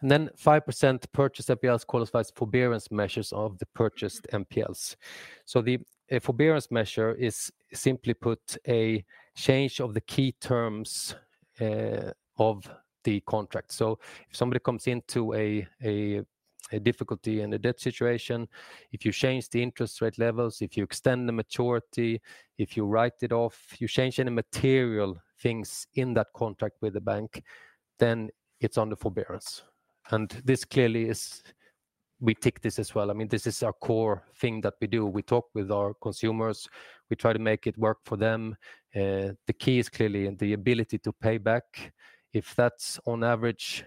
And then 5% purchase of NPLs qualifies for forbearance measures of the purchased NPLs. So the forbearance measure is simply put a change of the key terms of the contract. So if somebody comes into a difficulty in a debt situation, if you change the interest rate levels, if you extend the maturity, if you write it off, you change any material things in that contract with the bank, then it's under forbearance. And this clearly is, we tick this as well. I mean, this is our core thing that we do. We talk with our consumers. We try to make it work for them. The key is clearly the ability to pay back. If that's on average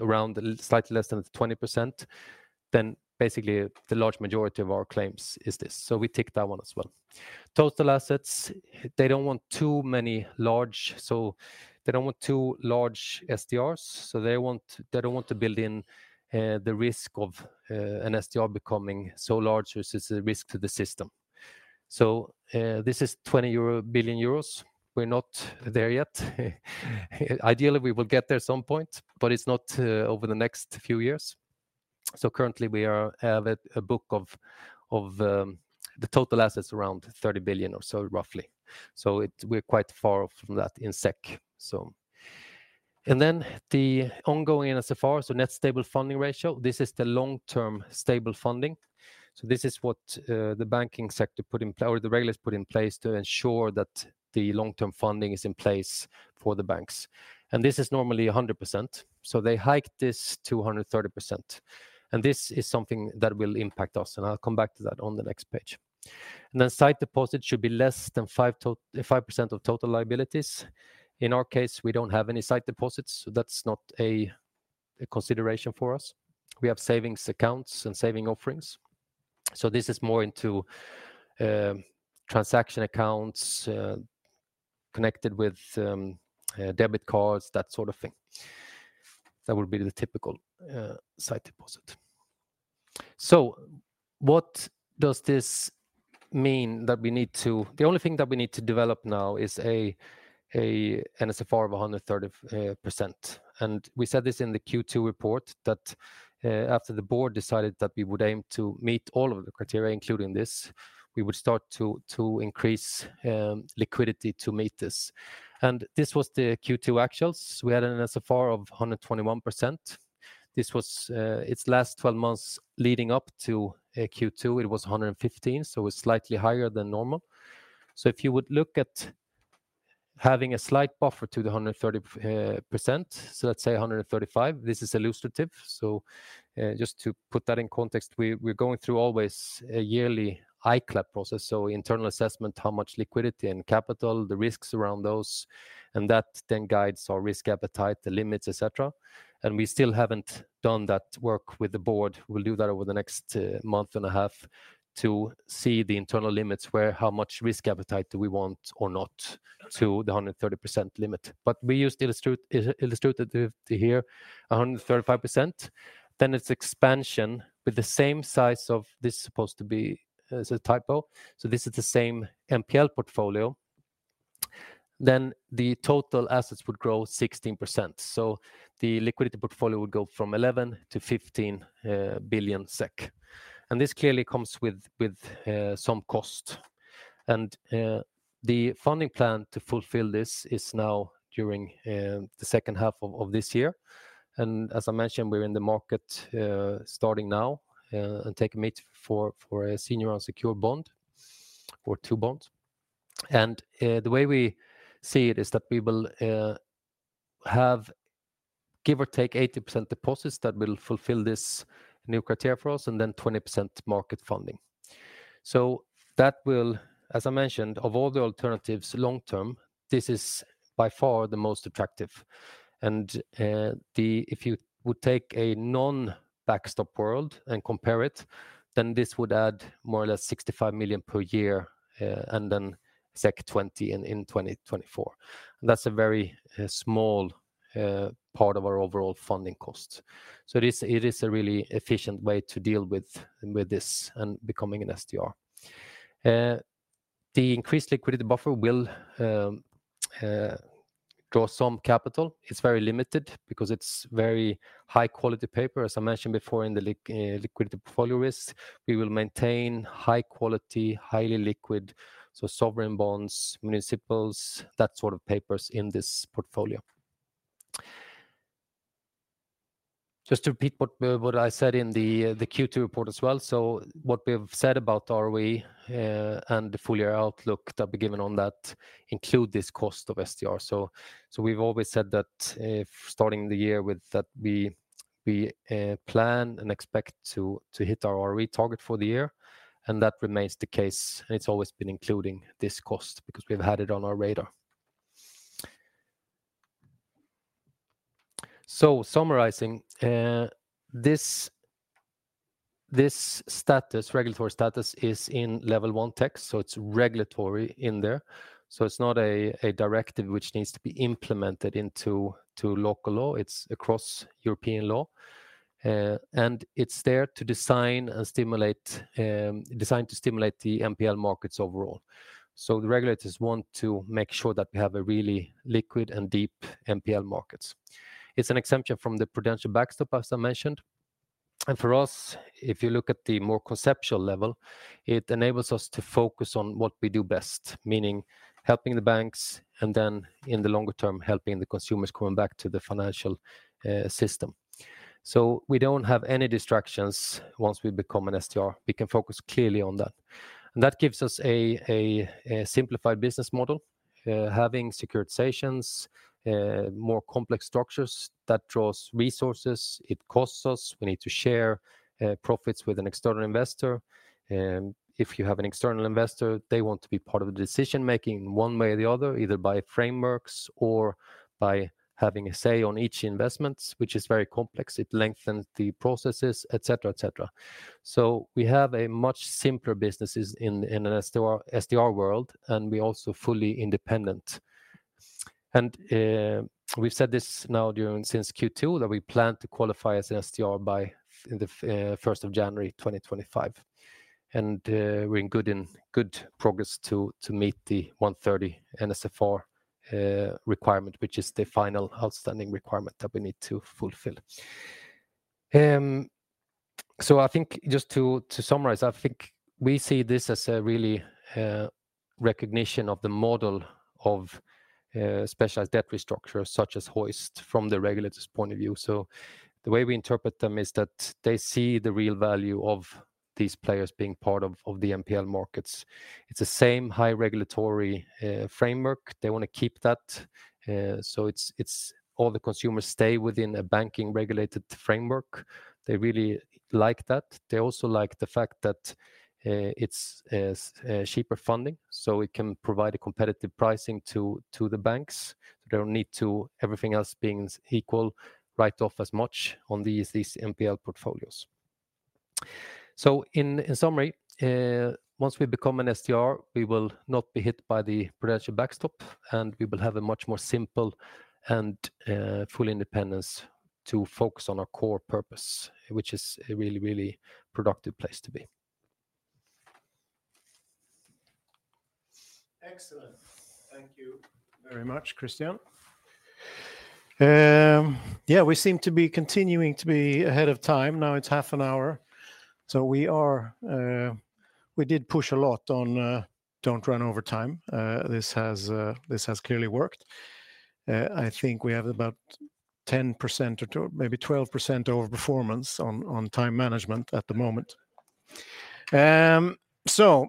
around slightly less than 20%, then basically the large majority of our claims is this. So we tick that one as well. Total assets, they don't want too many large, so they don't want too large SDRs. They don't want to build in the risk of an SDR becoming so large as it's a risk to the system. This is 20 billion euro. We're not there yet. Ideally, we will get there at some point, but it's not over the next few years. Currently, we have a book of the total assets around 30 billion or so, roughly. We're quite far from that in SEK. And then the ongoing NSFR, so net stable funding ratio, this is the long-term stable funding. This is what the banking sector put in, or the regulators put in place to ensure that the long-term funding is in place for the banks. This is normally 100%. They hiked this to 130%. This is something that will impact us. I'll come back to that on the next page. Sight deposit should be less than 5% of total liabilities. In our case, we don't have any sight deposits, so that's not a consideration for us. We have savings accounts and savings offerings. This is more into transaction accounts connected with debit cards, that sort of thing. That would be the typical sight deposit. What does this mean that we need to? The only thing that we need to develop now is an NSFR of 130%. We said this in the Q2 report that after the board decided that we would aim to meet all of the criteria, including this, we would start to increase liquidity to meet this. This was the Q2 actuals. We had an NSFR of 121%. This was its last 12 months leading up to Q2. It was 115%, so it was slightly higher than normal. If you would look at having a slight buffer to the 130%, so let's say 135%. This is illustrative. Just to put that in context, we're going through always a yearly ICLAP process, so internal assessment, how much liquidity and capital, the risks around those, and that then guides our risk appetite, the limits, etc. We still haven't done that work with the board. We'll do that over the next month and a half to see the internal limits, how much risk appetite do we want or not to the 130% limit. We used illustrative here, 135%. Then it's expansion with the same size of this is supposed to be as a typo. This is the same NPL portfolio. Then the total assets would grow 16%. The liquidity portfolio would go from 11 billion to 15 billion SEK. This clearly comes with some cost. The funding plan to fulfill this is now during the second half of this year. As I mentioned, we're in the market starting now and taking mandate for a senior unsecured bond or two bonds. The way we see it is that we will have give or take 80% deposits that will fulfill this new criteria for us and then 20% market funding. That will, as I mentioned, of all the alternatives long term, this is by far the most attractive. If you would take a non-backstop world and compare it, then this would add more or less 65 million per year and then 20 million in 2024. That's a very small part of our overall funding cost. It is a really efficient way to deal with this and becoming an SDR. The increased liquidity buffer will draw some capital. It's very limited because it's very high quality paper. As I mentioned before in the liquidity portfolio risk, we will maintain high quality, highly liquid, so sovereign bonds, municipals, that sort of papers in this portfolio. Just to repeat what I said in the Q2 report as well. So what we've said about RE and the full year outlook that we're given on that include this cost of SDR. So we've always said that starting the year with that we plan and expect to hit our RE target for the year. And that remains the case. And it's always been including this cost because we've had it on our radar. So summarizing, this status, regulatory status is in level one text. So it's regulatory in there. So it's not a directive which needs to be implemented into local law. It's across European law. It's there to design and stimulate the NPL markets overall. The regulators want to make sure that we have a really liquid and deep NPL markets. It's an exemption from the prudential backstop, as I mentioned. For us, if you look at the more conceptual level, it enables us to focus on what we do best, meaning helping the banks and then in the longer term, helping the consumers going back to the financial system. We don't have any distractions once we become an SDR. We can focus clearly on that. That gives us a simplified business model, having securitizations, more complex structures that draws resources. It costs us. We need to share profits with an external investor. If you have an external investor, they want to be part of the decision-making in one way or the other, either by frameworks or by having a say on each investment, which is very complex. It lengthens the processes, etc., etc., so we have a much simpler business in an SDR world, and we're also fully independent, and we've said this now since Q2 that we plan to qualify as an SDR by the 1st of January 2025, and we're in good progress to meet the 130 NSFR requirement, which is the final outstanding requirement that we need to fulfill, so I think just to summarize, I think we see this as a real recognition of the model of specialized debt restructurers such as Hoist Finance from the regulators' point of view. So the way we interpret them is that they see the real value of these players being part of the NPL markets. It's the same high regulatory framework. They want to keep that. So all the consumers stay within a banking-regulated framework. They really like that. They also like the fact that it's cheaper funding. So it can provide a competitive pricing to the banks. They don't need to, everything else being equal, write off as much on these NPL portfolios. So in summary, once we become an SDR, we will not be hit by the prudential backstop, and we will have a much more simple and full independence to focus on our core purpose, which is a really, really productive place to be. Excellent. Thank you very much, Christian. Yeah, we seem to be continuing to be ahead of time. Now it's half an hour. So we did push a lot on don't run over time. This has clearly worked. I think we have about 10% or maybe 12% overperformance on time management at the moment. So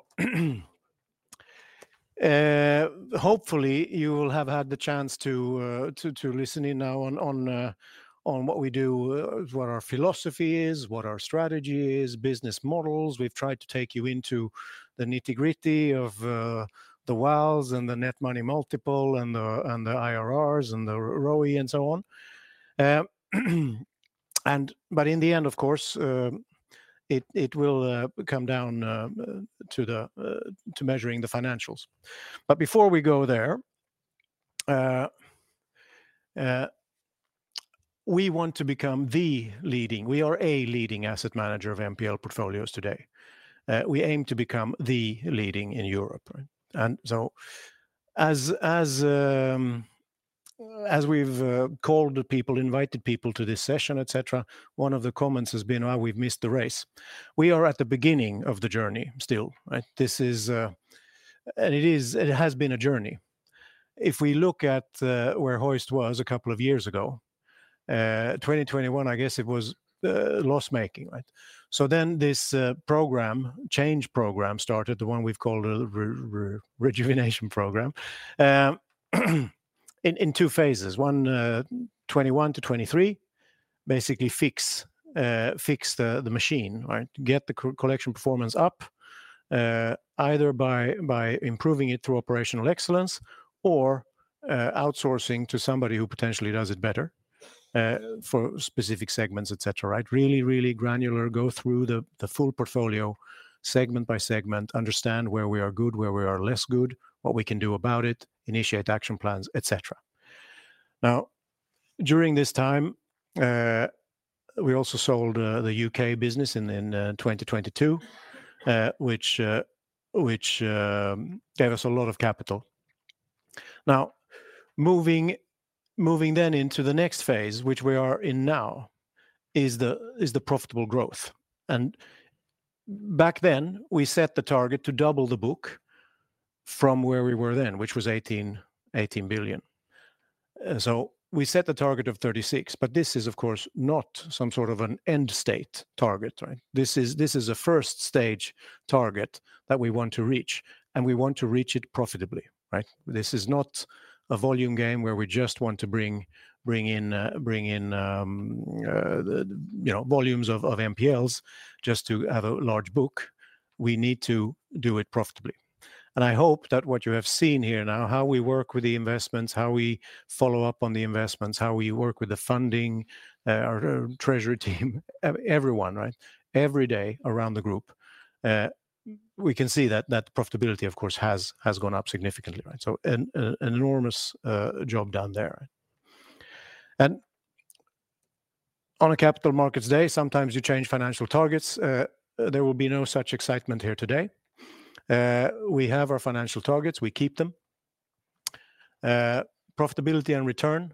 hopefully you will have had the chance to listen in now on what we do, what our philosophy is, what our strategy is, business models. We've tried to take you into the nitty-gritty of the WALs and the net money multiple and the IRRs and the ROI and so on. But in the end, of course, it will come down to measuring the financials. But before we go there, we want to become the leading. We are a leading asset manager of NPL portfolios today. We aim to become the leading in Europe. And so as we've called people, invited people to this session, etc., one of the comments has been, "We've missed the race." We are at the beginning of the journey still. And it has been a journey. If we look at where Hoist was a couple of years ago, 2021, I guess it was loss-making. So then this program, change program started, the one we've called a rejuvenation program in two phases. One 2021 to 2023, basically fix the machine, get the collection performance up either by improving it through operational excellence or outsourcing to somebody who potentially does it better for specific segments, etc. Really, really granular, go through the full portfolio segment by segment, understand where we are good, where we are less good, what we can do about it, initiate action plans, etc. Now, during this time, we also sold the UK business in 2022, which gave us a lot of capital. Now, moving then into the next phase, which we are in now, is the profitable growth, and back then, we set the target to double the book from where we were then, which was 18 billion, so we set the target of 36 billion, but this is, of course, not some sort of an end state target. This is a first stage target that we want to reach, and we want to reach it profitably. This is not a volume game where we just want to bring in volumes of NPLs just to have a large book. We need to do it profitably. I hope that what you have seen here now, how we work with the investments, how we follow up on the investments, how we work with the funding, our treasury team, everyone, every day around the group, we can see that profitability, of course, has gone up significantly. An enormous job done there. On a capital markets day, sometimes you change financial targets. There will be no such excitement here today. We have our financial targets. We keep them. Profitability and return.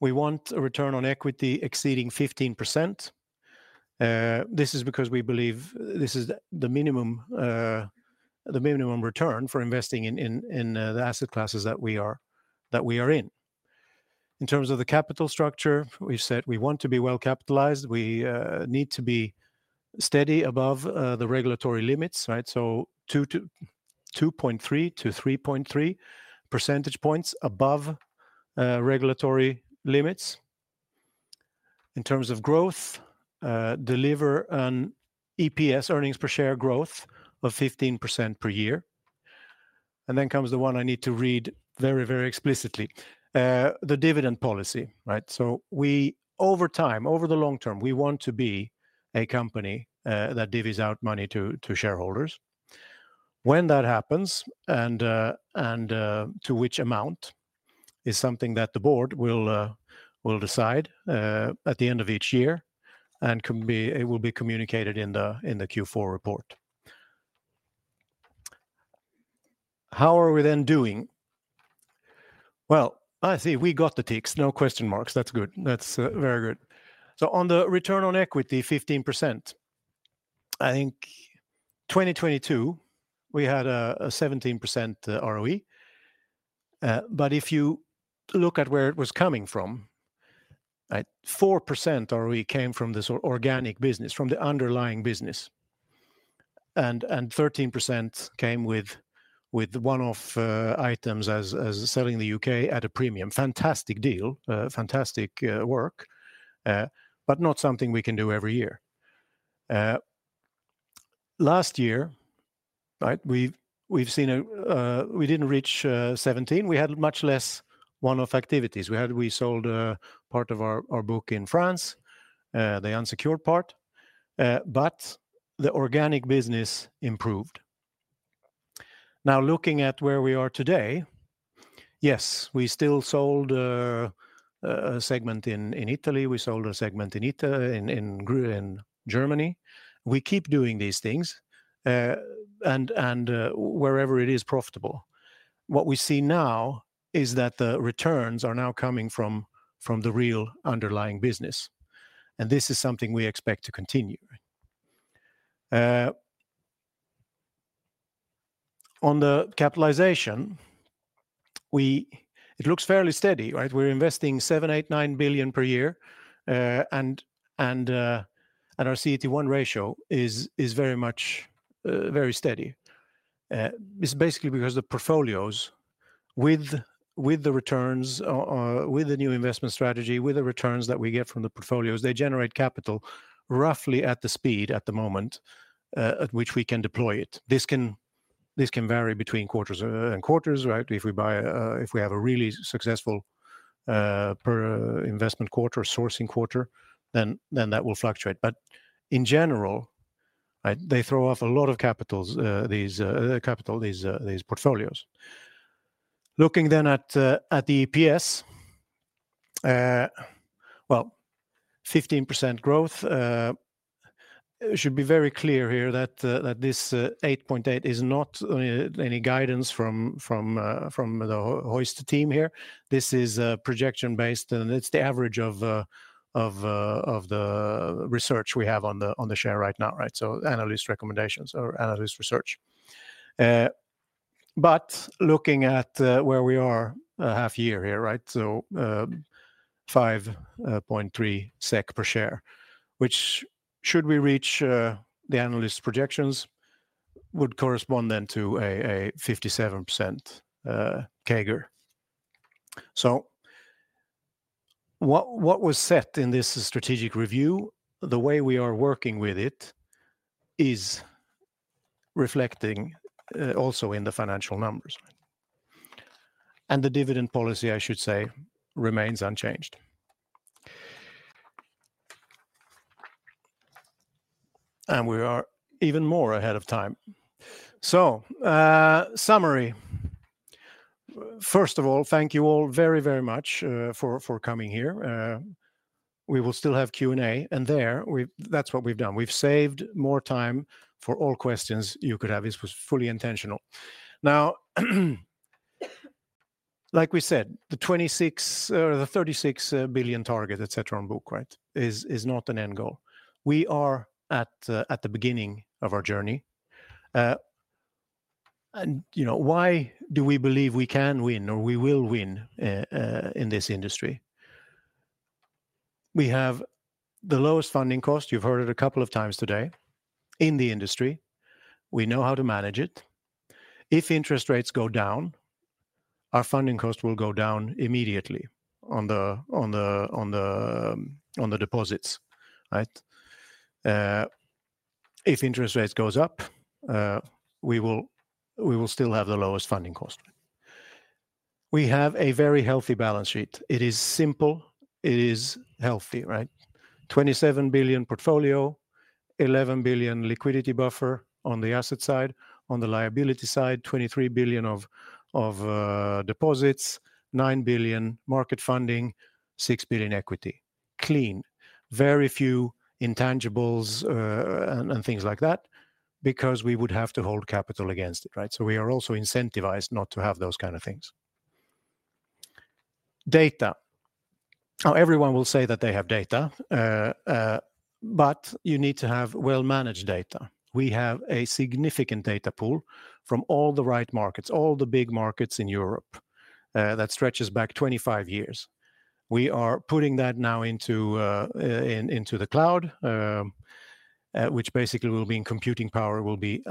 We want a return on equity exceeding 15%. This is because we believe this is the minimum return for investing in the asset classes that we are in. In terms of the capital structure, we said we want to be well capitalized. We need to be steady above the regulatory limits, so 2.3-3.3 percentage points above regulatory limits. In terms of growth, deliver an EPS, earnings per share growth of 15% per year, and then comes the one I need to read very, very explicitly, the dividend policy, so over time, over the long term, we want to be a company that divvies out money to shareholders. When that happens and to which amount is something that the board will decide at the end of each year, and it will be communicated in the Q4 report. How are we then doing? Well, I see we got the ticks, no question marks. That's good. That's very good, so on the return on equity, 15%. I think 2022, we had a 17% ROE, but if you look at where it was coming from, 4% ROE came from this organic business, from the underlying business, and 13% came with one-off items as selling the U.K. at a premium. Fantastic deal, fantastic work, but not something we can do every year. Last year, we've seen, we didn't reach 17. We had much less one-off activities. We sold part of our book in France, the unsecured part, but the organic business improved. Now, looking at where we are today, yes, we still sold a segment in Italy. We sold a segment in Germany. We keep doing these things wherever it is profitable. What we see now is that the returns are now coming from the real underlying business, and this is something we expect to continue. On the capitalization, it looks fairly steady. We're investing seven, eight, nine billion per year, and our CET1 ratio is very much very steady. It's basically because the portfolios with the returns, with the new investment strategy, with the returns that we get from the portfolios, they generate capital roughly at the speed at the moment at which we can deploy it. This can vary between quarters and quarters. If we have a really successful investment quarter or sourcing quarter, then that will fluctuate. But in general, they throw off a lot of capital, these portfolios. Looking then at the EPS, well, 15% growth. It should be very clear here that this 8.8 is not any guidance from the Hoist team here. This is projection-based, and it's the average of the research we have on the share right now, so analyst recommendations or analyst research. But looking at where we are half year here, so 5.3 SEK per share, which should we reach the analyst projections would correspond then to a 57% CAGR. What was set in this strategic review, the way we are working with it is reflecting also in the financial numbers. The dividend policy, I should say, remains unchanged. We are even more ahead of time. Summary. First of all, thank you all very, very much for coming here. We will still have Q&A, and there, that's what we've done. We've saved more time for all questions you could have. This was fully intentional. Now, like we said, the 36 billion target, etc., on book is not an end goal. We are at the beginning of our journey. Why do we believe we can win or we will win in this industry? We have the lowest funding cost. You've heard it a couple of times today in the industry. We know how to manage it. If interest rates go down, our funding cost will go down immediately on the deposits. If interest rates go up, we will still have the lowest funding cost. We have a very healthy balance sheet. It is simple. It is healthy. 27 billion portfolio, 11 billion liquidity buffer on the asset side. On the liability side, 23 billion of deposits, 9 billion market funding, 6 billion equity. Clean. Very few intangibles and things like that because we would have to hold capital against it. So we are also incentivized not to have those kinds of things. Data. Now, everyone will say that they have data, but you need to have well-managed data. We have a significant data pool from all the right markets, all the big markets in Europe that stretches back 25 years. We are putting that now into the cloud, which basically will be in computing power, will be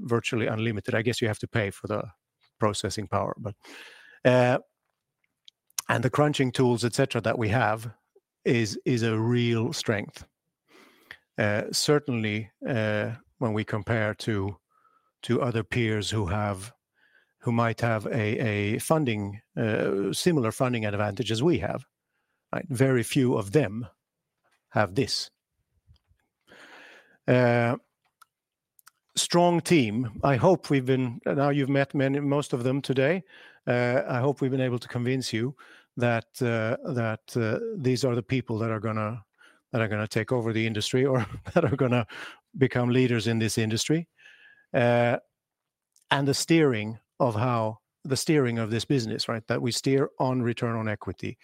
virtually unlimited. I guess you have to pay for the processing power. And the crunching tools, etc., that we have is a real strength. Certainly, when we compare to other peers who might have similar funding advantages we have, very few of them have this. Strong team. I hope you've now met most of them today. I hope we've been able to convince you that these are the people that are going to take over the industry or that are going to become leaders in this industry. And the steering of how this business, that we steer on return on equity,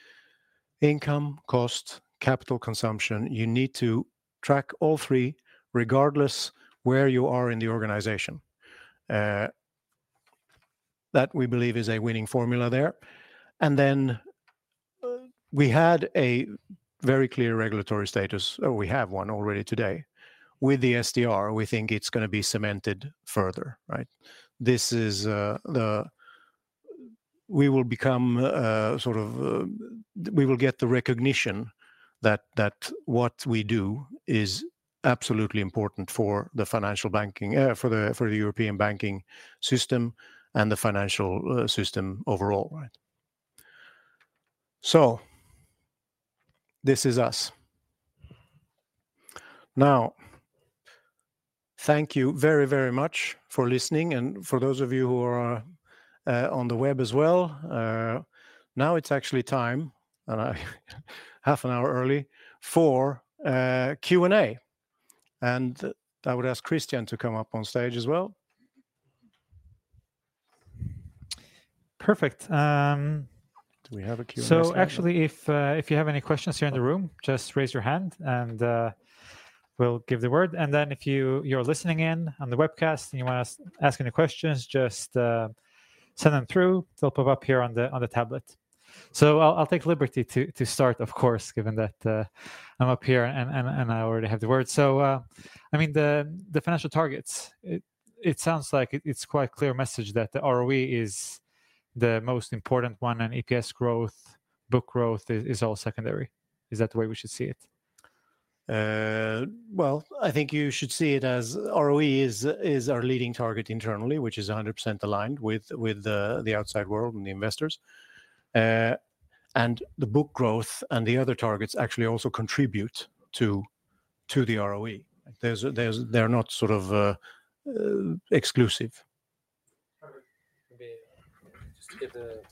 income, cost, capital consumption, you need to track all three regardless where you are in the organization. That we believe is a winning formula there. And then we had a very clear regulatory status, or we have one already today. With the SDR, we think it's going to be cemented further. We will become sort of we will get the recognition that what we do is absolutely important for the financial banking, for the European banking system and the financial system overall. So this is us. Now, thank you very, very much for listening and for those of you who are on the web as well. Now it's actually time, half an hour early, for Q&A. And I would ask Christian to come up on stage as well. Perfect. Do we have a Q&A? So actually, if you have any questions here in the room, just raise your hand and we'll give the word. And then if you're listening in on the webcast and you want to ask any questions, just send them through. They'll pop up here on the tablet. So I'll take liberty to start, of course, given that I'm up here and I already have the word. So I mean, the financial targets, it sounds like it's quite a clear message that the ROE is the most important one and EPS growth, book growth is all secondary. Is that the way we should see it? Well, I think you should see it as ROE is our leading target internally, which is 100% aligned with the outside world and the investors. And the book growth and the other targets actually also contribute to the ROE. They're not sort of exclusive. Just to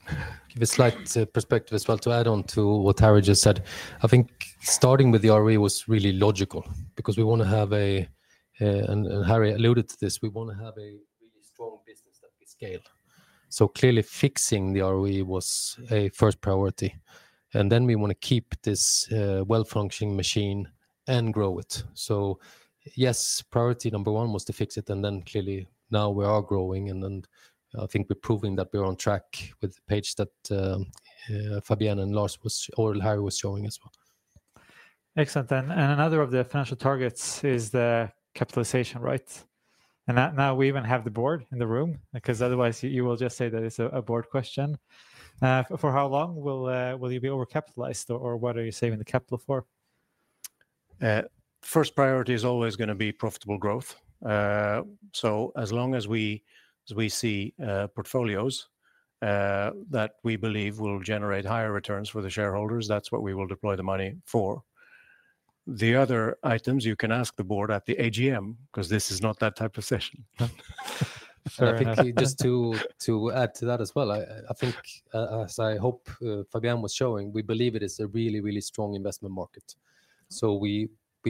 give a slight perspective as well to add on to what Harry just said. I think starting with the ROE was really logical because we want to have, as Harry alluded to this. We want to have a really strong business that we scale. So clearly fixing the ROE was a first priority. And then we want to keep this well-functioning machine and grow it. So yes, priority number one was to fix it. And then clearly now we are growing and I think we're proving that we're on track with the page that Fabien and Lars, or Harry was showing as well. Excellent then. And another of the financial targets is the capitalization, right? And now we even have the board in the room because otherwise you will just say that it's a board question. For how long will you be overcapitalized or what are you saving the capital for? First priority is always going to be profitable growth. So as long as we see portfolios that we believe will generate higher returns for the shareholders, that's what we will deploy the money for. The other items you can ask the board at the AGM because this is not that type of session. I think just to add to that as well, I think, as I hope Fabien was showing, we believe it is a really, really strong investment market. So we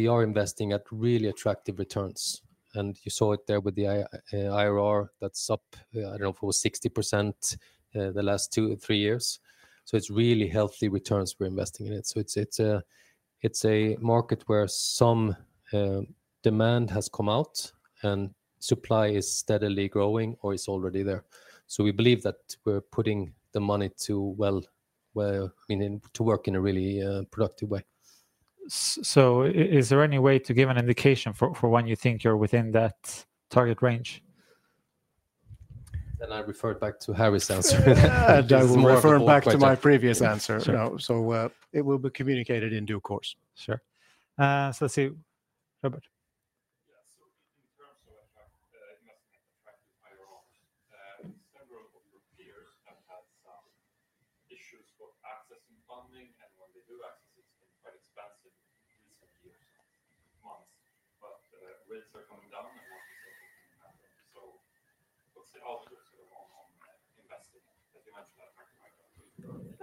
are investing at really attractive returns. And you saw it there with the IRR that's up, I don't know if it was 60% the last two or three years. So it's really healthy returns we're investing in it. So it's a market where some demand has come out and supply is steadily growing or is already there. So we believe that we're putting the money to work in a really productive way. Is there any way to give an indication for when you think you're within that target range? I referred back to Harry's answer. I will refer back to my previous answer. It will be communicated in due course. Sure. Let's see. Robert? Yeah.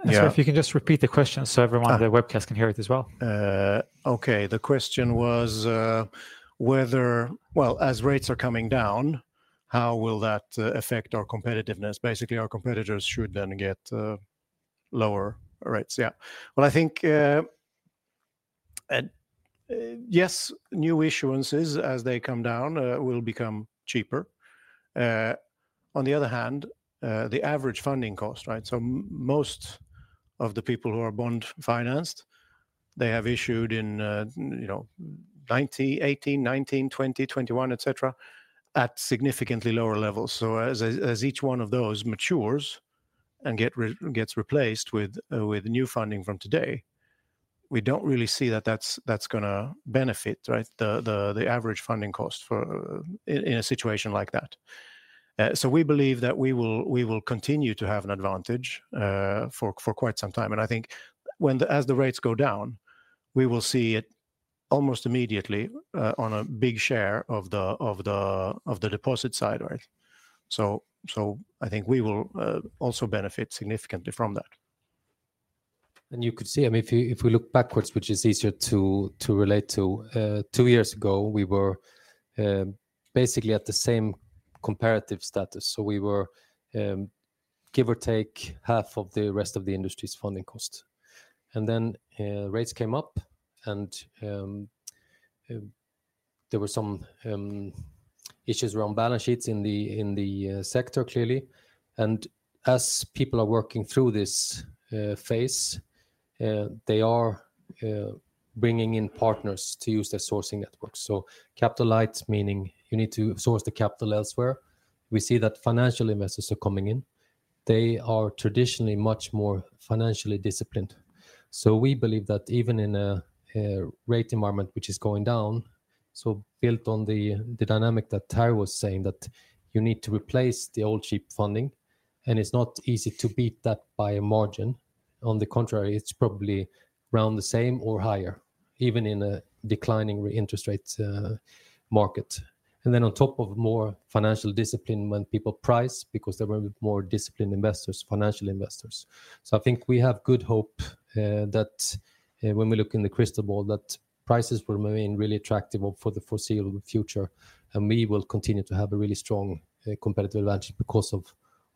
In terms of attracting higher ops, several of your peers have had some issues with accessing funding. When they do access, it's been quite expensive in recent years, months. Rates are coming down and one is also going to happen. What's the outlook sort of on investing that you mentioned? Yeah, if you can just repeat the question so everyone on the webcast can hear it as well. Okay. The question was whether, well, as rates are coming down, how will that affect our competitiveness? Basically, our competitors should then get lower rates. Yeah. I think, yes, new issuances as they come down will become cheaper. On the other hand, the average funding cost, right? So most of the people who are bond financed, they have issued in 2018, 2018, 2019, 2020, 2021, etc., at significantly lower levels. So as each one of those matures and gets replaced with new funding from today, we don't really see that that's going to benefit, right? The average funding cost in a situation like that. So we believe that we will continue to have an advantage for quite some time. I think as the rates go down, we will see it almost immediately on a big share of the deposit side, right? So I think we will also benefit significantly from that. And you could see, I mean, if we look backwards, which is easier to relate to, two years ago, we were basically at the same comparative status. So we were, give or take, half of the rest of the industry's funding cost. And then rates came up and there were some issues around balance sheets in the sector clearly. And as people are working through this phase, they are bringing in partners to use their sourcing networks. So capitalites, meaning you need to source the capital elsewhere. We see that financial investors are coming in. They are traditionally much more financially disciplined. So we believe that even in a rate environment which is going down, so built on the dynamic that Harry was saying that you need to replace the old cheap funding, and it's not easy to beat that by a margin. On the contrary, it's probably around the same or higher, even in a declining interest rate market. And then on top of more financial discipline when people price because there were more disciplined investors, financial investors. So I think we have good hope that when we look in the crystal ball, that prices will remain really attractive for the foreseeable future. And we will continue to have a really strong competitive advantage because of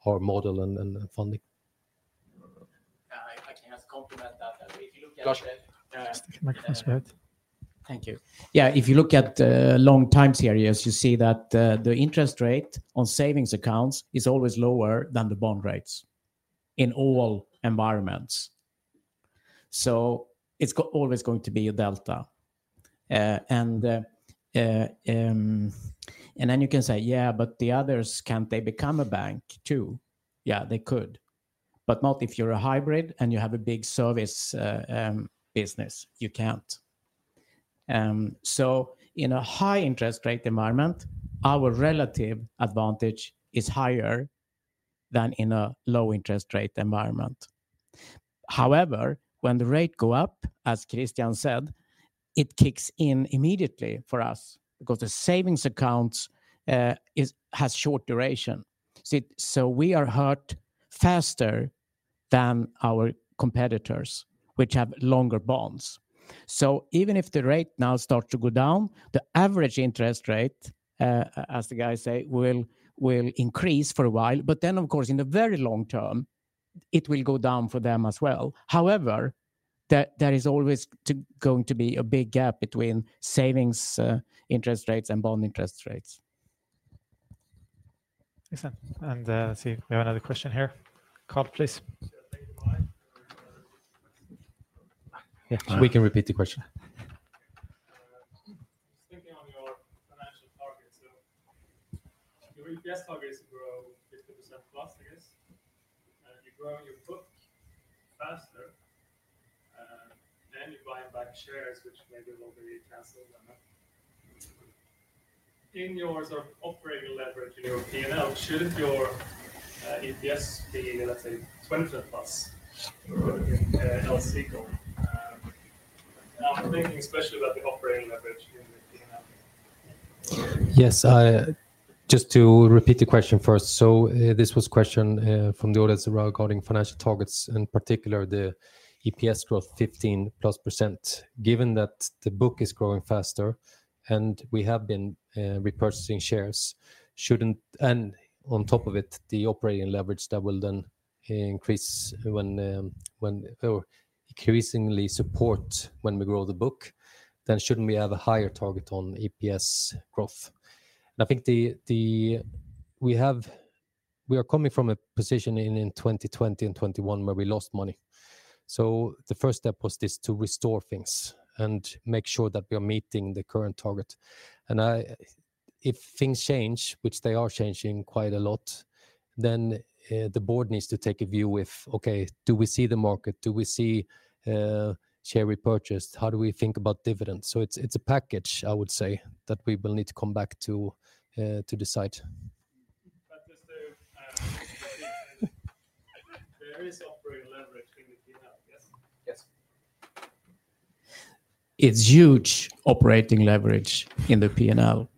our model and funding. (crosstalk) I can just complement that. Thank you. Yeah. If you look at long time series, you see that the interest rate on savings accounts is always lower than the bond rates in all environments. So it's always going to be a delta. And then you can say, yeah, but the others, can't they become a bank too? Yeah, they could. But not if you're a hybrid and you have a big service business. You can't. So in a high interest rate environment, our relative advantage is higher than in a low interest rate environment. However, when the rate goes up, as Christian said, it kicks in immediately for us because the savings accounts have short duration. So we are hurt faster than our competitors, which have longer bonds. So even if the rate now starts to go down, the average interest rate, as the guys say, will increase for a while. But then, of course, in the very long term, it will go down for them as well. However, there is always going to be a big gap between savings interest rates and bond interest rates. Excellent. And we have another question here. Karl, please. Yeah, we can repeat the question. Thinking on your financial targets, your EPS targets grow 50% plus, I guess. You grow your book faster. Then you're buying back shares, which maybe will be canceled. In your sort of operating leverage in your P&L, shouldn't your EPS be, let's say, 20% plus? (audio distortion) Yes. Just to repeat the question first. So this was a question from the audience around recording financial targets, in particular the EPS growth 15% plus. Given that the book is growing faster and we have been repurchasing shares, and on top of it, the operating leverage that will then increase or increasingly support when we grow the book, then shouldn't we have a higher target on EPS growth? And I think we are coming from a position in 2020 and 2021 where we lost money. The first step was this to restore things and make sure that we are meeting the current target. If things change, which they are changing quite a lot, then the board needs to take a view with, okay, do we see the market? Do we see share repurchased? How do we think about dividends? It's a package, I would say, that we will need to come back to decide. There is operating leverage in the P&L, yes? Yes. It's huge operating leverage in the P&L.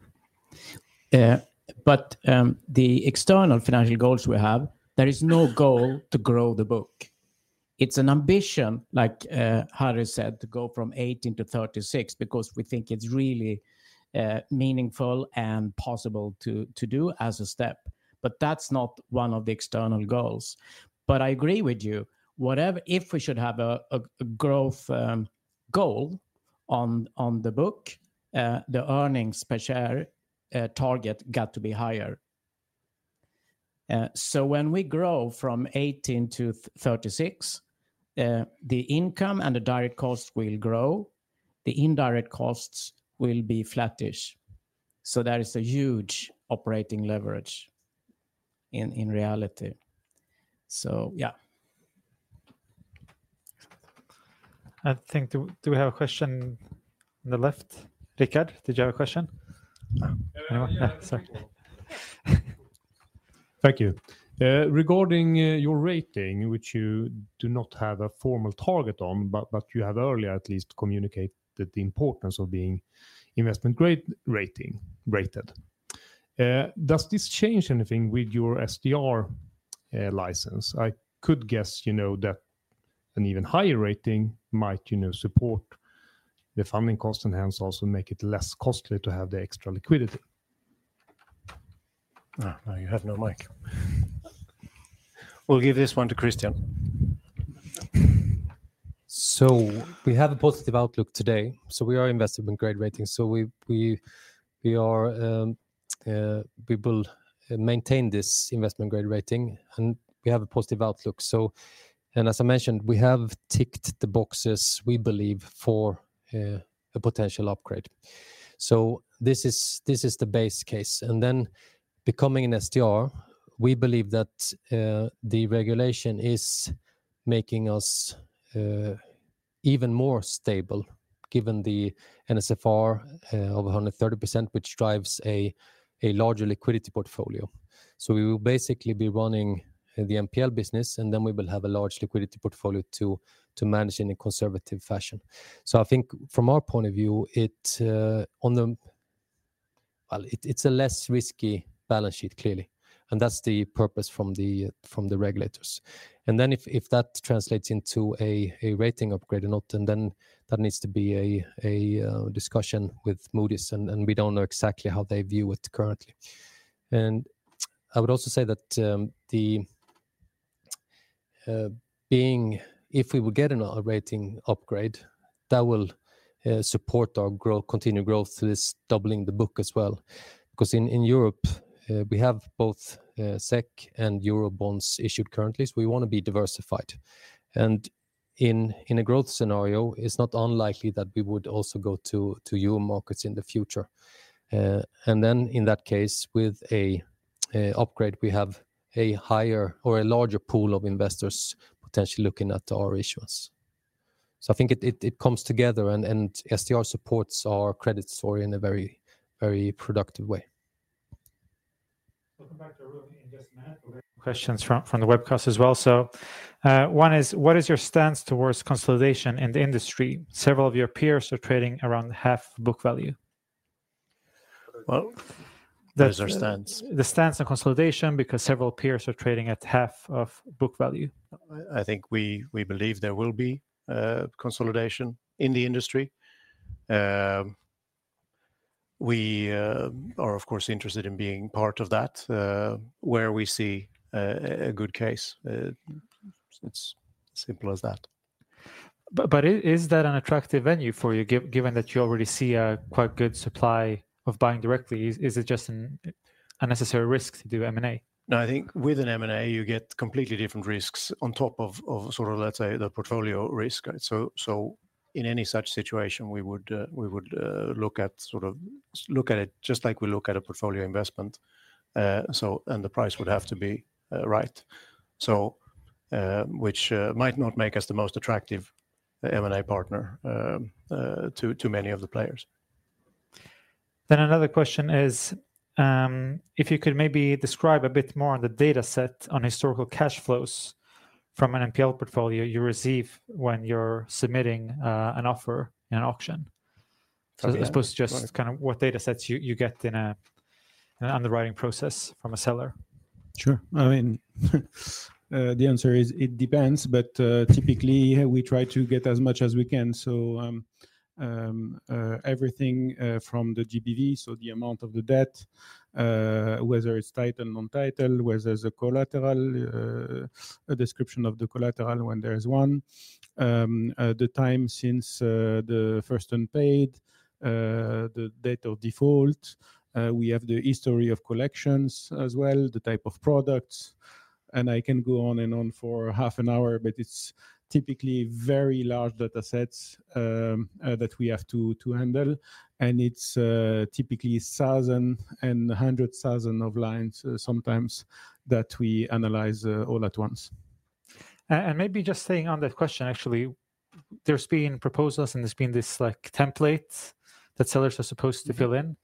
The external financial goals we have, there is no goal to grow the book. It's an ambition, like Harry said, to go from 18 to 36 because we think it's really meaningful and possible to do as a step. That's not one of the external goals. I agree with you. If we should have a growth goal on the book, the earnings per share target got to be higher. So when we grow from 18 to 36, the income and the direct cost will grow. The indirect costs will be flattish. So that is a huge operating leverage in reality. So yeah. I think do we have a question on the left? Rickard, did you have a question? Thank you. Regarding your rating, which you do not have a formal target on, but you have earlier at least communicated the importance of being investment grade rated. Does this change anything with your SDR license? I could guess that an even higher rating might support the funding cost and hence also make it less costly to have the extra liquidity. You have no mic. We'll give this one to Christian. So we have a positive outlook today. So we are invested in grade rating. So we will maintain this investment grade rating and we have a positive outlook. And as I mentioned, we have ticked the boxes, we believe, for a potential upgrade. So this is the base case. And then becoming an SDR, we believe that the regulation is making us even more stable given the NSFR of 130%, which drives a larger liquidity portfolio. So we will basically be running the NPL business and then we will have a large liquidity portfolio to manage in a conservative fashion. So I think from our point of view, it's a less risky balance sheet, clearly. And that's the purpose from the regulators. And then if that translates into a rating upgrade or not, and then that needs to be a discussion with Moody's and we don't know exactly how they view it currently. I would also say that if we will get a rating upgrade, that will support our continued growth through this doubling the book as well. Because in Europe, we have both SEC and Euro bonds issued currently, so we want to be diversified. In a growth scenario, it's not unlikely that we would also go to Euro markets in the future. In that case, with an upgrade, we have a higher or a larger pool of investors potentially looking at our issuance. I think it comes together and SDR supports our credit story in a very productive way. Welcome back to the room in just a minute. Questions from the webcast as well. One is, what is your stance towards consolidation in the industry? Several of your peers are trading around half book value. That's the stance. The stance on consolidation because several peers are trading at half of book value. I think we believe there will be consolidation in the industry. We are, of course, interested in being part of that where we see a good case. It's simple as that, but is that an attractive venue for you given that you already see a quite good supply of buying directly? Is it just an unnecessary risk to do M&A? No, I think with an M&A, you get completely different risks on top of sort of, let's say, the portfolio risk, so in any such situation, we would look at it just like we look at a portfolio investment, and the price would have to be right, which might not make us the most attractive M&A partner to many of the players. Then another question is, if you could maybe describe a bit more on the dataset on historical cash flows from an NPL portfolio you receive when you're submitting an offer in an auction, as opposed to just kind of what datasets you get in an underwriting process from a seller? Sure. I mean, the answer is it depends, but typically we try to get as much as we can. So everything from the GBV, so the amount of the debt, whether it's title and non-title, whether there's a collateral, a description of the collateral when there is one, the time since the first unpaid, the date of default, we have the history of collections as well, the type of products, and I can go on and on for half an hour, but it's typically very large datasets that we have to handle. It's typically thousand and hundreds of thousands of lines sometimes that we analyze all at once. And maybe just staying on that question, actually, there's been proposals and there's been this template that sellers are supposed to fill in.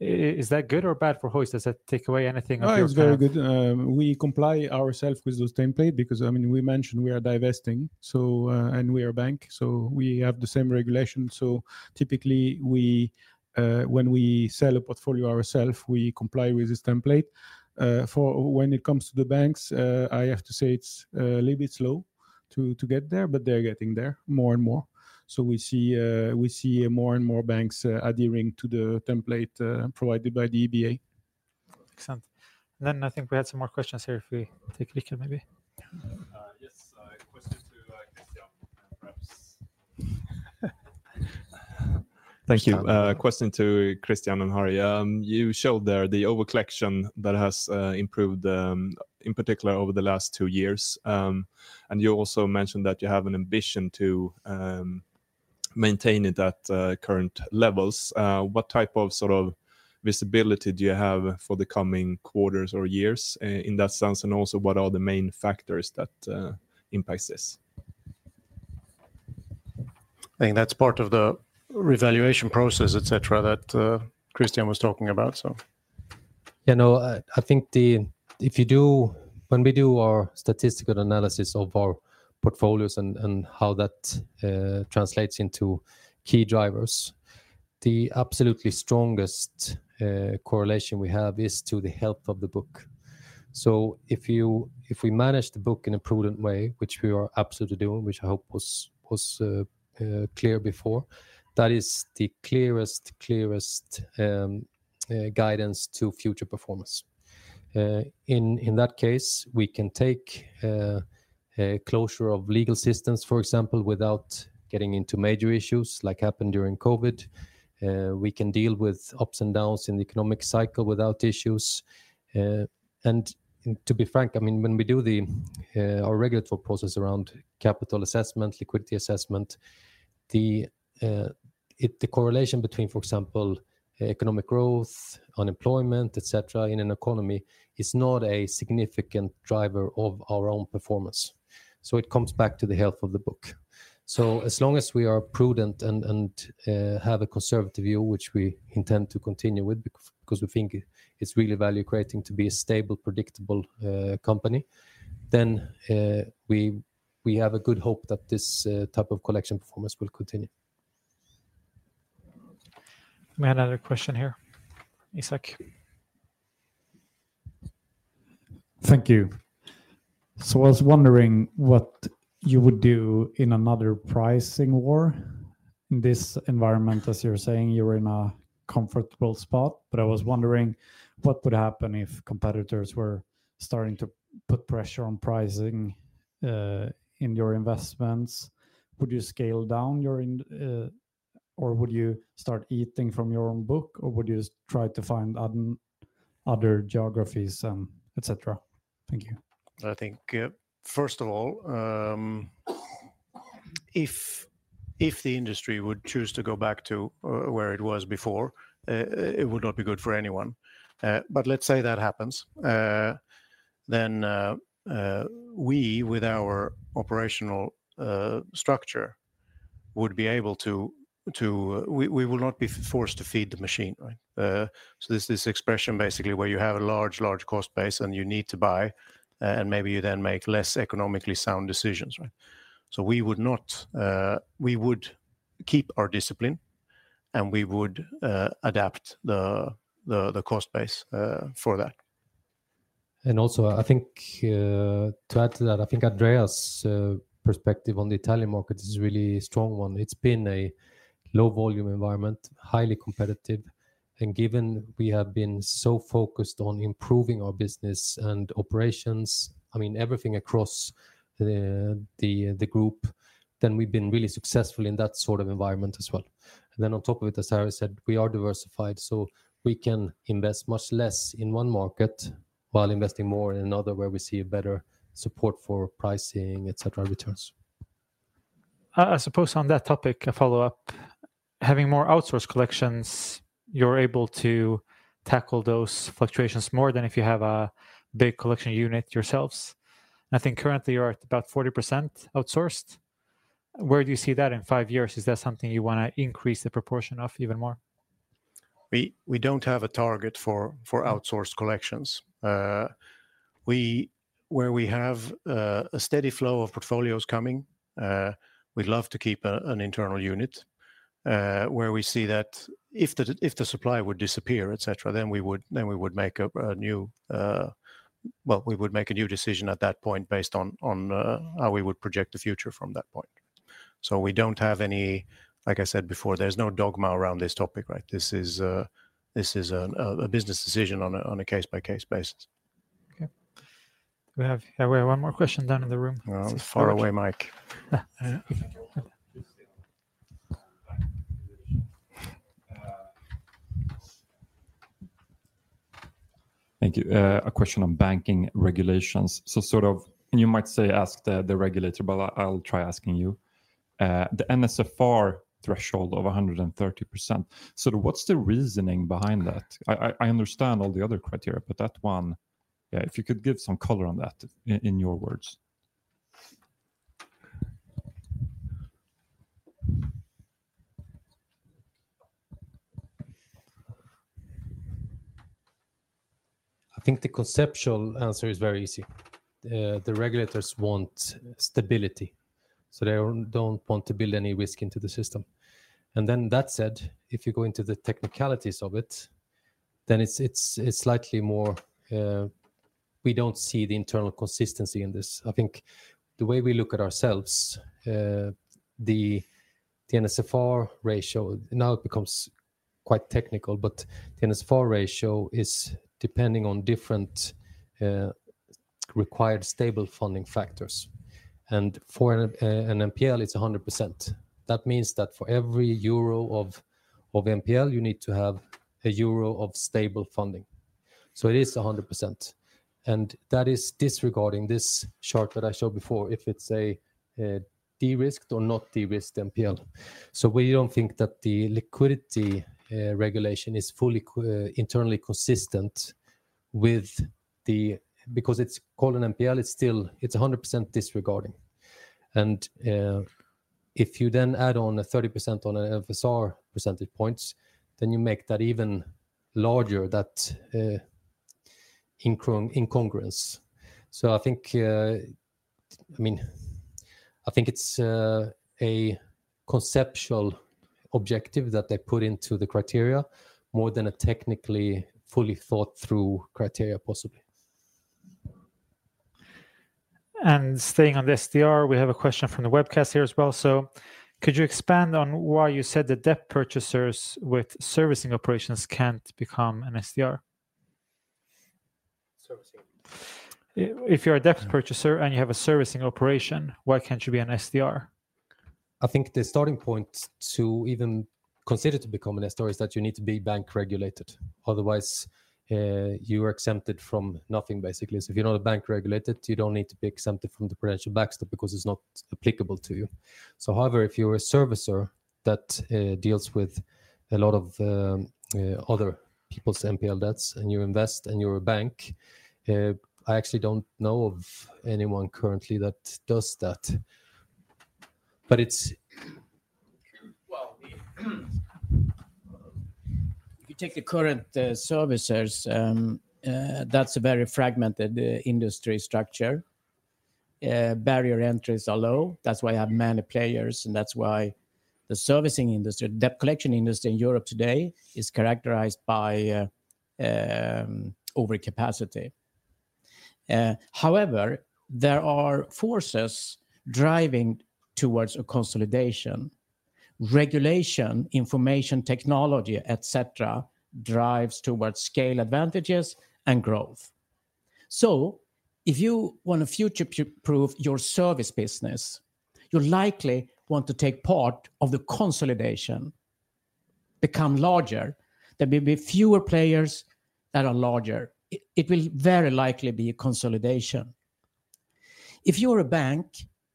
Is that good or bad for Hoist? Does that take away anything of your time? No, it's very good. We comply ourselves with those templates because, I mean, we mentioned we are divesting and we are a bank, so we have the same regulation. So typically, when we sell a portfolio ourselves, we comply with this template. When it comes to the banks, I have to say it's a little bit slow to get there, but they're getting there more and more. So we see more and more banks adhering to the template provided by the EBA. Excellent. Then, I think we had some more questions here if we take a look at maybe. (audio distortion) Thank you. Question to Christian and Harry. You showed there the overcollection that has improved in particular over the last two years. And you also mentioned that you have an ambition to maintain it at current levels. What type of sort of visibility do you have for the coming quarters or years in that sense? And also, what are the main factors that impact this? I think that's part of the revaluation process, etc., that Christian was talking about. Yeah, no, I think if you do, when we do our statistical analysis of our portfolios and how that translates into key drivers, the absolutely strongest correlation we have is to the health of the book. So if we manage the book in a prudent way, which we are absolutely doing, which I hope was clear before, that is the clearest guidance to future performance. In that case, we can take closure of legal systems, for example, without getting into major issues like happened during COVID. We can deal with ups and downs in the economic cycle without issues. And to be frank, I mean, when we do our regulatory process around capital assessment, liquidity assessment, the correlation between, for example, economic growth, unemployment, etc., in an economy is not a significant driver of our own performance. So it comes back to the health of the book. So as long as we are prudent and have a conservative view, which we intend to continue with because we think it's really value-creating to be a stable, predictable company, then we have a good hope that this type of collection performance will continue. We had another question here. Isak. Thank you. So I was wondering what you would do in another pricing war in this environment, as you're saying you're in a comfortable spot, but I was wondering what would happen if competitors were starting to put pressure on pricing in your investments. Would you scale down, or would you start eating from your own book, or would you try to find other geographies, etc.? Thank you. I think, first of all, if the industry would choose to go back to where it was before, it would not be good for anyone. But let's say that happens. Then we, with our operational structure, would be able to. We will not be forced to feed the machine. So this is the expression basically where you have a large, large cost base and you need to buy, and maybe you then make less economically sound decisions. So we would not. We would keep our discipline and we would adapt the cost base for that. And also, I think to add to that, I think Andrea's perspective on the Italian market is a really strong one. It's been a low-volume environment, highly competitive. And given we have been so focused on improving our business and operations, I mean, everything across the group, then we've been really successful in that sort of environment as well. And then on top of it, as Harry said, we are diversified, so we can invest much less in one market while investing more in another where we see a better support for pricing, etc., returns. I suppose on that topic, a follow-up. Having more outsourced collections, you're able to tackle those fluctuations more than if you have a big collection unit yourselves. I think currently you're at about 40% outsourced. Where do you see that in five years? Is that something you want to increase the proportion of even more? We don't have a target for outsourced collections. Where we have a steady flow of portfolios coming, we'd love to keep an internal unit where we see that if the supply would disappear, etc., then we would make a new, well, we would make a new decision at that point based on how we would project the future from that point. So we don't have any, like I said before, there's no dogma around this topic. This is a business decision on a case-by-case basis. Okay. We have one more question down in the room. Far away mic. Thank you. A question on banking regulations. So sort of you might say ask the regulator, but I'll try asking you. The NSFR threshold of 130%. So what's the reasoning behind that? I understand all the other criteria, but that one, if you could give some color on that in your words. I think the conceptual answer is very easy. The regulators want stability, so they don't want to build any risk into the system. And then that said, if you go into the technicalities of it, then it's slightly more. We don't see the internal consistency in this. I think the way we look at ourselves, the NSFR ratio, now it becomes quite technical, but the NSFR ratio is depending on different required stable funding factors. And for an NPL, it's 100%. That means that for every euro of NPL, you need to have a euro of stable funding. So it is 100%. And that is disregarding this chart that I showed before, if it's a de-risked or not de-risked NPL. So we don't think that the liquidity regulation is fully internally consistent with the, because it's called an NPL, it's 100% disregarding. And if you then add on 30% on an FSR percentage points, then you make that even larger, that incongruence. So I think, I mean, I think it's a conceptual objective that they put into the criteria more than a technically fully thought-through criteria possibly. And staying on the SDR, we have a question from the webcast here as well. So could you expand on why you said the debt purchasers with servicing operations can't become an SDR? Servicing. If you're a debt purchaser and you have a servicing operation, why can't you be an SDR? I think the starting point to even consider to become an SDR is that you need to be bank regulated. Otherwise, you are exempted from nothing, basically. So if you're not a bank regulated, you don't need to be exempted from the prudential backstop because it's not applicable to you. So, however, if you're a servicer that deals with a lot of other people's NPL debts and you invest and you're a bank, I actually don't know of anyone currently that does that. But it's, well, if you take the current servicers, that's a very fragmented industry structure. Barriers to entry are low. That's why you have many players and that's why the servicing industry, debt collection industry in Europe today is characterized by overcapacity. However, there are forces driving towards a consolidation. Regulation, information, technology, etc., drives towards scale advantages and growth. So if you want to future-proof your service business, you likely want to take part of the consolidation, become larger, there will be fewer players that are larger. It will very likely be a consolidation. If you're a bank,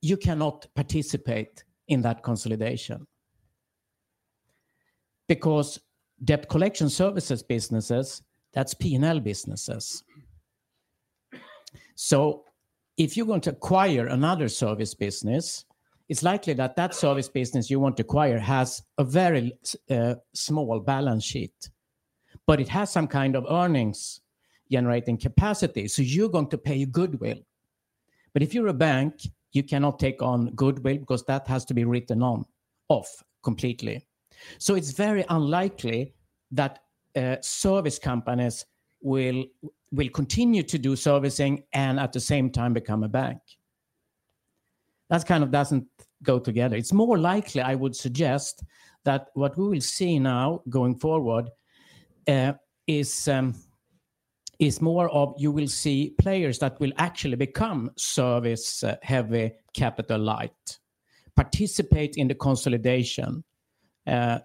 you cannot participate in that consolidation because debt collection services businesses, that's P&L businesses. If you're going to acquire another service business, it's likely that that service business you want to acquire has a very small balance sheet, but it has some kind of earnings generating capacity. You're going to pay goodwill. But if you're a bank, you cannot take on goodwill because that has to be written off completely. It's very unlikely that service companies will continue to do servicing and at the same time become a bank. That kind of doesn't go together. It's more likely, I would suggest, that what we will see now going forward is more of you will see players that will actually become service-heavy capital light, participate in the consolidation,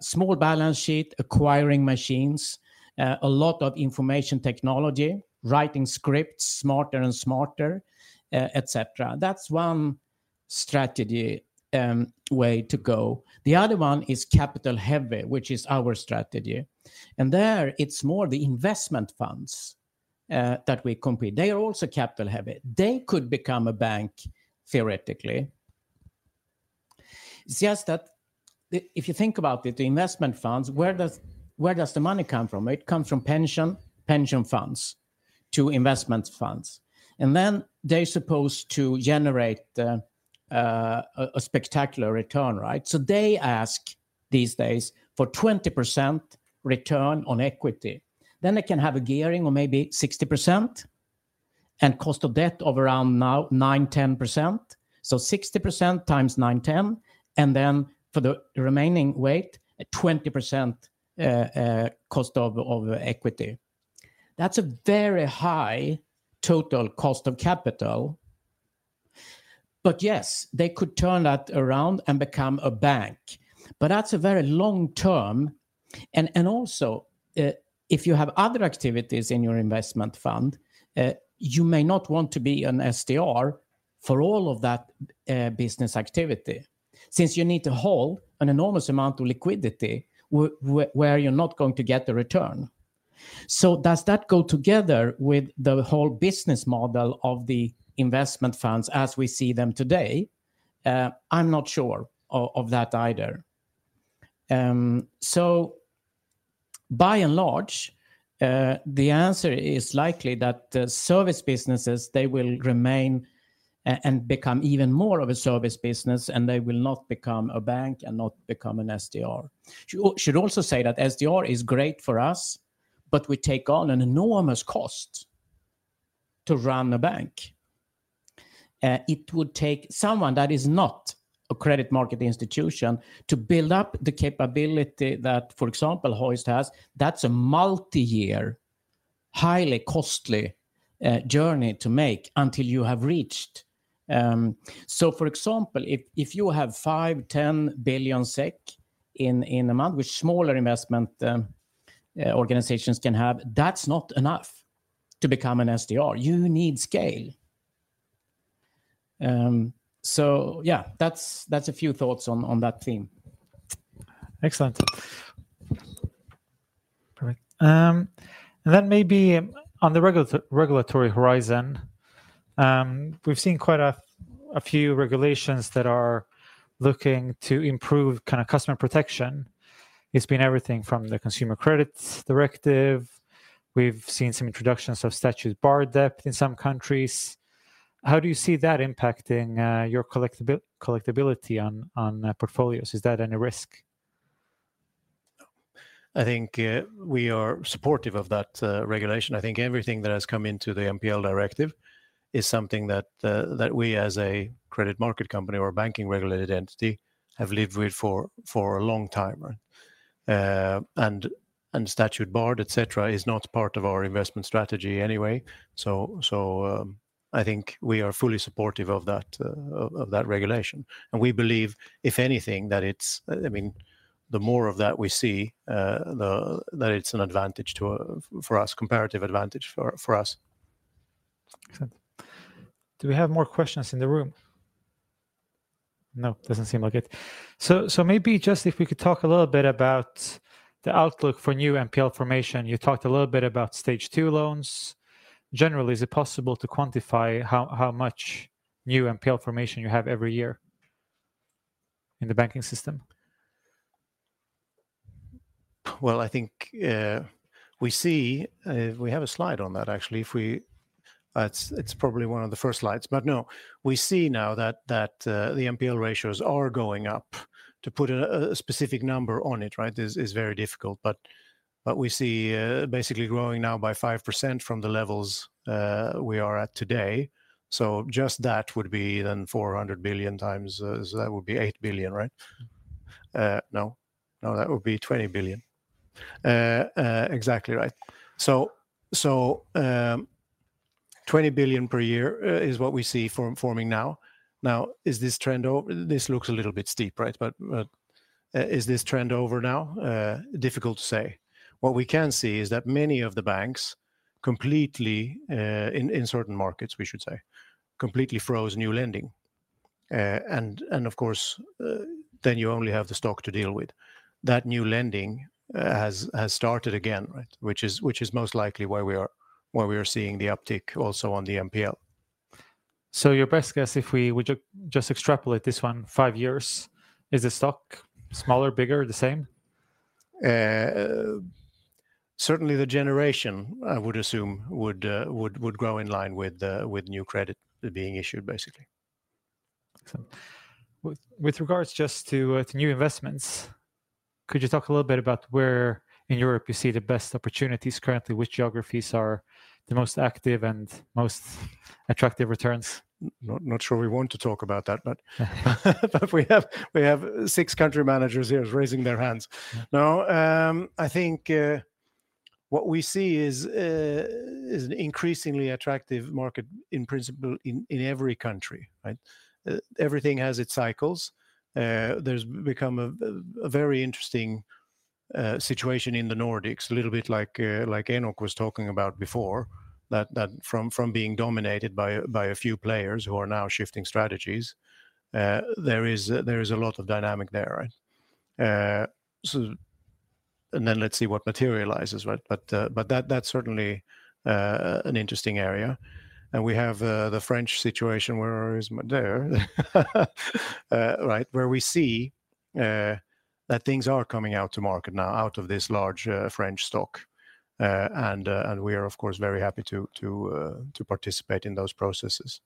small balance sheet, acquiring machines, a lot of information technology, writing scripts smarter and smarter, etc. That's one strategy way to go. The other one is capital-heavy, which is our strategy. And there it's more the investment funds that we compete. They are also capital-heavy. They could become a bank theoretically. It's just that if you think about it, the investment funds, where does the money come from? It comes from pension funds to investment funds. And then they're supposed to generate a spectacular return, right? So they ask these days for 20% return on equity. Then they can have a gearing or maybe 60% and cost of debt of around now 9%-10%. So 60% times 9%-10%, and then for the remaining weight, 20% cost of equity. That's a very high total cost of capital. But yes, they could turn that around and become a bank. But that's a very long term. And also, if you have other activities in your investment fund, you may not want to be an SDR for all of that business activity since you need to hold an enormous amount of liquidity where you're not going to get the return. So does that go together with the whole business model of the investment funds as we see them today? I'm not sure of that either. So by and large, the answer is likely that the service businesses, they will remain and become even more of a service business, and they will not become a bank and not become an SDR. Should also say that SDR is great for us, but we take on an enormous cost to run a bank. It would take someone that is not a credit market institution to build up the capability that, for example, Hoist has. That's a multi-year, highly costly journey to make until you have reached. So, for example, if you have 5 billion-10 billion SEK in a month, which smaller investment organizations can have, that's not enough to become an SDR. You need scale. So yeah, that's a few thoughts on that theme. Excellent. Perfect. And then maybe on the regulatory horizon, we've seen quite a few regulations that are looking to improve kind of customer protection. It's been everything from the Consumer Credit Directive. We've seen some introductions of statute barred debt in some countries. How do you see that impacting your collectibility on portfolios? Is that any risk? I think we are supportive of that regulation. I think everything that has come into the NPL Directive is something that we, as a credit market company or a banking-regulated entity, have lived with for a long time. And statute barred, etc., is not part of our investment strategy anyway. So I think we are fully supportive of that regulation. And we believe, if anything, that it's, I mean, the more of that we see, that it's an advantage for us, comparative advantage for us. Do we have more questions in the room? No, it doesn't seem like it. So maybe just if we could talk a little bit about the outlook for new NPL formation. You talked a little bit about stage two loans. Generally, is it possible to quantify how much new NPL formation you have every year in the banking system? Well, I think we see we have a slide on that, actually. It's probably one of the first slides. But no, we see now that the NPL ratios are going up. To put a specific number on it, right, is very difficult. But we see basically growing now by 5% from the levels we are at today. So just that would be then 400 billion times, that would be 8 billion, right? No, no, that would be 20 billion. Exactly right. So 20 billion per year is what we see forming now. Now, is this trend over? This looks a little bit steep, right? But is this trend over now? Difficult to say. What we can see is that many of the banks completely, in certain markets, we should say, completely froze new lending. And of course, then you only have the stock to deal with. That new lending has started again, which is most likely why we are seeing the uptick also on the NPL. So your best guess, if we would just extrapolate this one, five years, is the stock smaller, bigger, the same? Certainly the generation, I would assume, would grow in line with new credit being issued, basically. With regards just to new investments, could you talk a little bit about where in Europe you see the best opportunities currently? Which geographies are the most active and most attractive returns? Not sure we want to talk about that, but we have six country managers here raising their hands. No, I think what we see is an increasingly attractive market in principle in every country. Everything has its cycles. There's become a very interesting situation in the Nordics, a little bit like Enok was talking about before, that from being dominated by a few players who are now shifting strategies, there is a lot of dynamic there, and then let's see what materializes, but that's certainly an interesting area. And we have the French situation where there is, right, where we see that things are coming out to market now out of this large French stock. And we are, of course, very happy to participate in those processes.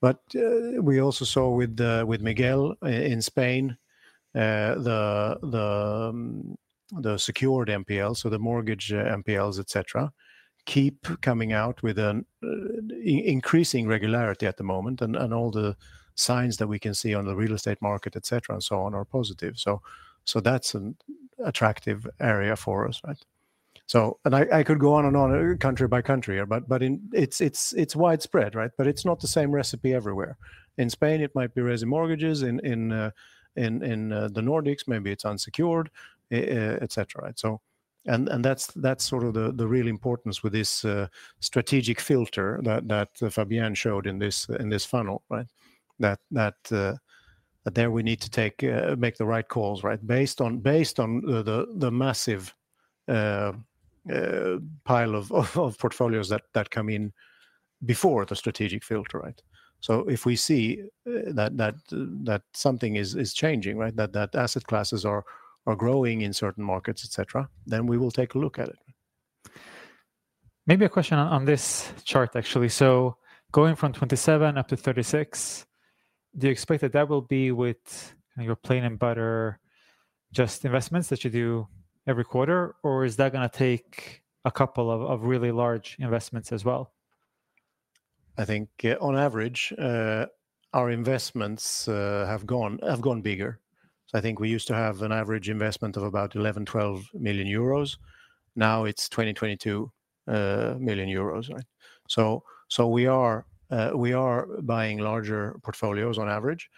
But we also saw with Miguel in Spain, the secured NPLs, so the mortgage NPLs, etc., keep coming out with an increasing regularity at the moment. And all the signs that we can see on the real estate market, etc., and so on are positive. So that's an attractive area for us, right? And I could go on and on country by country here, but it's widespread, right? But it's not the same recipe everywhere. In Spain, it might be Resi mortgages. In the Nordics, maybe it's unsecured, etc. And that's sort of the real importance with this strategic filter that Fabien showed in this funnel, right? That there we need to make the right calls, right, based on the massive pile of portfolios that come in before the strategic filter, right? So if we see that something is changing, right, that asset classes are growing in certain markets, etc., then we will take a look at it. Maybe a question on this chart, actually. So going from 27 up to 36, do you expect that that will be with your bread and butter just investments that you do every quarter, or is that going to take a couple of really large investments as well? I think on average, our investments have gone bigger. So I think we used to have an average investment of about 11-12 million euros. Now it's 20-22 million euros, right? So we are buying larger portfolios on average,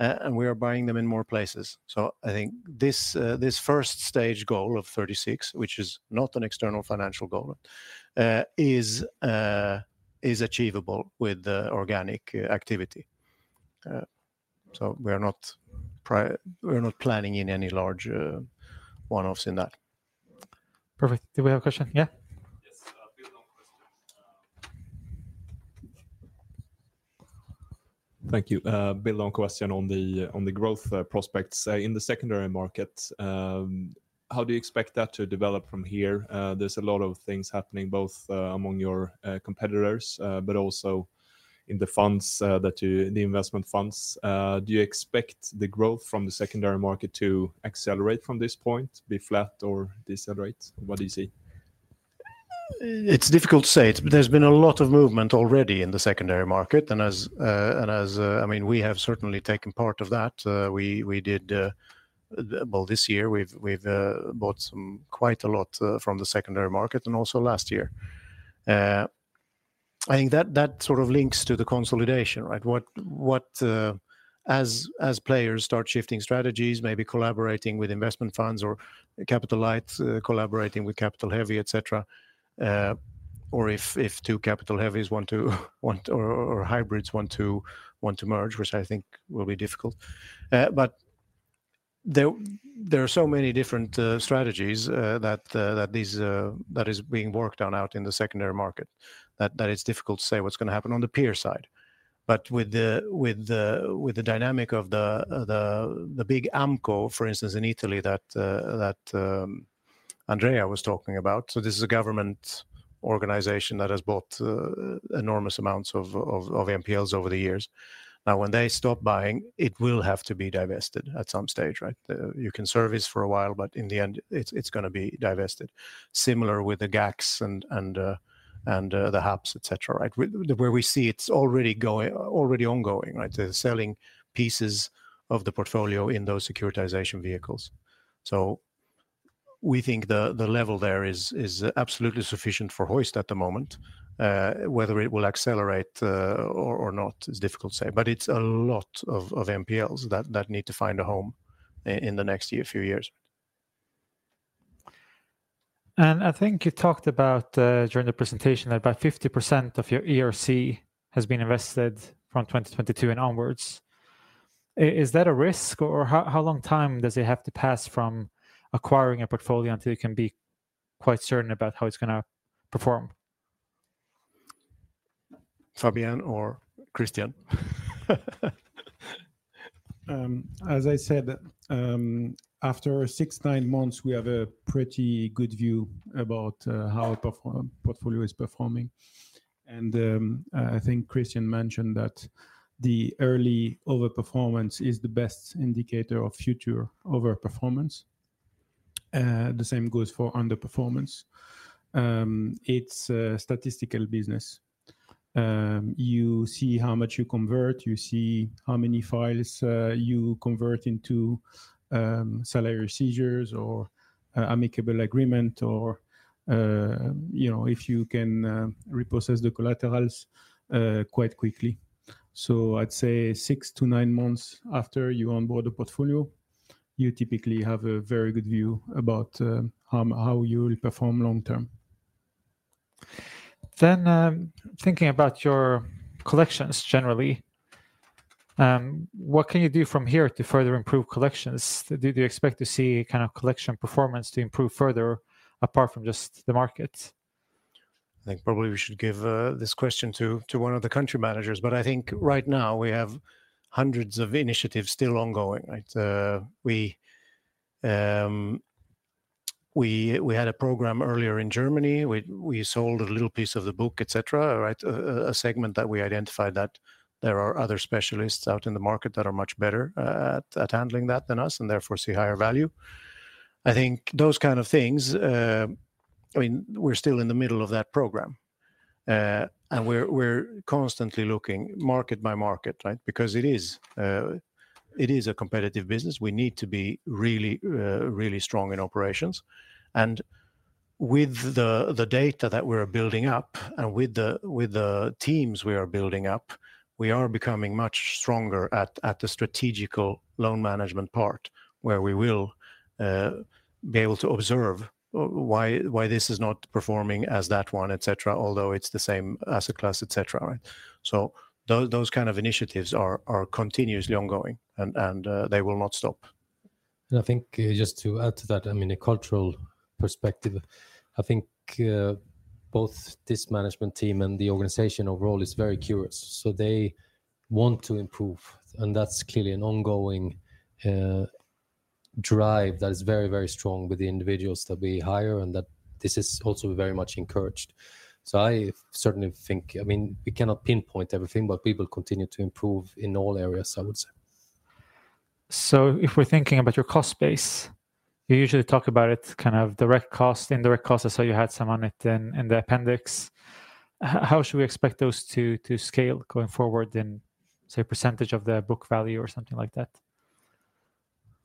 and we are buying them in more places. I think this first stage goal of 36, which is not an external financial goal, is achievable with organic activity. We are not planning in any large one-offs in that. Perfect. Did we have a question? Yeah? Yes, a bit long question. Thank you. A bit long question on the growth prospects in the secondary market. How do you expect that to develop from here? There's a lot of things happening both among your competitors, but also in the funds, the investment funds. Do you expect the growth from the secondary market to accelerate from this point, be flat or decelerate? What do you see? It's difficult to say. There's been a lot of movement already in the secondary market. And as I mean, we have certainly taken part of that. Well, this year, we've bought quite a lot from the secondary market and also last year. I think that sort of links to the consolidation, right? As players start shifting strategies, maybe collaborating with investment funds or capital-light collaborating with capital-heavy, etc., or if two capital-heavies want to or hybrids want to merge, which I think will be difficult. But there are so many different strategies that is being worked on out in the secondary market that it's difficult to say what's going to happen on the peer side. But with the dynamic of the big AMCO, for instance, in Italy that Andrea was talking about, so this is a government organization that has bought enormous amounts of NPLs over the years. Now, when they stop buying, it will have to be divested at some stage, right? You can service for a while, but in the end, it's going to be divested. Similar with the GACS and the HAPS, etc., right? Where we see it's already ongoing, right? They're selling pieces of the portfolio in those securitization vehicles. So we think the level there is absolutely sufficient for Hoist at the moment. Whether it will accelerate or not is difficult to say. But it's a lot of NPLs that need to find a home in the next few years. And I think you talked about during the presentation that about 50% of your ERC has been invested from 2022 and onwards. Is that a risk, or how long time does it have to pass from acquiring a portfolio until you can be quite certain about how it's going to perform? Fabien or Christian? As I said, after six, nine months, we have a pretty good view about how a portfolio is performing. And I think Christian mentioned that the early overperformance is the best indicator of future overperformance. The same goes for underperformance. It's a statistical business. You see how much you convert. You see how many files you convert into salary seizures or amicable agreement or if you can repossess the collaterals quite quickly. So I'd say six to nine months after you onboard a portfolio, you typically have a very good view about how you will perform long term. Then thinking about your collections generally, what can you do from here to further improve collections? Did you expect to see kind of collection performance to improve further apart from just the market? I think probably we should give this question to one of the country managers. But I think right now we have hundreds of initiatives still ongoing. We had a program earlier in Germany. We sold a little piece of the book, etc., right? A segment that we identified that there are other specialists out in the market that are much better at handling that than us and therefore see higher value. I think those kind of things, I mean, we're still in the middle of that program, and we're constantly looking market by market, right? Because it is a competitive business. We need to be really, really strong in operations, and with the data that we're building up and with the teams we are building up, we are becoming much stronger at the strategical loan management part where we will be able to observe why this is not performing as that one, etc., although it's the same asset class, etc., right, so those kind of initiatives are continuously ongoing and they will not stop. And I think just to add to that, I mean, a cultural perspective. I think both this management team and the organization overall is very curious. So they want to improve. And that's clearly an ongoing drive that is very, very strong with the individuals that we hire and that this is also very much encouraged. So I certainly think, I mean, we cannot pinpoint everything, but people continue to improve in all areas, I would say. So if we're thinking about your cost base, you usually talk about it kind of direct cost, indirect cost. I saw you had some on it in the appendix. How should we expect those to scale going forward in, say, percentage of the book value or something like that?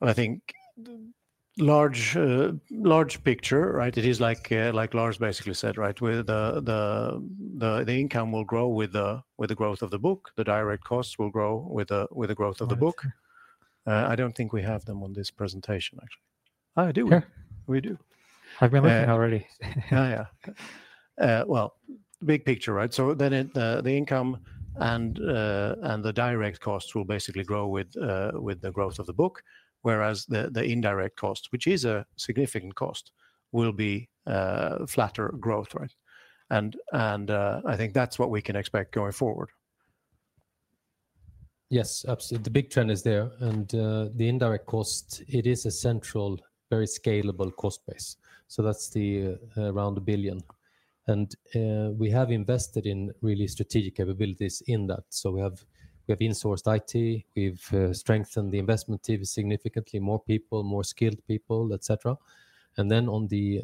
I think large picture, right? It is like Lars basically said, right? The income will grow with the growth of the book. The direct costs will grow with the growth of the book. I don't think we have them on this presentation, actually. We do. We do. I've been looking already. Yeah, yeah. Well, big picture, right? So then the income and the direct costs will basically grow with the growth of the book, whereas the indirect cost, which is a significant cost, will be flatter growth, right? And I think that's what we can expect going forward. Yes, absolutely. The big trend is there. And the indirect cost, it is a central, very scalable cost base. So that's around a billion. And we have invested in really strategic capabilities in that. So we have insourced IT. We've strengthened the investment team significantly, more people, more skilled people, etc. And then on the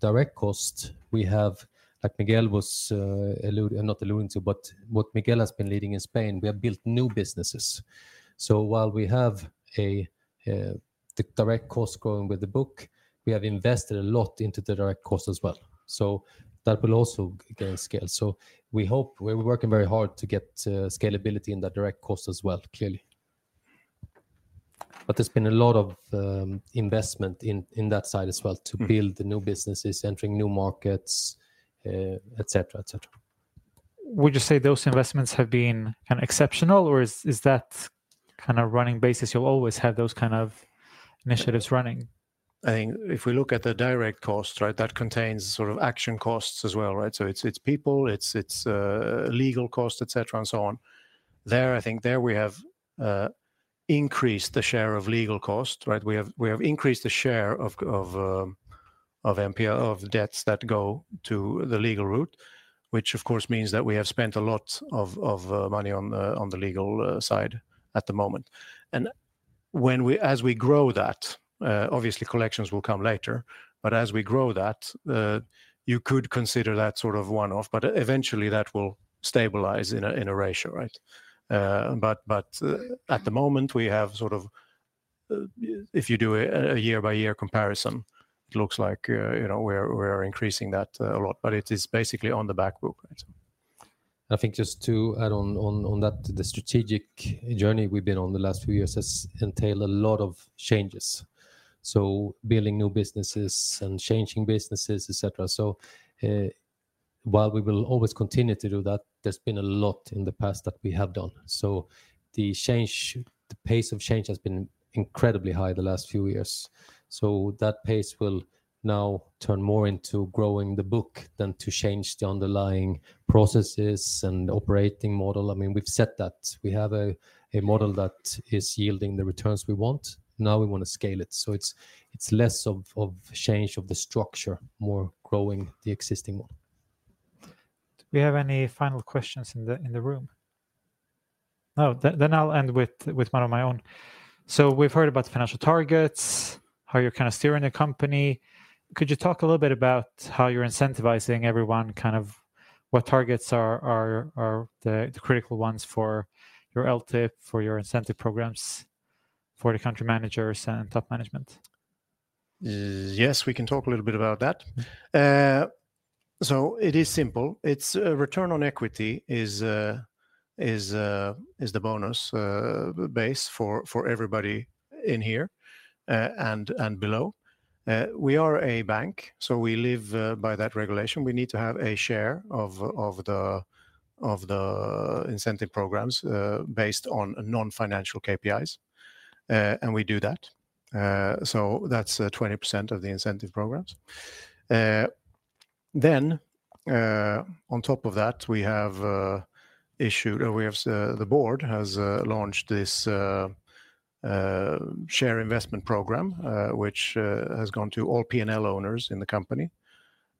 direct cost, we have, like Miguel was alluding to, but what Miguel has been leading in Spain, we have built new businesses. So while we have the direct cost growing with the book, we have invested a lot into the direct cost as well. So that will also gain scale. So we hope we're working very hard to get scalability in that direct cost as well, clearly. But there's been a lot of investment in that side as well to build the new businesses, entering new markets, etc., etc. Would you say those investments have been kind of exceptional, or is that kind of running basis? You'll always have those kind of initiatives running? I think if we look at the direct cost, right, that contains sort of action costs as well, right? So it's people, it's legal costs, etc., and so on. There, I think there we have increased the share of legal cost, right? We have increased the share of debts that go to the legal route, which of course means that we have spent a lot of money on the legal side at the moment, and as we grow that, obviously collections will come later, but as we grow that, you could consider that sort of one-off, but eventually that will stabilize in a ratio, right? But at the moment, we have sort of, if you do a year-by-year comparison, it looks like we're increasing that a lot, but it is basically on the back book, right? I think just to add on that, the strategic journey we've been on the last few years has entailed a lot of changes, so building new businesses and changing businesses, etc. So while we will always continue to do that, there's been a lot in the past that we have done. So the pace of change has been incredibly high the last few years. So that pace will now turn more into growing the book than to change the underlying processes and operating model. I mean, we've set that. We have a model that is yielding the returns we want. Now we want to scale it. So it's less of change of the structure, more growing the existing one. Do we have any final questions in the room? No. Then I'll end with one of my own. So we've heard about the financial targets, how you're kind of steering the company. Could you talk a little bit about how you're incentivizing everyone, kind of what targets are the critical ones for your LTIP, for your incentive programs for the country managers and top management? Yes, we can talk a little bit about that. It is simple. It's return on equity is the bonus base for everybody in here and below. We are a bank, so we live by that regulation. We need to have a share of the incentive programs based on non-financial KPIs. We do that. That's 20% of the incentive programs. On top of that, we have issued, or we have the board has launched this share investment program, which has gone to all P&L owners in the company,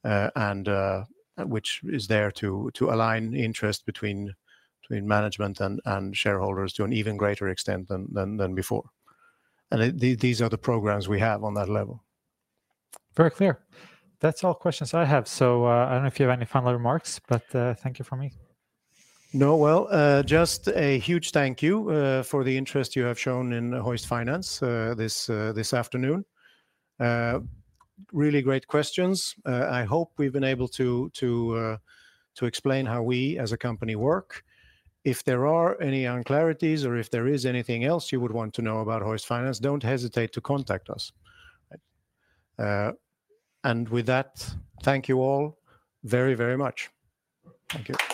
and which is there to align interest between management and shareholders to an even greater extent than before. And these are the programs we have on that level. Very clear. That's all questions I have. So I don't know if you have any final remarks, but thank you for me. No, well, just a huge thank you for the interest you have shown in Hoist Finance this afternoon. Really great questions. I hope we've been able to explain how we as a company work. If there are any unclarities or if there is anything else you would want to know about Hoist Finance, don't hesitate to contact us. And with that, thank you all very, very much. Thank you.